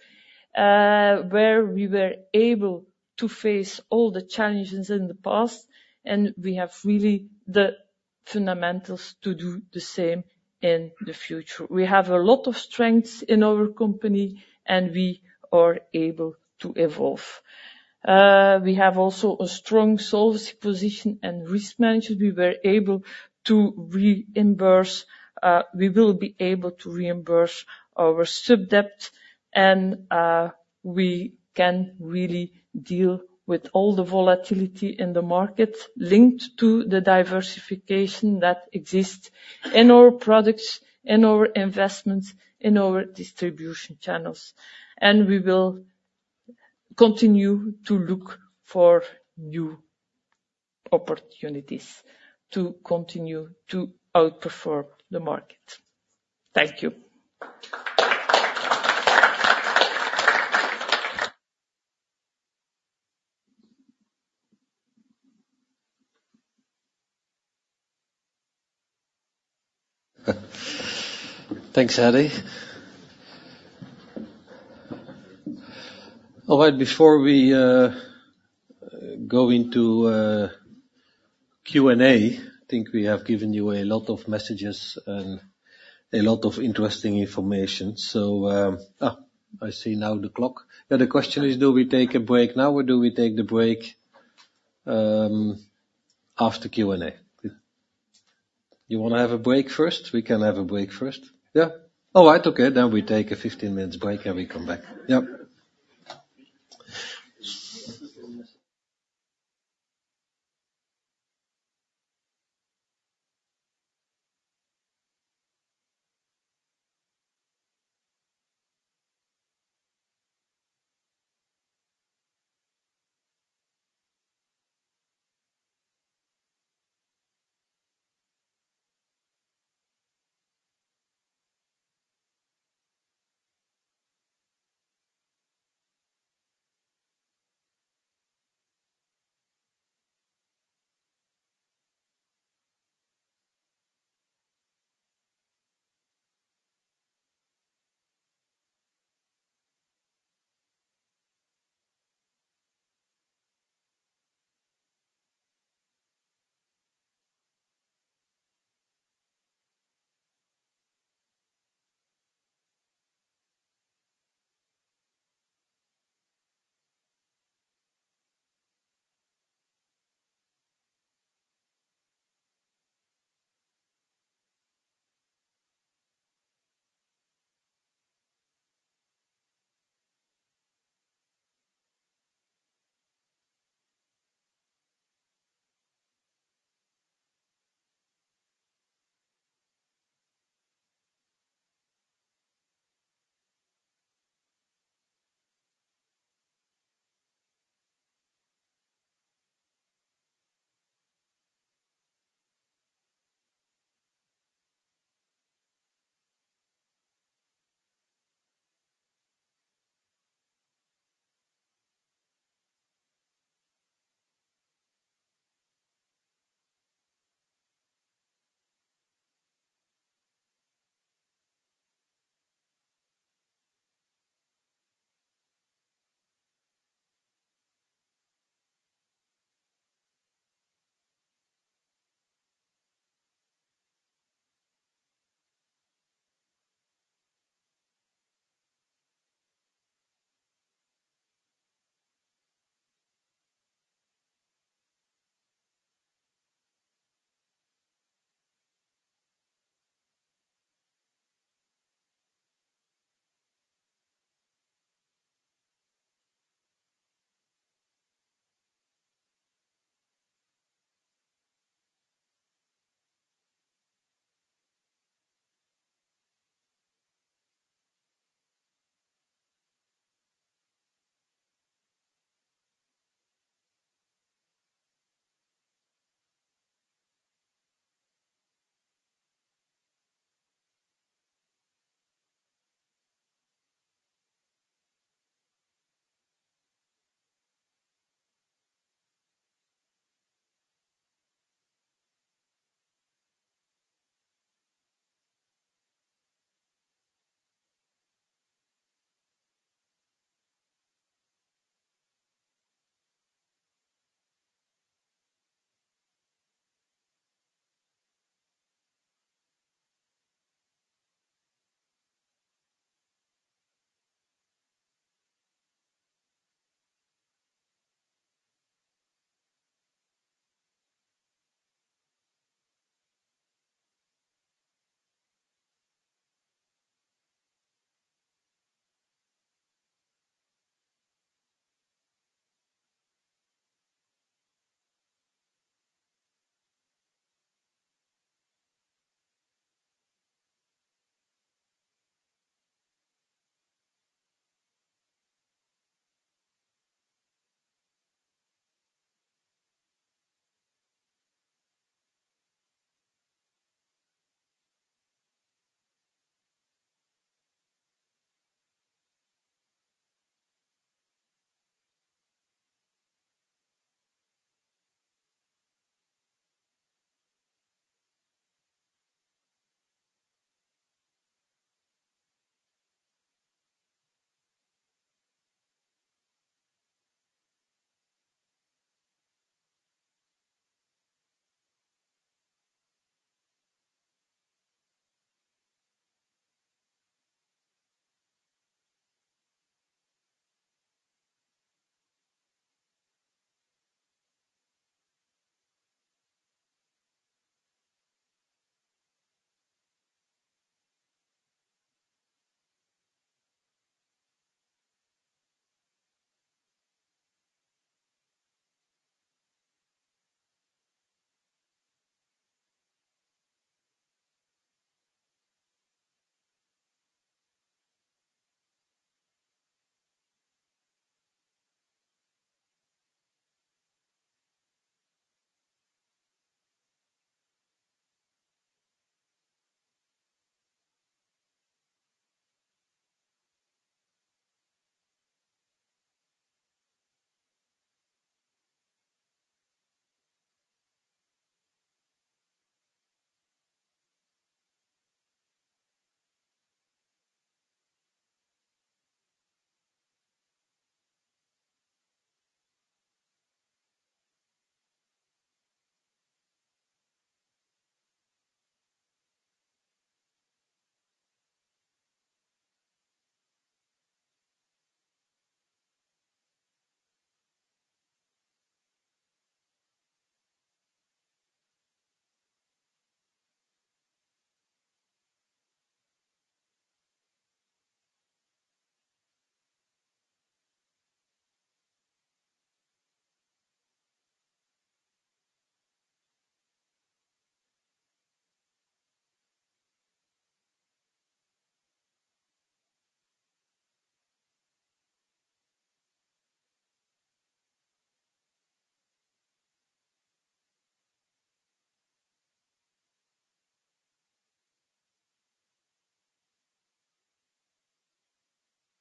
where we were able to face all the challenges in the past, and we have really the fundamentals to do the same in the future. We have a lot of strengths in our company, and we are able to evolve. We have also a strong solvency position and risk management. We were able to reimburse, we will be able to reimburse our sub-debt, and we can really deal with all the volatility in the market linked to the diversification that exists in our products, in our investments, in our distribution channels. And we will continue to look for new opportunities to continue to outperform the market. Thank you. Thanks, Heidi. All right, before we go into Q&A, I think we have given you a lot of messages and a lot of interesting information. So, I see now the clock. Now, the question is, do we take a break now, or do we take the break after Q&A? You want to have a break first? We can have a break first. Yeah. All right. Okay, then we take a 15 minutes break, and we come back.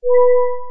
Yep.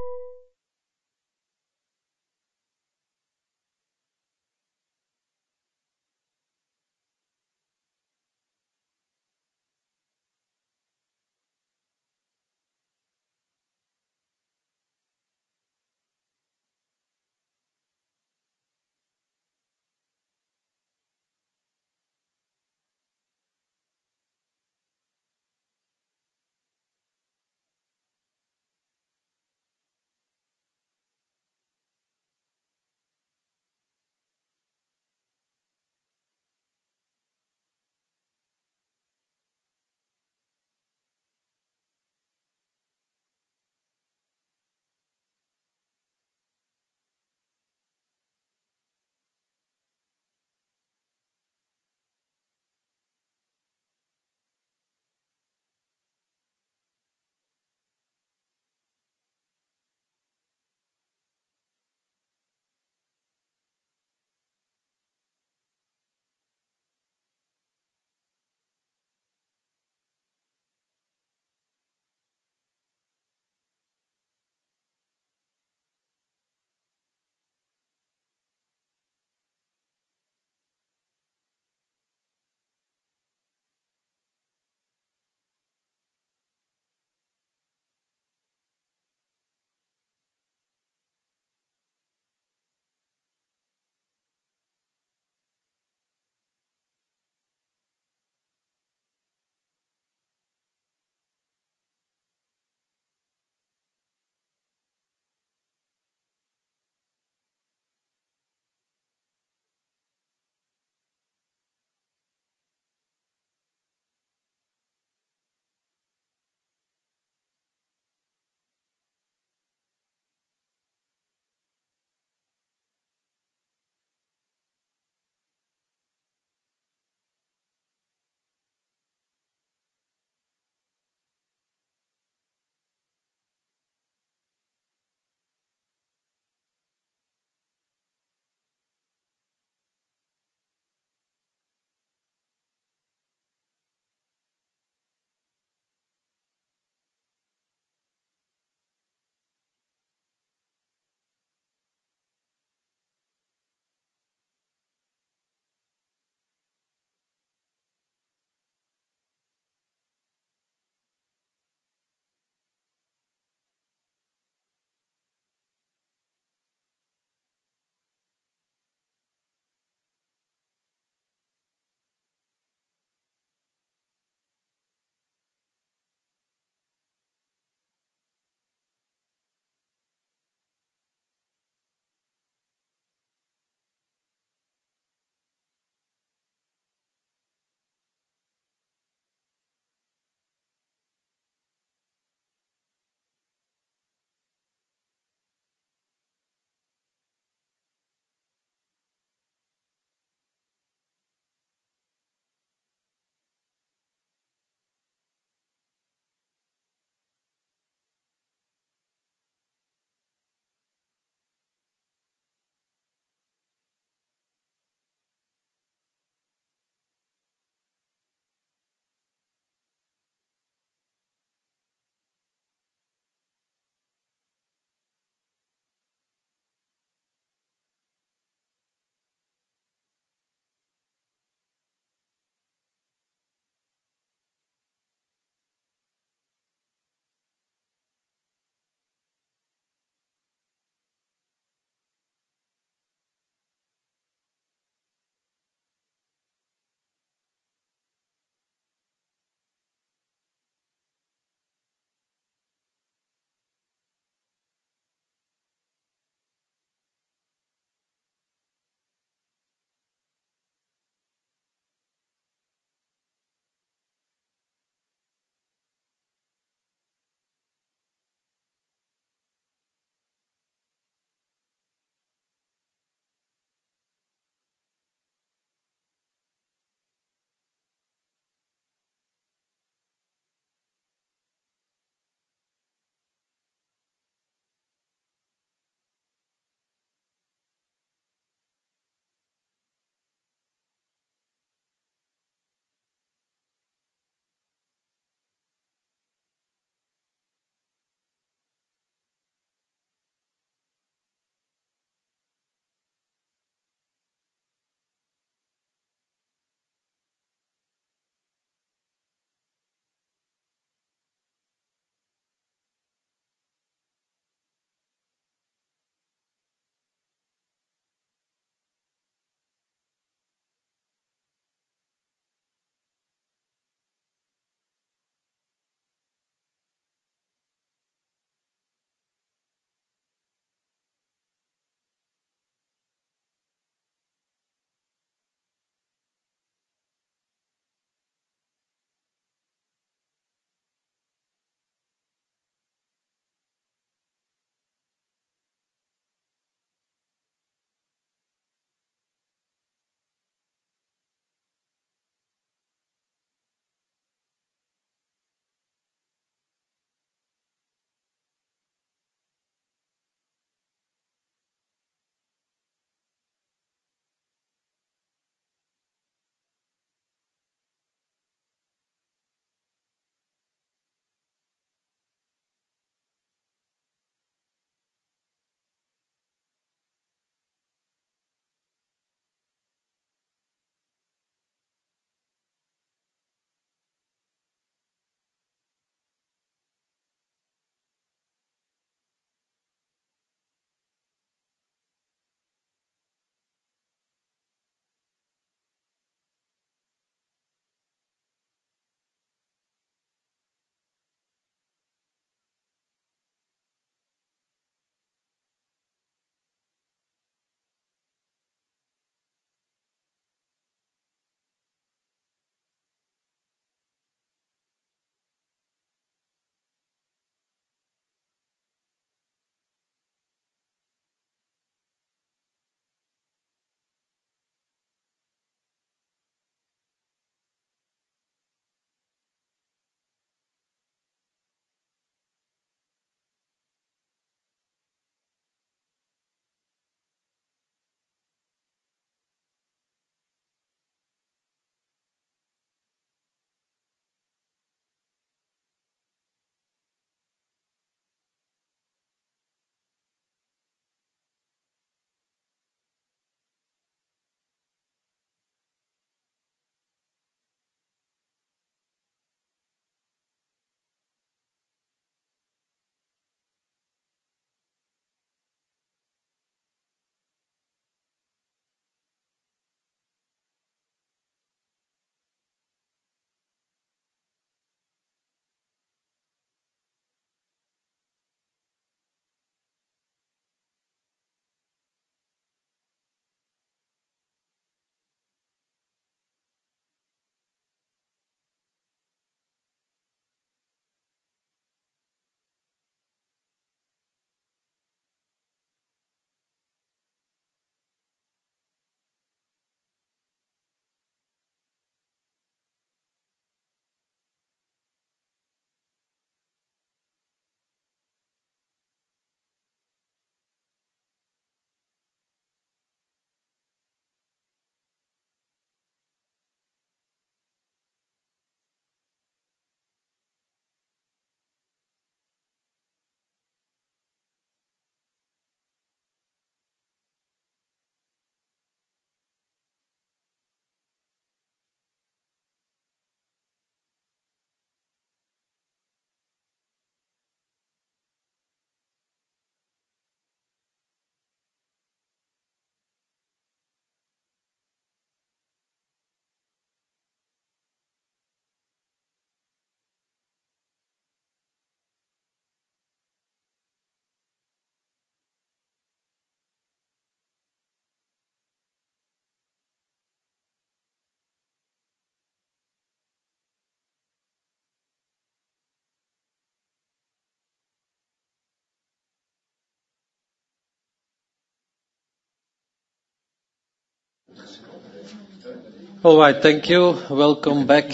All right, thank you. Welcome back,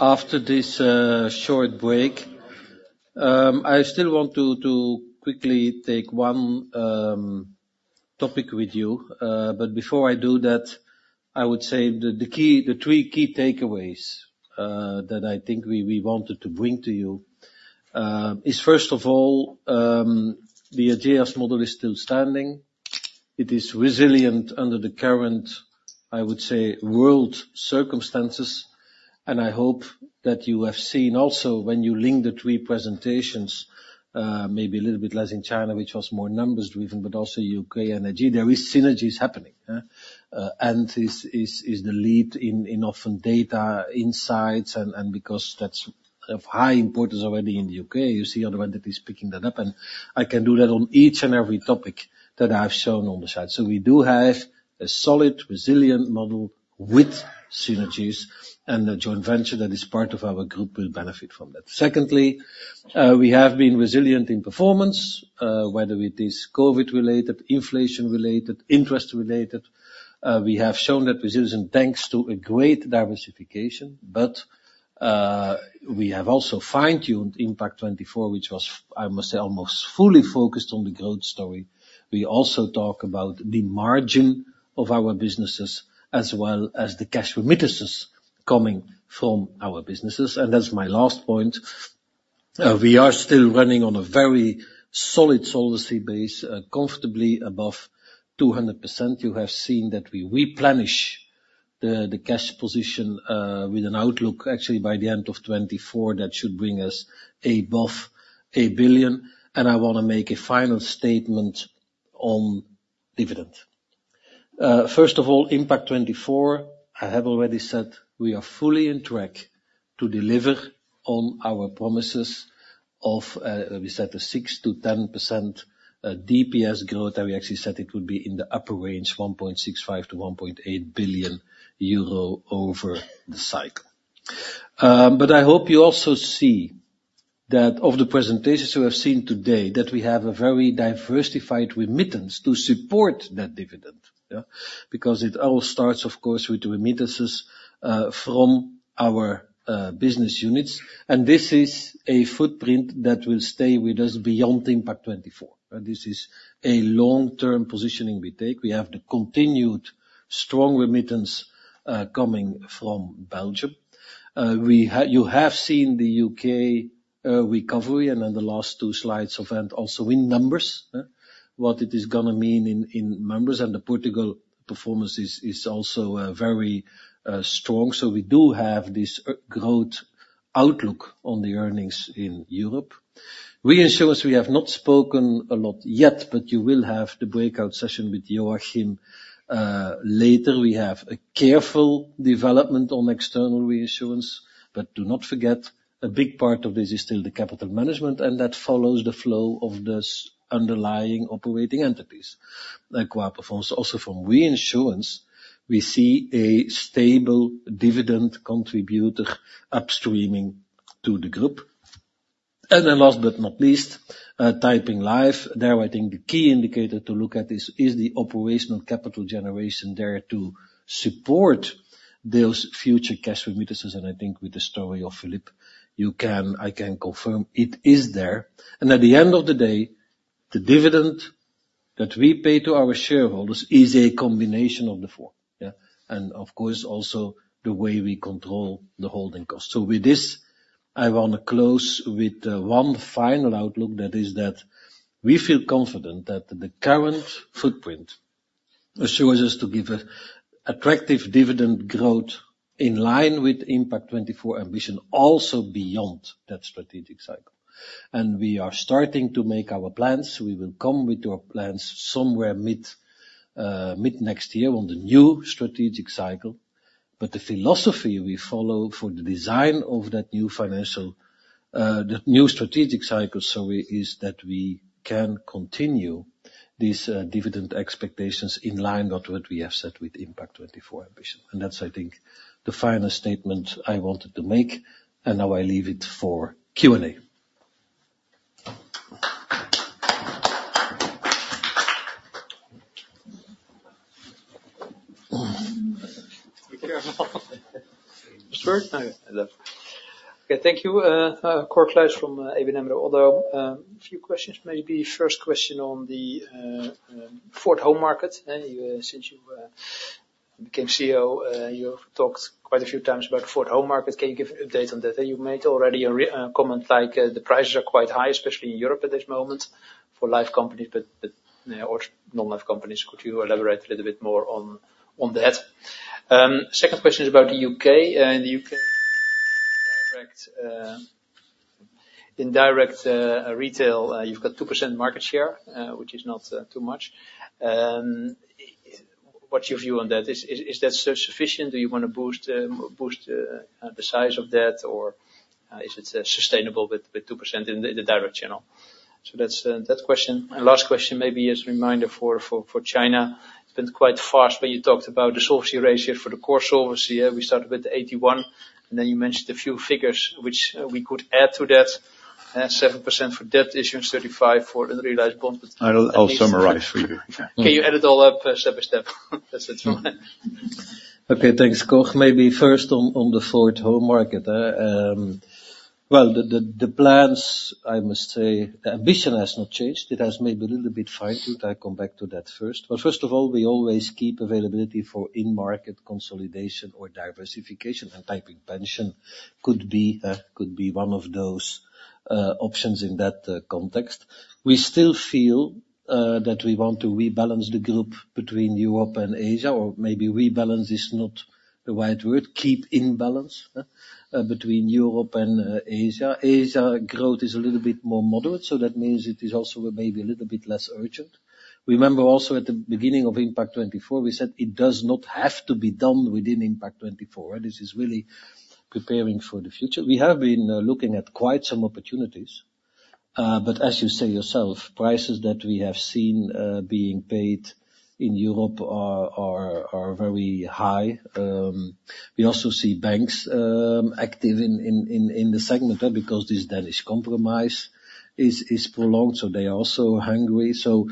after this short break. I still want to quickly take one topic with you. But before I do that, I would say that the key, the three key takeaways, that I think we wanted to bring to you, is first of all, the Ageas model is still standing. It is resilient under the current, I would say, world circumstances, and I hope that you have seen also, when you link the three presentations, maybe a little bit less in China, which was more numbers-driven, but also U.K. and AG, there is synergies happening, and is the lead in often data insights, and because that's of high importance already in the U.K., you see other entities picking that up. And I can do that on each and every topic that I've shown on the slide. So we do have a solid, resilient model with synergies, and the joint venture that is part of our group will benefit from that. Secondly, we have been resilient in performance, whether it is COVID-related, inflation-related, interest-related, we have shown that resilience, thanks to a great diversification. But, we have also fine-tuned Impact24, which was, I must say, almost fully focused on the growth story. We also talk about the margin of our businesses, as well as the cash remittances coming from our businesses. And that's my last point. We are still running on a very solid solvency base, comfortably above 200%. You have seen that we replenish the cash position, with an outlook, actually, by the end of 2024, that should bring us above 1 billion. And I wanna make a final statement on dividend. First of all, Impact24, I have already said we are fully on track to deliver on our promises of, we set a 6%-10% DPS growth. And we actually said it would be in the upper range, 1.65 billion-1.8 billion euro over the cycle. But I hope you also see that of the presentations you have seen today, that we have a very diversified remittance to support that dividend, yeah. Because it all starts, of course, with the remittances from our business units, and this is a footprint that will stay with us beyond Impact24. And this is a long-term positioning we take. We have the continued strong remittance coming from Belgium. You have seen the U.K. recovery, and in the last two slides of that, also in numbers, what it is gonna mean in numbers. And the Portugal performance is also very strong. So we do have this growth outlook on the earnings in Europe. Reinsurance, we have not spoken a lot yet, but you will have the breakout session with Joachim later. We have a careful development on external reinsurance, but do not forget, a big part of this is still the capital management, and that follows the flow of this underlying operating entities. Like, whoever performs also from reinsurance, we see a stable dividend contributor upstreaming to the group. And then last but not least, Taiping Life. There, I think the key indicator to look at is, is the operational capital generation there to support those future cash remittances. And I think with the story of Filip, you can- I can confirm it is there. And at the end of the day, the dividend that we pay to our shareholders is a combination of the four, yeah, and of course, also the way we control the holding cost. So with this, I wanna close with, one final outlook, that is that we feel confident that the current footprint assures us to give a attractive dividend growth in line with Impact24 ambition, also beyond that strategic cycle. And we are starting to make our plans. We will come with our plans somewhere mid, mid-next year on the new strategic cycle. But the philosophy we follow for the design of that new financial, the new strategic cycle, so is that we can continue these dividend expectations in line with what we have set with Impact24 ambition. And that's, I think, the final statement I wanted to make, and now I leave it for Q&A. Be careful. Okay, thank you, Cor Kluis from ABN AMRO. Although, a few questions, maybe first question on the home market. Since you became CEO, you have talked quite a few times about home market. Can you give an update on that? You've made already a recent comment, like, the prices are quite high, especially in Europe at this moment, for life companies, but, or non-life companies. Could you elaborate a little bit more on that? Second question is about the U.K. In the U.K., direct, indirect, retail, you've got 2% market share, which is not too much. What's your view on that? Is that still sufficient, or you wanna boost the size of that, or is it sustainable with 2% in the direct channel? So that's that question. And last question, maybe as a reminder for China, it's been quite fast, but you talked about the solvency ratio for the core solvency. We started with 81%, and then you mentioned a few figures which we could add to that. 7% for debt issuance, 35% for unrealized bonds- I'll summarize for you. Can you add it all up, step by step? That's it. Okay, thanks, Cor. Maybe first on the for the home market. Well, the plans, I must say, the ambition has not changed. It has maybe a little bit fine-tuned. I come back to that first. But first of all, we always keep availability for in-market consolidation or diversification, and Taiping Pension could be one of those options in that context. We still feel that we want to rebalance the group between Europe and Asia, or maybe rebalance is not the right word. Keep in balance between Europe and Asia. Asia, growth is a little bit more moderate, so that means it is also maybe a little bit less urgent. Remember, also, at the beginning of Impact24, we said it does not have to be done within Impact24, and this is really preparing for the future. We have been looking at quite some opportunities, but as you say yourself, prices that we have seen being paid in Europe are very high. We also see banks active in the segment, because this Danish compromise is prolonged, so they are also hungry. So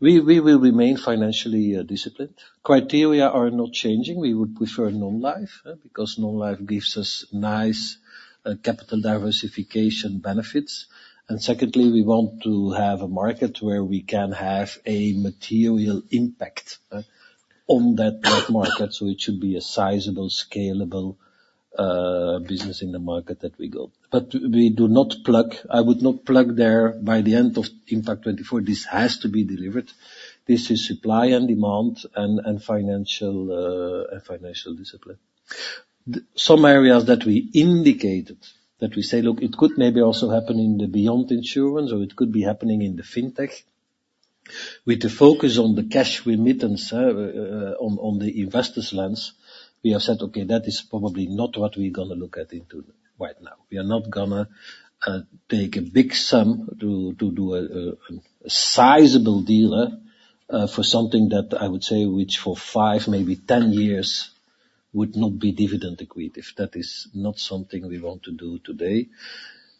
we will remain financially disciplined. Criteria are not changing. We would prefer non-life, because non-life gives us nice capital diversification benefits. And secondly, we want to have a market where we can have a material impact on that market. So it should be a sizable, scalable business in the market that we go. But we do not plug. I would not plug there by the end of Impact24, this has to be delivered. This is supply and demand and financial discipline. Some areas that we indicated, that we say, look, it could maybe also happen in the beyond insurance, or it could be happening in the fintech. With the focus on the cash remittance, on the investors' lens, we have said, "Okay, that is probably not what we're gonna look at into right now." We are not gonna take a big sum to do a sizable deal for something that I would say, which for five, maybe 10 years, would not be dividend accretive. That is not something we want to do today.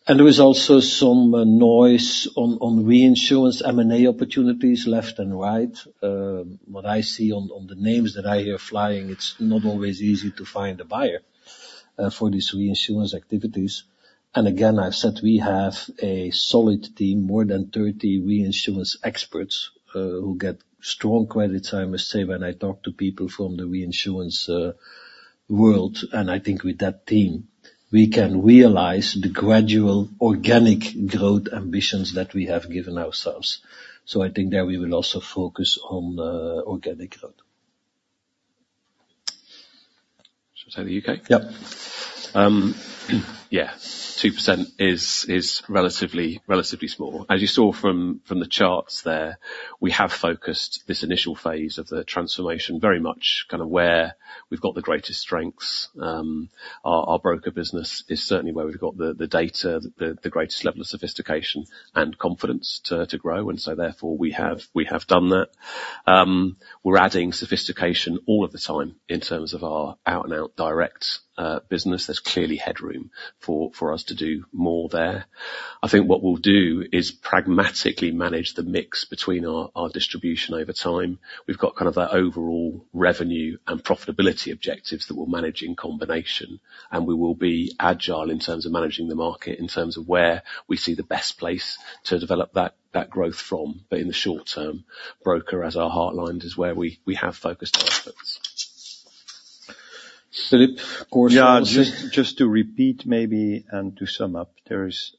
And there is also some noise on reinsurance, M&A opportunities, left and right. What I see on the names that I hear flying, it's not always easy to find a buyer for these reinsurance activities. And again, I've said we have a solid team, more than 30 reinsurance experts, who get strong credits, I must say, when I talk to people from the reinsurance world. And I think with that team, we can realize the gradual organic growth ambitions that we have given ourselves. So I think there we will also focus on organic growth. Should I say the U.K.? Yep. Yeah, 2% is relatively small. As you saw from the charts there, we have focused this initial phase of the transformation very much kind of where we've got the greatest strengths. Our broker business is certainly where we've got the data, the greatest level of sophistication and confidence to grow, and so therefore, we have done that. We're adding sophistication all of the time in terms of our out-and-out direct business. There's clearly headroom for us to do more there. I think what we'll do is pragmatically manage the mix between our distribution over time. We've got kind of that overall revenue and profitability objectives that we'll manage in combination, and we will be agile in terms of managing the market, in terms of where we see the best place to develop that, that growth from. But in the short term, broker, as our heartline, is where we, we have focused our efforts. Philippe, of course- Yeah, just to repeat maybe and to sum up, there is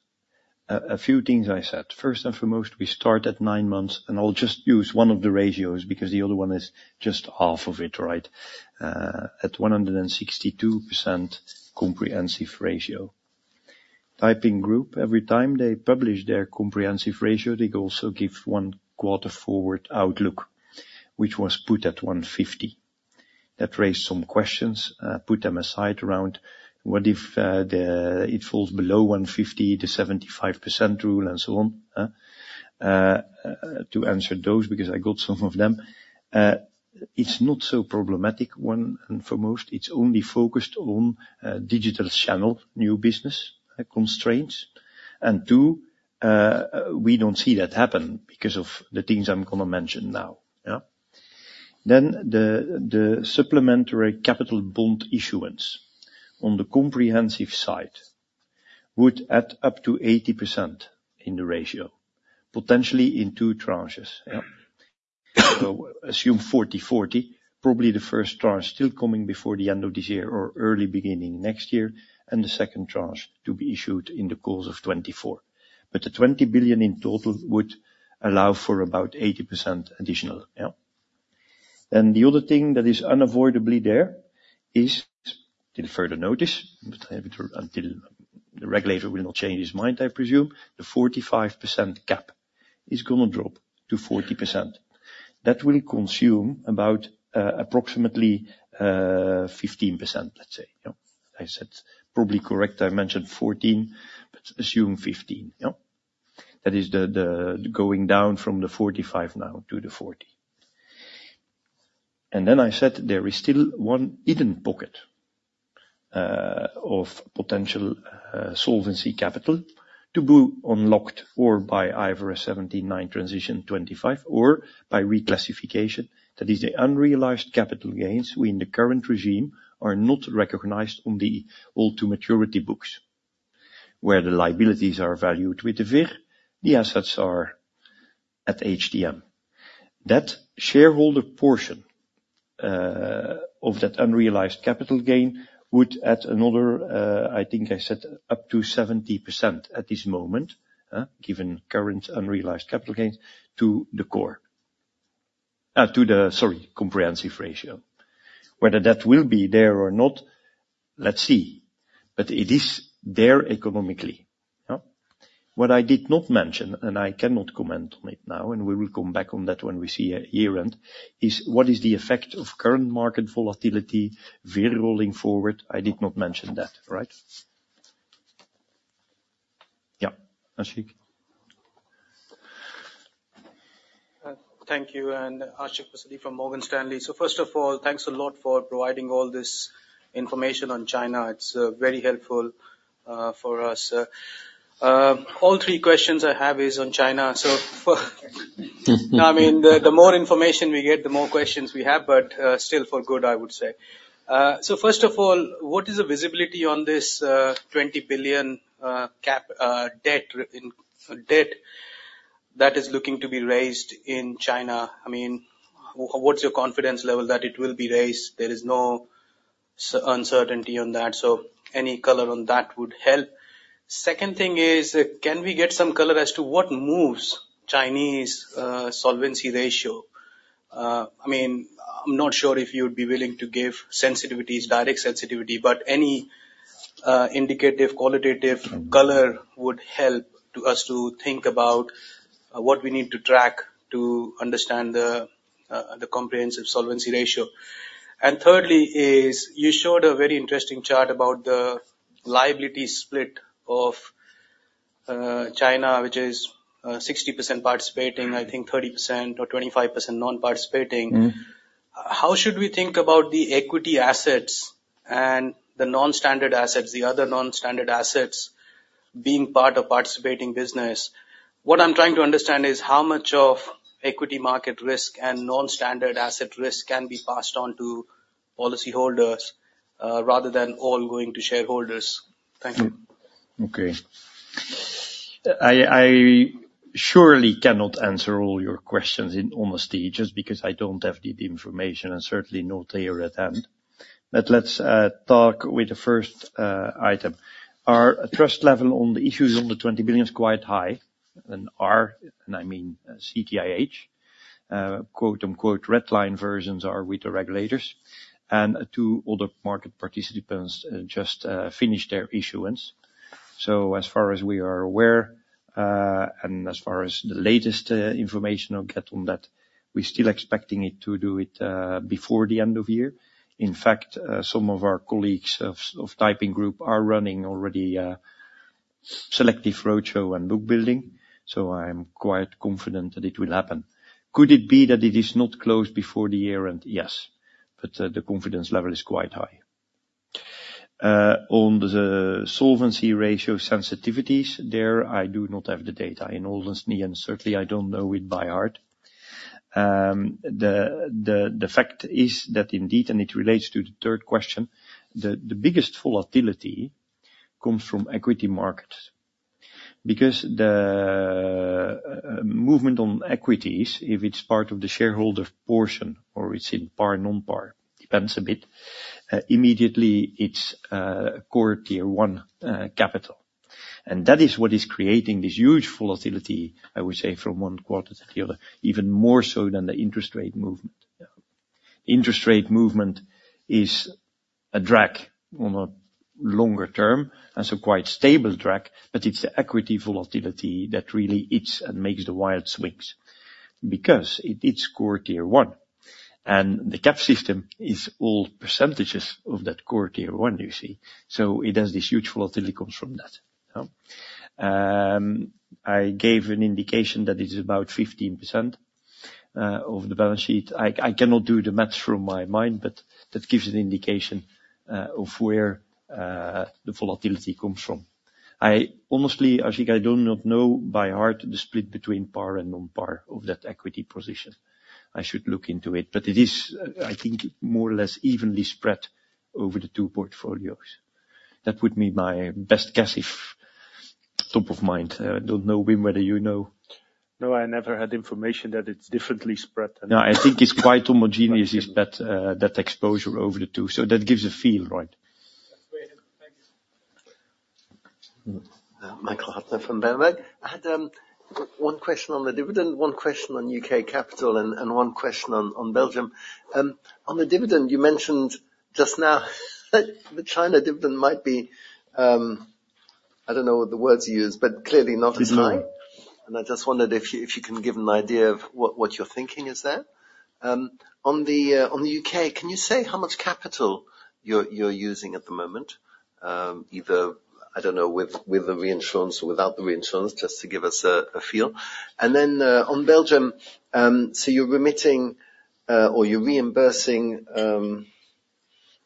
a few things I said. First and foremost, we start at nine months, and I'll just use one of the ratios, because the other one is just half of it, right? At 162% comprehensive ratio. Taiping Group, every time they publish their comprehensive ratio, they also give one quarter forward outlook, which was put at 150%. That raised some questions, put them aside around what if the it falls below 150%, the 75% rule and so on. To answer those, because I got some of them, it's not so problematic. One, and foremost, it's only focused on digital channel, new business constraints. And two, we don't see that happen because of the things I'm gonna mention now. Yeah. Then the supplementary capital bond issuance on the comprehensive side would add up to 80% in the ratio, potentially in two tranches. So assume 40%-40%, probably the first tranche still coming before the end of this year or early beginning next year, and the second tranche to be issued in the course of 2024. But the 20 billion in total would allow for about 80% additional. Yeah. Then the other thing that is unavoidably there is the further notice, until the regulator will not change his mind, I presume, the 45% cap is gonna drop to 40%. That will consume about, approximately, 15%, let's say. Yeah. I said, probably correct, I mentioned 14%, but assume 15%. Yeah. That is the going down from the 45% now to the 40%. And then I said there is still one hidden pocket of potential solvency capital to be unlocked or by IFRS 17 transition, or by reclassification. That is the unrealized capital gains within the current regime are not recognized on the held to maturity books, where the liabilities are valued with the VIR, the assets are at HTM. That shareholder portion of that unrealized capital gain would add another, I think I said up to 70% at this moment, given current unrealized capital gains to the core. To the, sorry, comprehensive ratio. Whether that will be there or not, let's see. But it is there economically, yeah? What I did not mention, and I cannot comment on it now, and we will come back on that when we see a year-end, is what is the effect of current market volatility, very rolling forward? I did not mention that, right? Yeah, Ashik. Thank you, and Ashik Musaddi from Morgan Stanley. So first of all, thanks a lot for providing all this information on China. It's very helpful for us. All three questions I have is on China. So no, I mean, the more information we get, the more questions we have, but still for good, I would say. So first of all, what is the visibility on this 20 billion cap debt in debt that is looking to be raised in China? I mean, what's your confidence level that it will be raised? There is no uncertainty on that, so any color on that would help. Second thing is, can we get some color as to what moves Chinese solvency ratio? I mean, I'm not sure if you'd be willing to give sensitivity, static sensitivity, but any, indicative, qualitative color would help to us to think about, what we need to track to understand the, the comprehensive solvency ratio. And thirdly, is you showed a very interesting chart about the liability split of, China, which is, 60% participating, I think 30% or 25% non-participating. How should we think about the equity assets and the non-standard assets, the other non-standard assets, being part of participating business? What I'm trying to understand is how much of equity market risk and non-standard asset risk can be passed on to policyholders, rather than all going to shareholders. Thank you. Okay. I surely cannot answer all your questions in honesty, just because I don't have the information, and certainly not here at hand. But let's talk with the first item. Our trust level on the issues on the 20 billion is quite high, and our, and I mean, CTIH, quote, unquote, "red line versions" are with the regulators, and two other market participants just finished their issuance. So as far as we are aware, and as far as the latest information I'll get on that, we're still expecting it to do it before the end of year. In fact, some of our colleagues of Taiping Group are running already a selective roadshow and book building, so I'm quite confident that it will happen. Could it be that it is not closed before the year-end? Yes, but, the confidence level is quite high. On the solvency ratio sensitivities there, I do not have the data. In all honesty, and certainly I don't know it by heart. The fact is that indeed, and it relates to the third question, the biggest volatility comes from equity markets. Because the movement on equities, if it's part of the shareholder portion or it's in par, non-par, depends a bit, immediately it's core Tier One capital. And that is what is creating this huge volatility, I would say, from one quarter to the other, even more so than the interest rate movement. Interest rate movement is a drag on a longer term, and so quite stable drag, but it's the equity volatility that really hits and makes the wild swings. Because it hits core Tier 1, and the cap system is all percentages of that core Tier 1, you see? So it has this huge volatility comes from that. I gave an indication that it is about 15% of the balance sheet. I, I cannot do the math from my mind, but that gives an indication of where the volatility comes from. I honestly, Ashik, I do not know by heart the split between par and non-par of that equity position. I should look into it, but it is, I think, more or less evenly spread over the two portfolios. That would be my best guess if top of mind. I don't know, Wim, whether you know. No, I never had information that it's differently spread. No, I think it's quite homogeneous. Absolutely. Is that, that exposure over the two. So that gives a feel, right? Michael Huttner from Berenberg. I had one question on the dividend, one question on U.K. capital, and one question on Belgium. On the dividend, you mentioned just now that the China dividend might be, I don't know what the words you used, but clearly not as high. I just wondered if you can give an idea of what your thinking is there? On the U.K., can you say how much capital you're using at the moment either, I don't know, with, with the reinsurance or without the reinsurance, just to give us a, a feel. And then, on Belgium, so you're remitting, or you're reimbursing...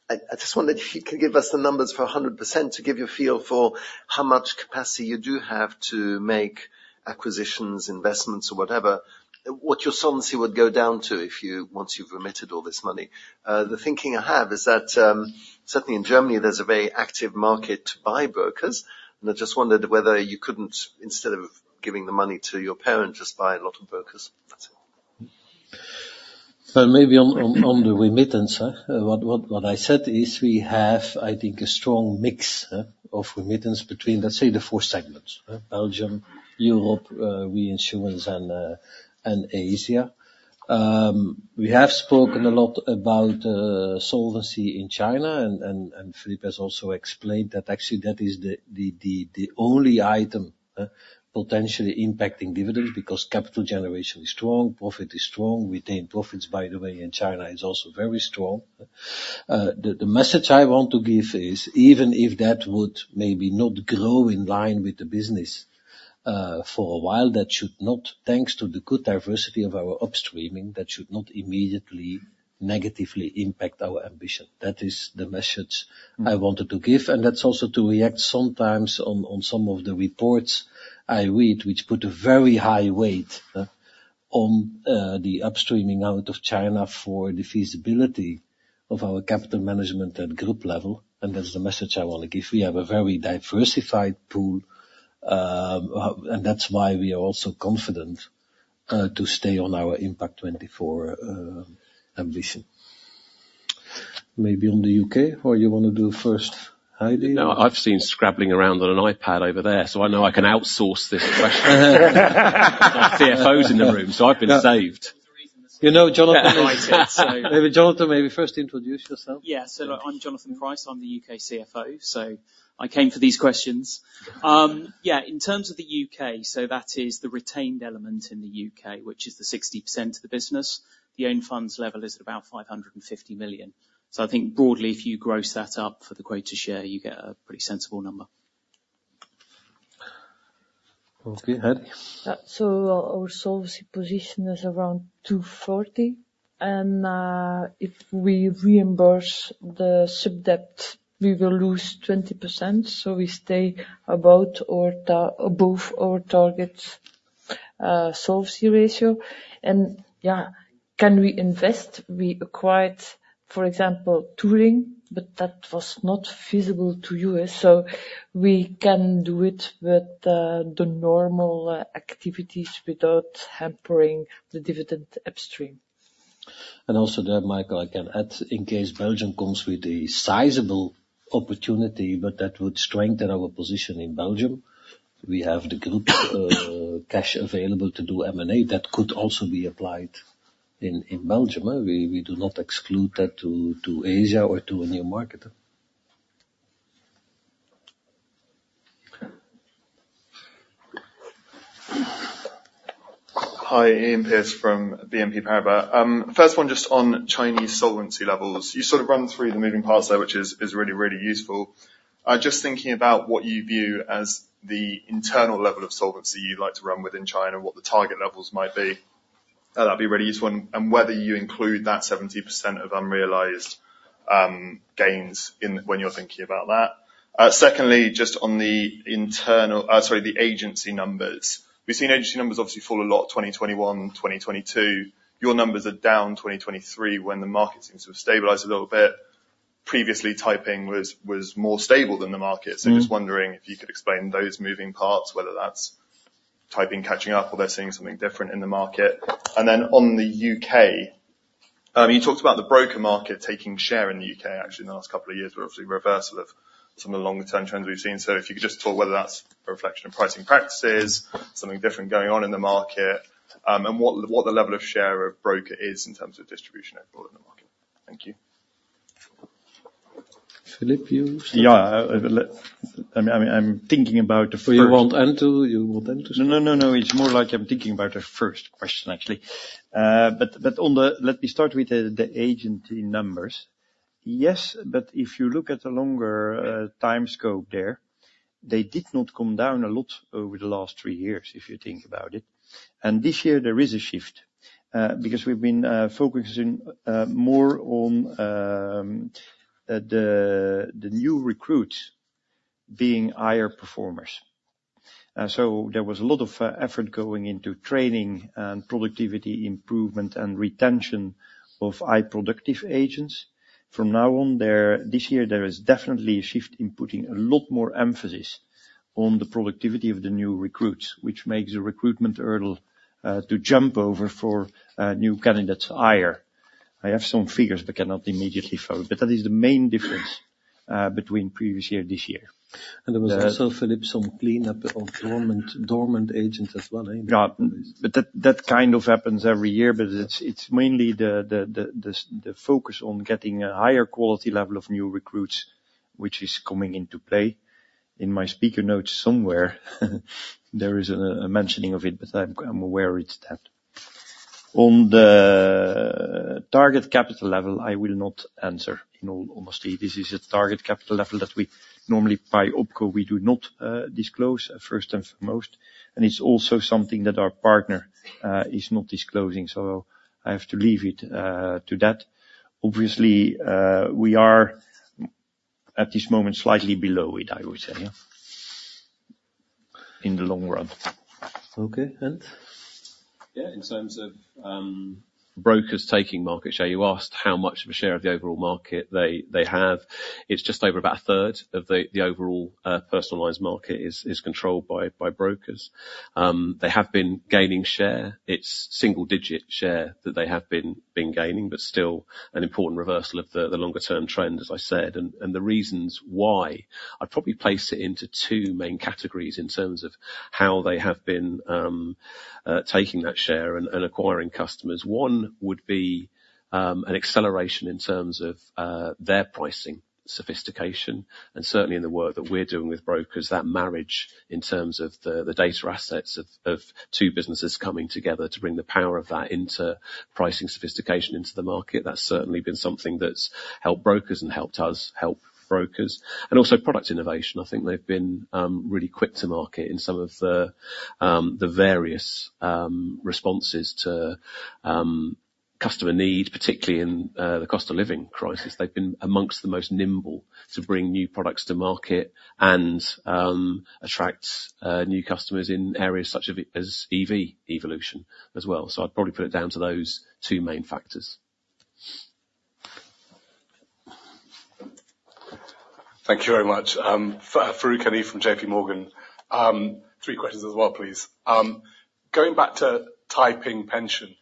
I, I just wondered if you could give us the numbers for 100% to give you a feel for how much capacity you do have to make acquisitions, investments, or whatever. What your solvency would go down to if you-- once you've remitted all this money. The thinking I have is that, certainly in Germany, there's a very active market to buy brokers, and I just wondered whether you couldn't, instead of giving the money to your parent, just buy a lot of brokers. That's it. Well, maybe on the remittance. What I said is we have, I think, a strong mix of remittance between, let's say, the four segments: Belgium, Europe, reinsurance, and Asia. We have spoken a lot about solvency in China, and Philippe has also explained that actually that is the only item potentially impacting dividends, because capital generation is strong, profit is strong. Retained profits, by the way, in China, is also very strong. The message I want to give is, even if that would maybe not grow in line with the business for a while, that should not, thanks to the good diversity of our upstreaming, that should not immediately negatively impact our ambition. That is the message I wanted to give, and that's also to react sometimes on some of the reports I read, which put a very high weight on the upstreaming out of China for the feasibility of our capital management at group level, and that's the message I want to give. We have a very diversified pool, and that's why we are also confident to stay on our Impact24 ambition. Maybe on the U.K., or you wanna do first, Heidi? No, I've seen scribbling around on an iPad over there, so I know I can outsource this question. CFOs in the room, so I've been saved. You know, Jonathan. Maybe Jonathan, maybe first introduce yourself. Yes. So I'm Jonathan Price. I'm the U.K. CFO, so I came for these questions. Yeah, in terms of the U.K., so that is the retained element in the U.K., which is the 60% of the business. The own funds level is at about 550 million. So I think broadly, if you gross that up for the greater share, you get a pretty sensible number. Okay, Heidi. So our solvency position is around 240, and if we reimburse the sub-debt, we will lose 20%, so we stay about 200 above our target solvency ratio. Yeah, can we invest? We acquired, for example, Touring, but that was not feasible to us. So we can do it with the normal activities without hampering the dividend upstream. Also there, Michael, I can add, in case Belgium comes with a sizable opportunity, but that would strengthen our position in Belgium. We have the group cash available to do M&A. That could also be applied in Belgium. We do not exclude that to Asia or to a new market. Hi, Iain Pearce from BNP Paribas. First one, just on Chinese solvency levels. You sort of run through the moving parts there, which is really, really useful. Just thinking about what you view as the internal level of solvency you'd like to run within China and what the target levels might be, that'd be really useful, and whether you include that 70% of unrealized gains in when you're thinking about that. Secondly, just on the internal... Sorry, the agency numbers. We've seen agency numbers obviously fall a lot, 2021, 2022. Your numbers are down 2023, when the market seems to have stabilized a little bit. Previously, Taiping was more stable than the market. So just wondering if you could explain those moving parts, whether that's Taiping catching up or they're seeing something different in the market. And then on the U.K., you talked about the broker market taking share in the U.K., actually, in the last couple of years, but obviously, reversal of some of the longer-term trends we've seen. So if you could just talk whether that's a reflection of pricing practices, something different going on in the market, and what the level of share of broker is in terms of distribution overall in the market. Thank you. Philippe, you? Yeah. I mean, I mean, I'm thinking about the first- So you want Ant? You want Ant to start? No, no, no, it's more like I'm thinking about the first question, actually. But, but on the... Let me start with the agency numbers. Yes, but if you look at the longer time scope there, they did not come down a lot over the last three years, if you think about it. And this year there is a shift, because we've been focusing more on the new recruits being higher performers. So there was a lot of effort going into training and productivity improvement and retention of high productive agents. This year, there is definitely a shift in putting a lot more emphasis on the productivity of the new recruits, which makes the recruitment hurdle to jump over for new candidates higher.I have some figures, but cannot immediately follow, but that is the main difference between previous year and this year. There was also, Philippe, some cleanup of dormant agents as well, eh? Yeah. But that kind of happens every year, but it's mainly the focus on getting a higher quality level of new recruits, which is coming into play. In my speaker notes somewhere, there is a mentioning of it, but I'm aware it's that. On the target capital level, I will not answer. In all honesty, this is a target capital level that we normally, by opco, we do not disclose, first and foremost, and it's also something that our partner is not disclosing, so I have to leave it to that. Obviously, we are at this moment, slightly below it, I would say, yeah, in the long run. Okay, Ant? Yeah, in terms of, brokers taking market share, you asked how much of a share of the overall market they have. It's just over about a third of the overall personalized market is controlled by brokers. They have been gaining share. It's single digit share that they have been gaining, but still an important reversal of the longer-term trend, as I said. And the reasons why, I'd probably place it into two main categories in terms of how they have been taking that share and acquiring customers. One would be an acceleration in terms of their pricing sophistication, and certainly in the work that we're doing with brokers, that marriage in terms of the, the data assets of, of two businesses coming together to bring the power of that into pricing sophistication into the market. That's certainly been something that's helped brokers and helped us help brokers. And also product innovation. I think they've been really quick to market in some of the, the various, responses to customer need, particularly in the cost of living crisis. They've been among the most nimble to bring new products to market and attract new customers in areas such as EV evolution as well. So I'd probably put it down to those two main factors. Thank you very much. Farooq Hanif from JPMorgan. Three questions as well, please. Going back to Taiping Pension.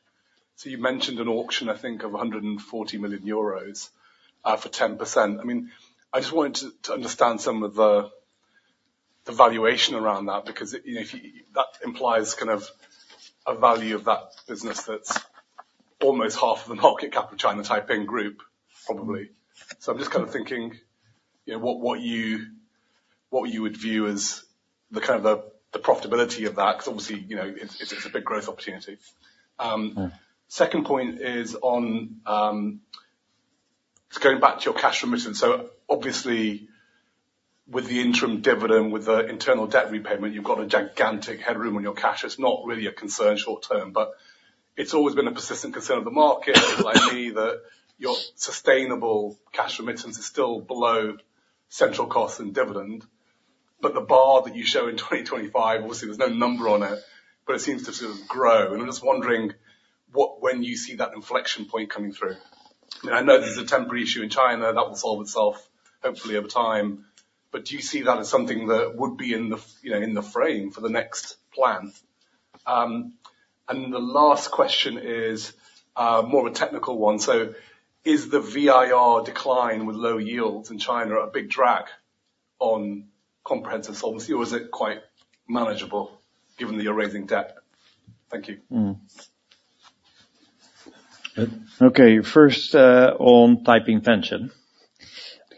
So you mentioned an auction, I think, of 140 million euros for 10%. I mean, I just wanted to understand some of the valuation around that, because, you know, if you-- that implies kind of a value of that business that's almost half of the market cap of China Taiping Group, probably. So I'm just kind of thinking, you know, what, what you, what you would view as the kind of the profitability of that, 'cause obviously, you know, it's a big growth opportunity. Second point is on. It's going back to your cash remittance. So obviously, with the interim dividend, with the internal debt repayment, you've got a gigantic headroom on your cash. It's not really a concern short term, but it's always been a persistent concern of the market, like me, that your sustainable cash remittance is still below central costs and dividend. But the bar that you show in 2025, obviously, there's no number on it, but it seems to sort of grow. And I'm just wondering, when you see that inflection point coming through? I know there's a temporary issue in China that will solve itself, hopefully over time, but do you see that as something that would be in the, you know, in the frame for the next plan? The last question is, more of a technical one: so is the VIR decline with low yields in China a big drag on comprehensive solvency, or is it quite manageable given that you're raising debt? Thank you. Okay, first, on Taiping Pension.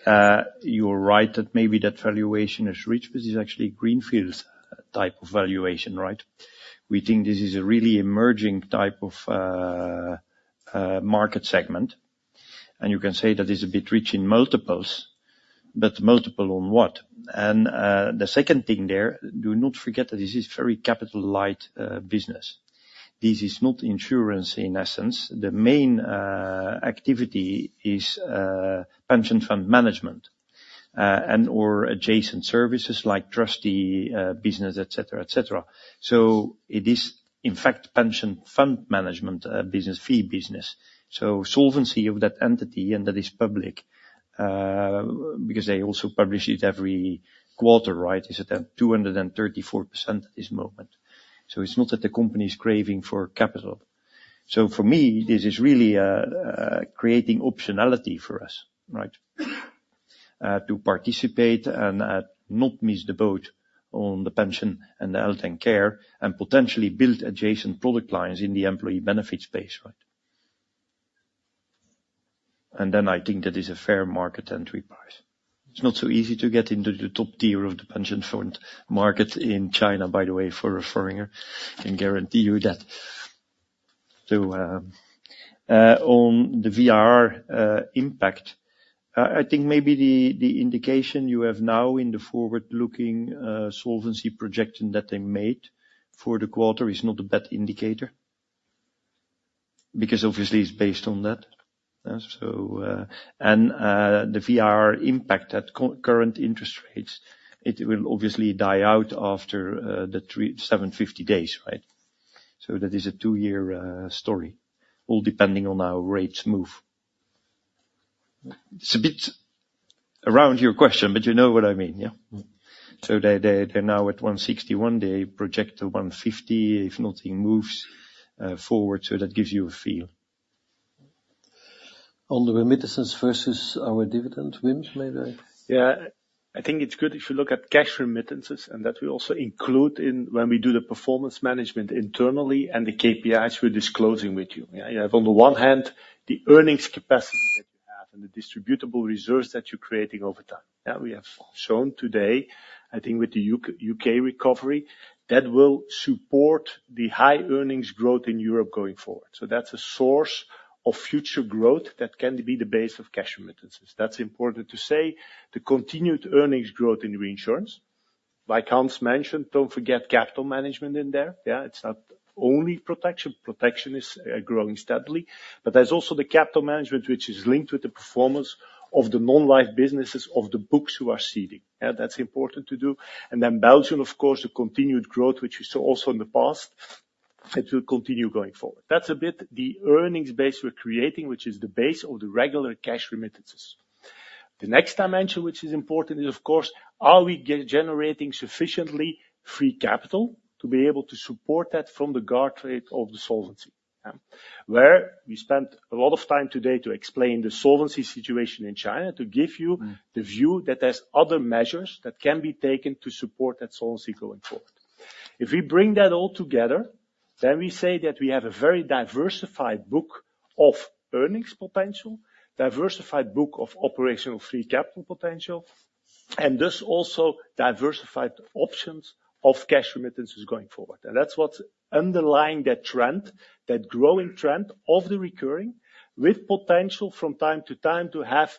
You're right that maybe that valuation is rich, but this is actually greenfields type of valuation, right? We think this is a really emerging type of market segment, and you can say that it's a bit rich in multiples, but multiple on what? And the second thing there, do not forget that this is very capital-light business. This is not insurance in essence. The main activity is pension fund management and/or adjacent services like trustee business, et cetera, et cetera. So it is, in fact, pension fund management business, fee business. So solvency of that entity, and that is public because they also publish it every quarter, right? It's at 234% at this moment. So it's not that the company is craving for capital. So for me, this is really creating optionality for us, right? To participate and not miss the boat on the pension and the health and care, and potentially build adjacent product lines in the employee benefit space, right? And then I think that is a fair market entry price. It's not so easy to get into the top tier of the pension fund market in China, by the way, for a foreigner. I can guarantee you that. So, on the VIR impact, I think maybe the indication you have now in the forward-looking solvency projection that they made for the quarter is not a bad indicator, because obviously it's based on that. So, the VIR impact at current interest rates will obviously die out after the 357 days, right? So that is a two-year story, all depending on how rates move. It's a bit around your question, but you know what I mean, yeah. So they, they're now at 161. They project to 150 if nothing moves forward, so that gives you a feel. On the remittances versus our dividend, Wim, maybe? Yeah. I think it's good if you look at cash remittances, and that we also include in when we do the performance management internally and the KPIs we're disclosing with you. Yeah. You have, on the one hand, the earnings capacity and the distributable reserves that you're creating over time. That we have shown today, I think with the U.K., U.K. recovery, that will support the high earnings growth in Europe going forward. So that's a source of future growth that can be the base of cash remittances. That's important to say. The continued earnings growth in reinsurance, like Hans mentioned, don't forget capital management in there. Yeah, it's not only protection. Protection is, growing steadily, but there's also the capital management, which is linked with the performance of the non-life businesses of the books who are ceding. Yeah, that's important to do. And then Belgium, of course, the continued growth, which we saw also in the past, it will continue going forward. That's a bit the earnings base we're creating, which is the base of the regular cash remittances. The next dimension, which is important, is of course, are we generating sufficiently free capital to be able to support that from the guard trade of the solvency? Where we spent a lot of time today to explain the solvency situation in China, to give you the view that there's other measures that can be taken to support that solvency going forward. If we bring that all together, then we say that we have a very diversified book of earnings potential, diversified book of operational free capital potential, and thus also diversified options of cash remittances going forward. And that's what's underlying that trend, that growing trend of the recurring, with potential from time to time to have,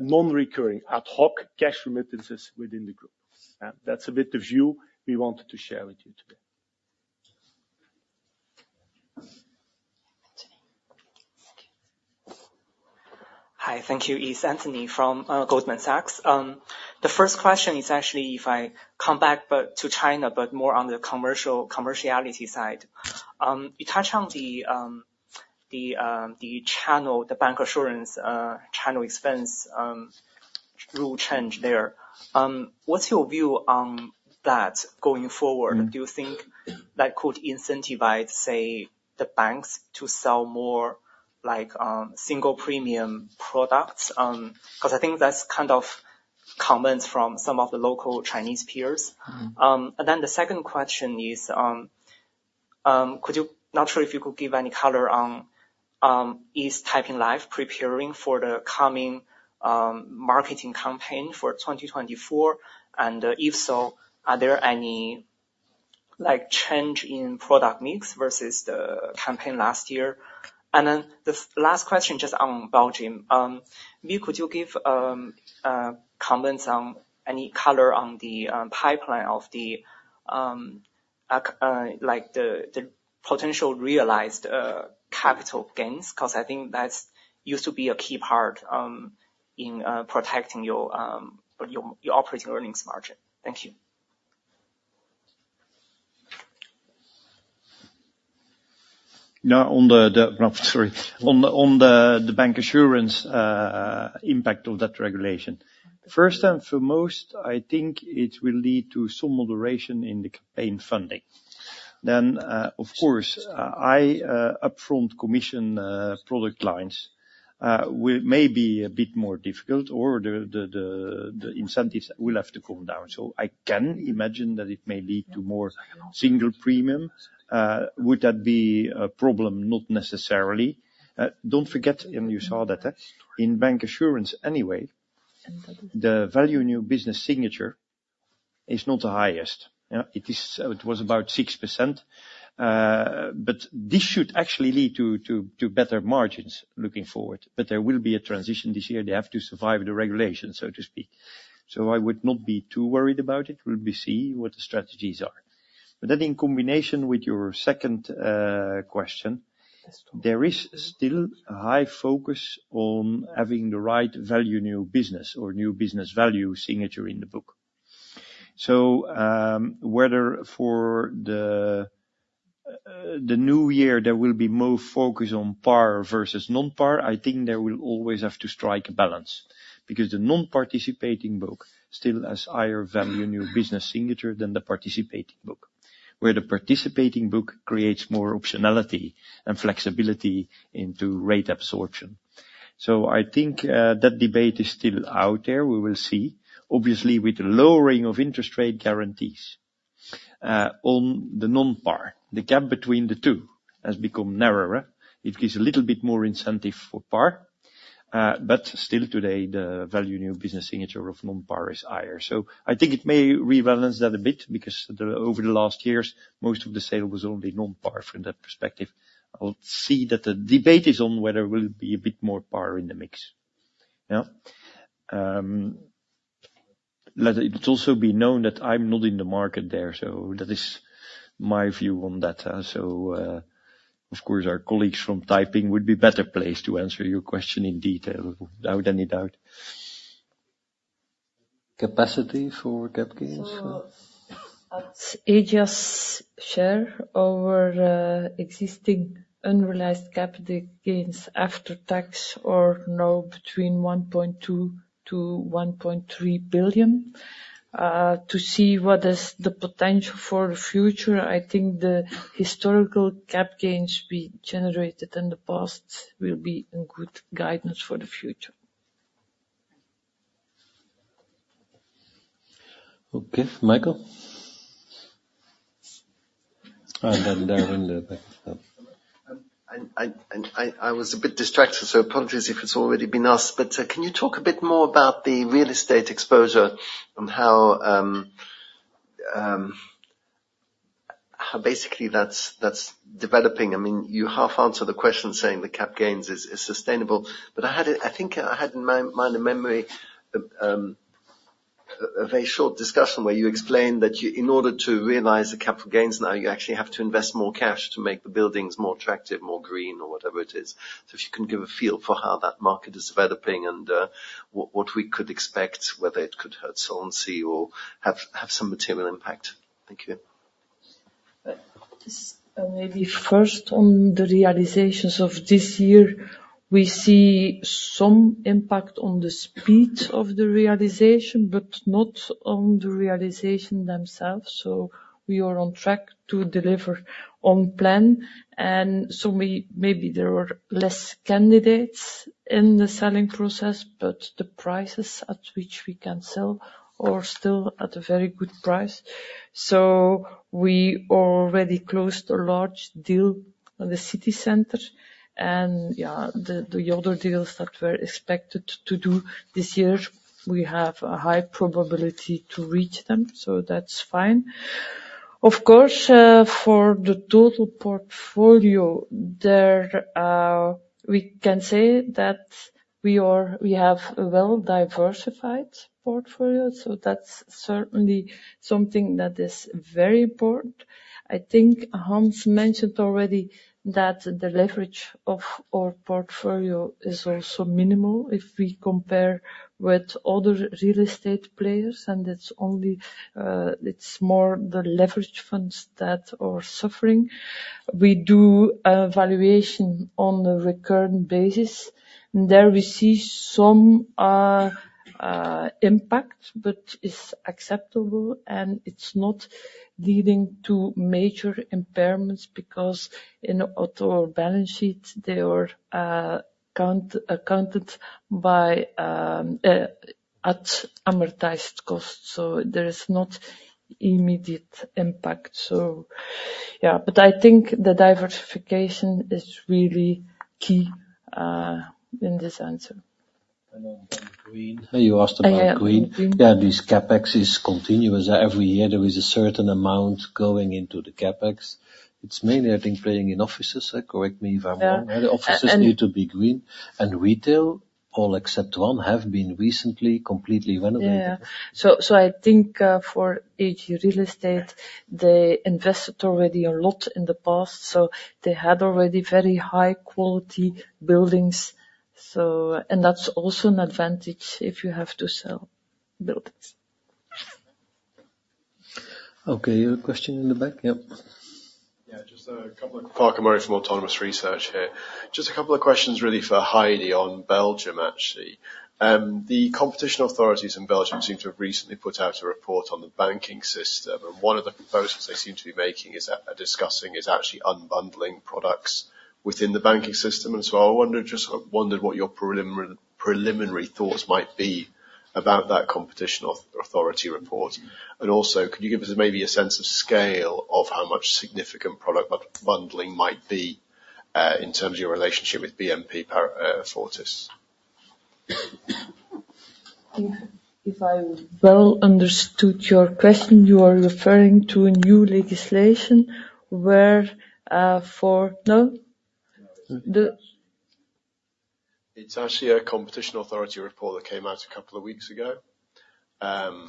non-recurring, ad hoc cash remittances within the group. That's a bit of view we wanted to share with you today. Hi. Thank you, it's Anthony from Goldman Sachs. The first question is actually, if I come back but to China, but more on the commercial, commerciality side. You touch on the, the channel, the bancassurance, channel expense, rule change there. What's your view on that going forward? Do you think that could incentivize, say, the banks to sell more like, single premium products? 'Cause I think that's kind of comments from some of the local Chinese peers. And then the second question is, could you... Not sure if you could give any color on, is Taiping Life preparing for the coming marketing campaign for 2024? And, if so, are there any, like, change in product mix versus the campaign last year? And then the last question, just on Belgium. Could you give comments on any color on the pipeline of the, like, the potential realized capital gains? 'Cause I think that's used to be a key part, in protecting your operating earnings margin. Thank you. Now, on the bancassurance impact of that regulation. First and foremost, I think it will lead to some moderation in the campaign funding. Then, of course, I upfront commission product lines will may be a bit more difficult or the incentives will have to come down. So I can imagine that it may lead to more single premium. Would that be a problem? Not necessarily. Don't forget, and you saw that, in bancassurance anyway, the Value of New Business signature is not the highest. Yeah, it is, it was about 6%, but this should actually lead to better margins looking forward. But there will be a transition this year. They have to survive the regulation, so to speak. So I would not be too worried about it. We'll be seeing what the strategies are. But then in combination with your second question, there is still a high focus on having the right value new business or new business value signature in the book. So, whether for the new year, there will be more focus on par versus non-par, I think there will always have to strike a balance. Because the non-participating book still has higher Value of New Business signature than the participating book, where the participating book creates more optionality and flexibility into rate absorption. So I think, that debate is still out there. We will see. Obviously, with the lowering of interest rate guarantees, on the non-par, the gap between the two has become narrower. It gives a little bit more incentive for par, but still today, the Value of New Business signature of non-par is higher. So I think it may rebalance that a bit because over the last years, most of the sale was only non-par from that perspective. I'll see that the debate is on whether it will be a bit more par in the mix. Yeah. Let it also be known that I'm not in the market there, so that is my view on that. Of course, our colleagues from Taiping would be better placed to answer your question in detail, without any doubt. Capacity for cap gains? So Ageas share over existing unrealized capital gains after tax are now between 1.2 billion-1.3 billion. To see what is the potential for the future, I think the historical cap gains we generated in the past will be a good guidance for the future. Okay, Michael? And then, there in the back. I was a bit distracted, so apologies if it's already been asked, but can you talk a bit more about the real estate exposure and how basically that's developing? I mean, you half answered the question saying the cap gains is sustainable, but I had it—I think I had in my mind and memory a very short discussion where you explained that you, in order to realize the capital gains, now you actually have to invest more cash to make the buildings more attractive, more green, or whatever it is. So if you can give a feel for how that market is developing and what we could expect, whether it could hurt solvency or have some material impact. Thank you. This, maybe first on the realizations of this year, we see some impact on the speed of the realization, but not on the realization themselves. So we are on track to deliver on plan, and so maybe there were less candidates in the selling process, but the prices at which we can sell are still at a very good price. So we already closed a large deal on the city center, and, yeah, the other deals that were expected to do this year, we have a high probability to reach them, so that's fine. Of course, for the total portfolio, we can say that we have a well-diversified portfolio, so that's certainly something that is very important. I think Hans mentioned already that the leverage of our portfolio is also minimal if we compare with other real estate players, and it's only, it's more the leverage funds that are suffering. We do valuation on a recurrent basis. There we see some impact, but it's acceptable, and it's not leading to major impairments because in total balance sheet, they were accounted by at amortized costs, so there is not immediate impact. So yeah, but I think the diversification is really key in this answer. And then green. You asked about green. Yeah, green. Yeah, these CapEx is continuous. Every year, there is a certain amount going into the CapEx. It's mainly, I think, playing in offices, correct me if I'm wrong. Yeah. The offices need to be green, and retail, all except one, have been recently completely renovated. Yeah. So, so I think, for AG Real Estate, they invested already a lot in the past, so they had already very high-quality buildings, so... And that's also an advantage if you have to sell buildings. Okay, you had a question in the back? Yep. Yeah, just a couple of... Farquhar Murray from Autonomous Research here. Just a couple of questions, really, for Heidi on Belgium, actually. The competition authorities in Belgium seem to have recently put out a report on the banking system, and one of the proposals they seem to be making is that discussing is actually unbundling products within the banking system. So I wonder, just wondered what your preliminary thoughts might be about that competition authority report. And also, could you give us maybe a sense of scale of how much significant product bundling might be in terms of your relationship with BNP Paribas Fortis? If I well understood your question, you are referring to a new legislation where... No? The- It's actually a competition authority report that came out a couple of weeks ago,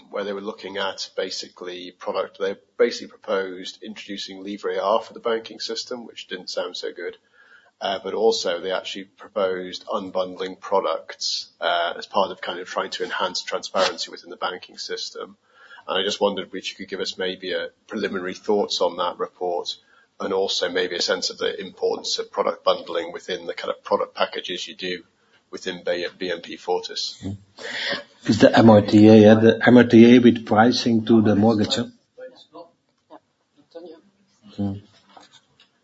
where they were looking at basically product. They basically proposed introducing Livret A for the banking system, which didn't sound so good, but also they actually proposed unbundling products, as part of kind of trying to enhance transparency within the banking system. And I just wondered whether you could give us maybe, preliminary thoughts on that report, and also maybe a sense of the importance of product bundling within the kind of product packages you do within BNP Paribas Fortis. It's the MRTA, yeah, the MRTA with pricing to the mortgagor. Yeah.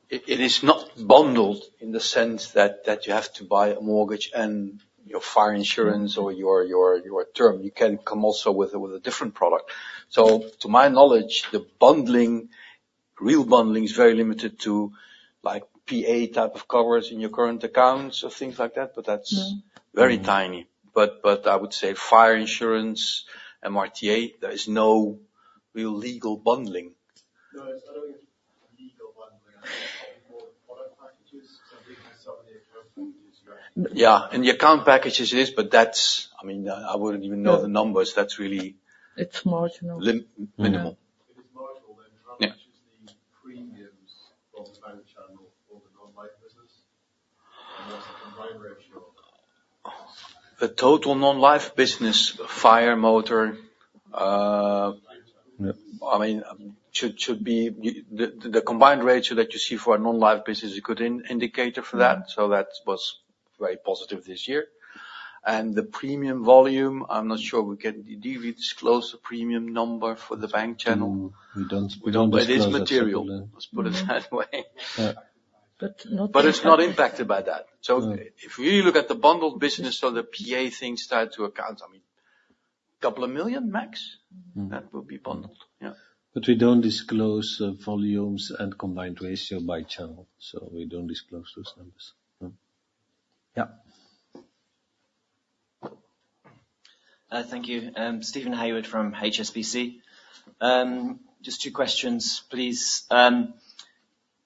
It is not bundled in the sense that you have to buy a mortgage and your fire insurance or your term. You can come also with a different product. So to my knowledge, the bundling, real bundling is very limited to like PA type of covers in your current accounts or things like that, but that's- Yeah... very tiny. But I would say fire insurance, MRTA, there is no real legal bundling. No, it's not only legal bundling, more product packages, so we can sell the account packages. Yeah, and the account packages is, but that's... I mean, I wouldn't even know the numbers. That's really- It's marginal... minimal. It is marginal, then- Yeah... how much is the premiums from bank channel for the non-life business? And what's the combined ratio of that? The total non-life business, fire, motor- Yeah... I mean, should be the combined ratio that you see for a non-life business is a good indicator for that. So that was very positive this year. And the premium volume, I'm not sure we can disclose the premium number for the bank channel. No, we don't disclose. We don't. But it is material, let's put it that way. ... But it's not impacted by that. So if you look at the bundled business or the PA things start to account, I mean, 2 million max. That will be bundled, yeah. But we don't disclose volumes and Combined Ratio by channel, so we don't disclose those numbers. No. Yeah. Thank you. Steven Haywood from HSBC. Just two questions, please.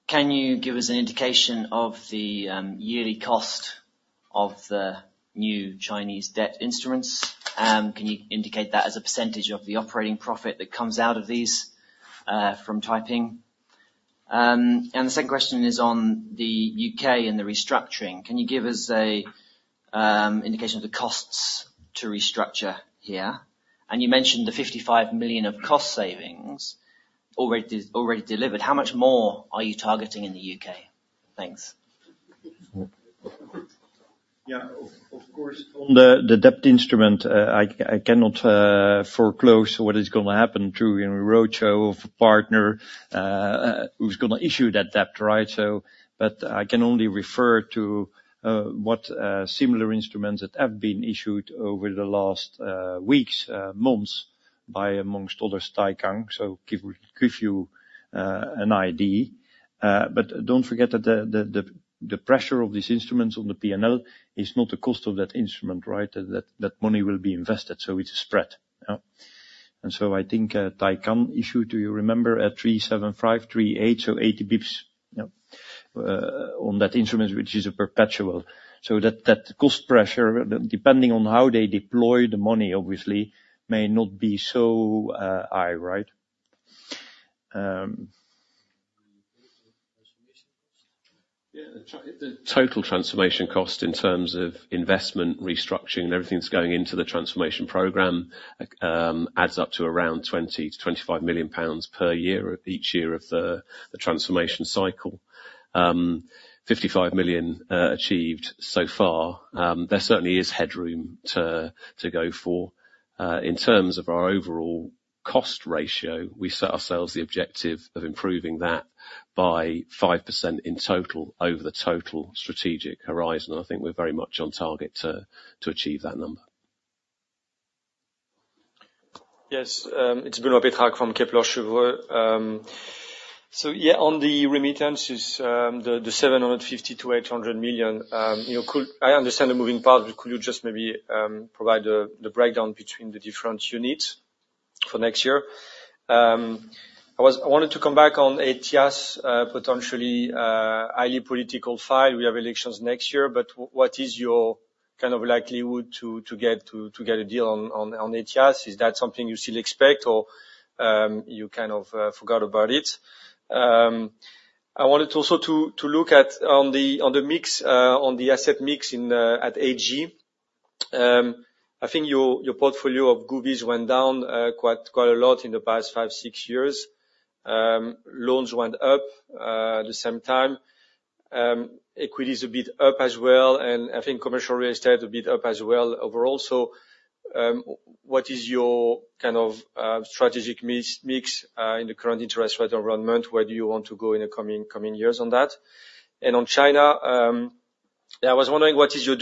Can you give us an indication of the yearly cost of the new Chinese debt instruments? Can you indicate that as a percentage of the operating profit that comes out of these from Taiping? And the second question is on the U.K. and the restructuring. Can you give us an indication of the costs to restructure here? And you mentioned the 55 million of cost savings already delivered. How much more are you targeting in the U.K.? Thanks. Yeah, of course, on the debt instrument, I cannot foreclose what is going to happen during a roadshow of a partner who's going to issue that debt, right? So, but I can only refer to what similar instruments that have been issued over the last weeks, months by amongst others, Taikang. So give you an idea. But don't forget that the pressure of these instruments on the P&L is not the cost of that instrument, right? That money will be invested, so it's a spread. Yeah. And so I think Taikang issued, do you remember, at 3.75-3.8, so 80 basis points, yeah, on that instrument, which is a perpetual. So that, that cost pressure, depending on how they deploy the money, obviously, may not be so high, right? Yeah. The total transformation cost in terms of investment, restructuring, and everything that's going into the transformation program, adds up to around 20 million-25 million pounds per year, each year of the transformation cycle. 55 million achieved so far. There certainly is headroom to go for. In terms of our overall cost ratio, we set ourselves the objective of improving that by 5% in total over the total strategic horizon. I think we're very much on target to achieve that number. Yes. It's Benoît Pétrarque from Kepler Cheuvreux. So yeah, on the remittances, the 750 million-800 million, you know, could... I understand the moving parts, but could you just maybe provide the breakdown between the different units for next year? I wanted to come back on Ethias, potentially, highly political file. We have elections next year, but what is your kind of likelihood to get a deal on Ethias? Is that something you still expect or, you kind of, forgot about it? I wanted also to look at on the mix on the asset mix in at AG. I think your portfolio of govies went down quite a lot in the past five, six years. Loans went up at the same time. Equities a bit up as well, and I think commercial real estate a bit up as well overall. So, what is your kind of strategic mix in the current interest rate environment? Where do you want to go in the coming years on that? And on China, I was wondering, what is your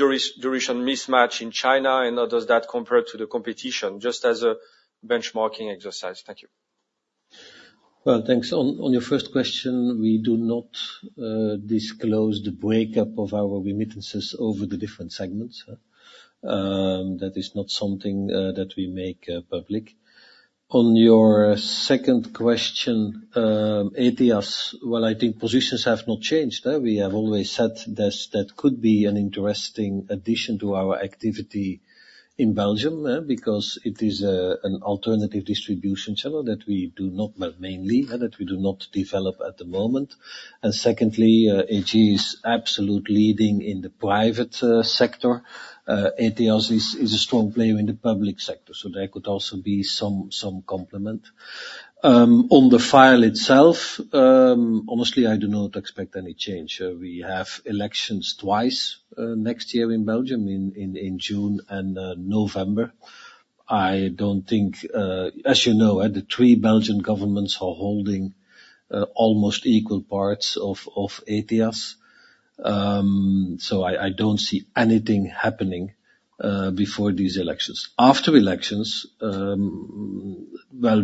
duration mismatch in China, and how does that compare to the competition? Just as a benchmarking exercise. Thank you. Well, thanks. On your first question, we do not disclose the breakup of our remittances over the different segments. That is not something that we make public. On your second question, Ethias, well, I think positions have not changed, we have always said this, that could be an interesting addition to our activity in Belgium, because it is an alternative distribution channel that we do not, but mainly, and that we do not develop at the moment. And secondly, AG is absolute leading in the private sector. Ethias is a strong player in the public sector, so there could also be some complement. On the file itself, honestly, I do not expect any change. We have elections twice next year in Belgium, in June and November. I don't think... As you know, the three Belgian governments are holding almost equal parts of Ageas. So I don't see anything happening before these elections. After elections, well,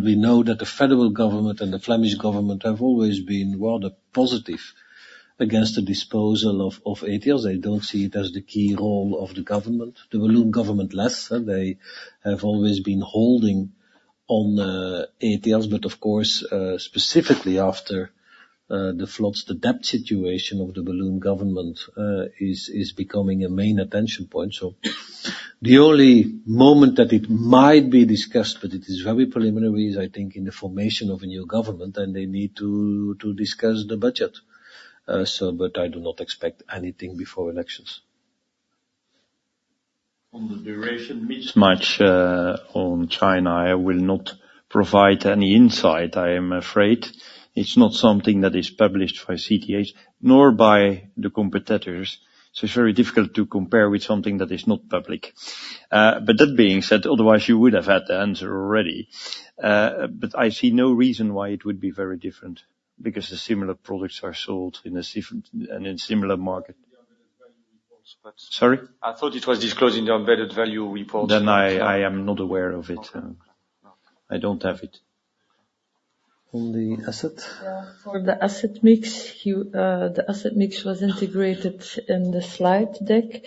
we know that the federal government and the Flemish government have always been rather positive against the disposal of Ageas. They don't see it as the key role of the government. The Walloon government less, they have always been holding on Ageas, but of course, specifically after the floods, the debt situation of the Walloon government is becoming a main attention point. So the only moment that it might be discussed, but it is very preliminary, is I think, in the formation of a new government, and they need to discuss the budget. So, but I do not expect anything before elections. On the duration mismatch, on China, I will not provide any insight, I am afraid. It's not something that is published by CTIH, nor by the competitors, so it's very difficult to compare with something that is not public. But that being said, otherwise, you would have had the answer already. But I see no reason why it would be very different, because the similar products are sold in a different - and in similar market.... Sorry? I thought it was disclosed in the embedded value report. Then I am not aware of it. I don't have it. On the asset? Yeah, for the asset mix, you, the asset mix was integrated in the slide deck.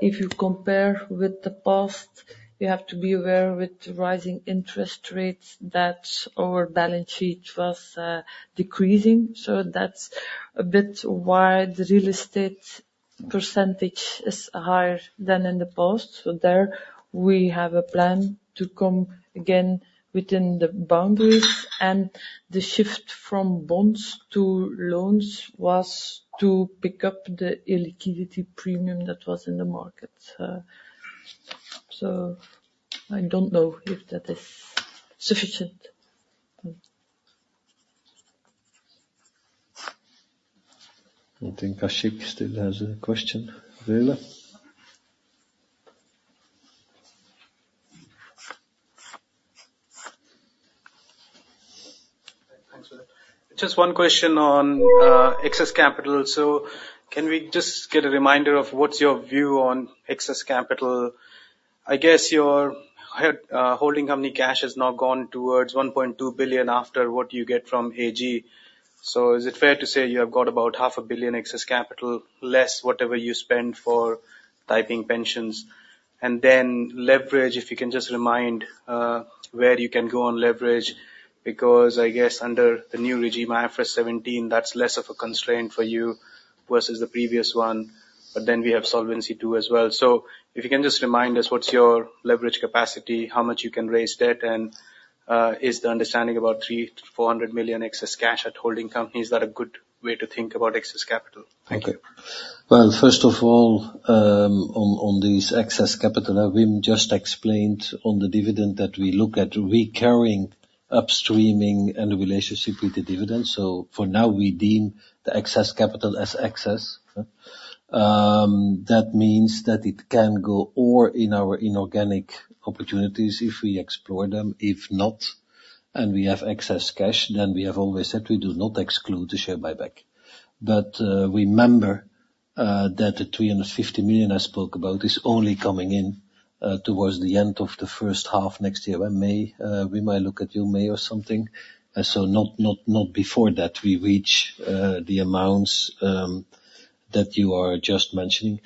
If you compare with the past, you have to be aware with rising interest rates, that our balance sheet was, decreasing. So that's a bit why the real estate percentage is higher than in the past. So there, we have a plan to come again within the boundaries, and the shift from bonds to loans was to pick up the illiquidity premium that was in the market. So I don't know if that is sufficient. I think Ashik still has a question. Thanks for that. Just one question on excess capital. So can we just get a reminder of what's your view on excess capital? I guess your holding company cash has now grown to 1.2 billion after what you get from AG. So is it fair to say you have got about 0.5 billion excess capital, less whatever you spend for Taiping pensions? And then leverage, if you can just remind where you can go on leverage, because I guess under the new regime, IFRS 17, that's less of a constraint for you versus the previous one. But then we have Solvency II as well. So if you can just remind us, what's your leverage capacity, how much you can raise debt, and, is the understanding about 300 million-400 million excess cash at holding company, is that a good way to think about excess capital? Thank you. Okay. Well, first of all, on this excess capital, Wim just explained on the dividend that we look at recarrying, upstreaming, and the relationship with the dividend. So for now, we deem the excess capital as excess. That means that it can go or in our inorganic opportunities if we explore them. If not, and we have excess cash, then we have always said we do not exclude the share buyback. But remember that the 350 million I spoke about is only coming in towards the end of the first half next year, in May. We might look at a buyback or something. So not, not, not before that we reach the amounts that you are just mentioning.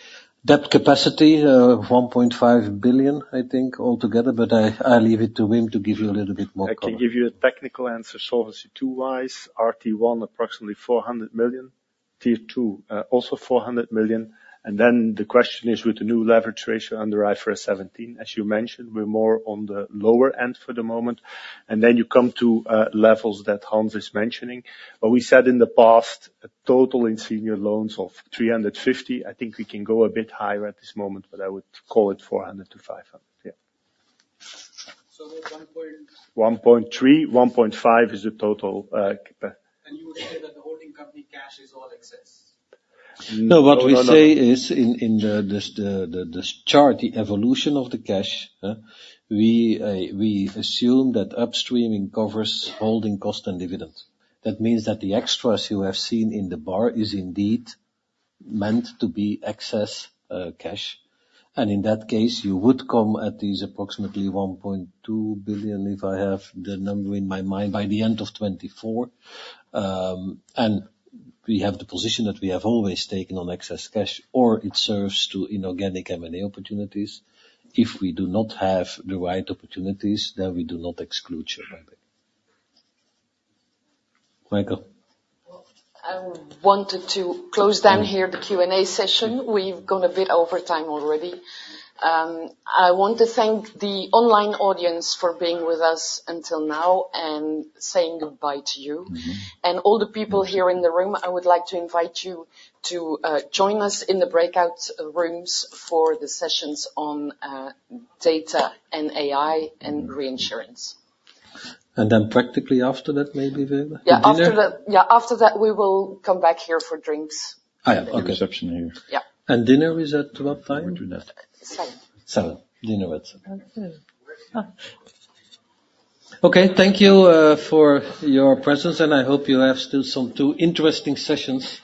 That capacity, 1.5 billion, I think, altogether, but I leave it to Wim to give you a little bit more color. I can give you a technical answer. Solvency II wise, RT1, approximately 400 million, Tier 2, also 400 million. And then the question is, with the new leverage ratio under IFRS 17, as you mentioned, we're more on the lower end for the moment, and then you come to, levels that Hans is mentioning. But we said in the past, a total in senior loans of 350 million. I think we can go a bit higher at this moment, but I would call it 400 million-500 million. Yeah. So that's one point- 1.3 billion, 1.5 billion is the total You would say that the holding company cash is all excess? No, what we say is in the chart, the evolution of the cash, we've assumed that upstreaming covers holding cost and dividends. That means that the extras you have seen in the bar is indeed meant to be excess cash. And in that case, you would come at these approximately 1.2 billion, if I have the number in my mind, by the end of 2024. And we have the position that we have always taken on excess cash, or it serves to inorganic M&A opportunities. If we do not have the right opportunities, then we do not exclude share buyback. Michael? Well, I wanted to close down here the Q&A session. We've gone a bit over time already. I want to thank the online audience for being with us until now and saying goodbye to you. All the people here in the room, I would like to invite you to join us in the breakout rooms for the sessions on data and AI and reinsurance. Then practically after that, maybe, Veerle? Yeah, after the- Dinner? Yeah, after that, we will come back here for drinks. Ah, yeah. Okay. Reception here. Yeah. Dinner is at what time? We do that. 7:00 P.M. Dinner at 7:00 P.M. Okay. Okay. Thank you for your presence, and I hope you have still some two interesting sessions.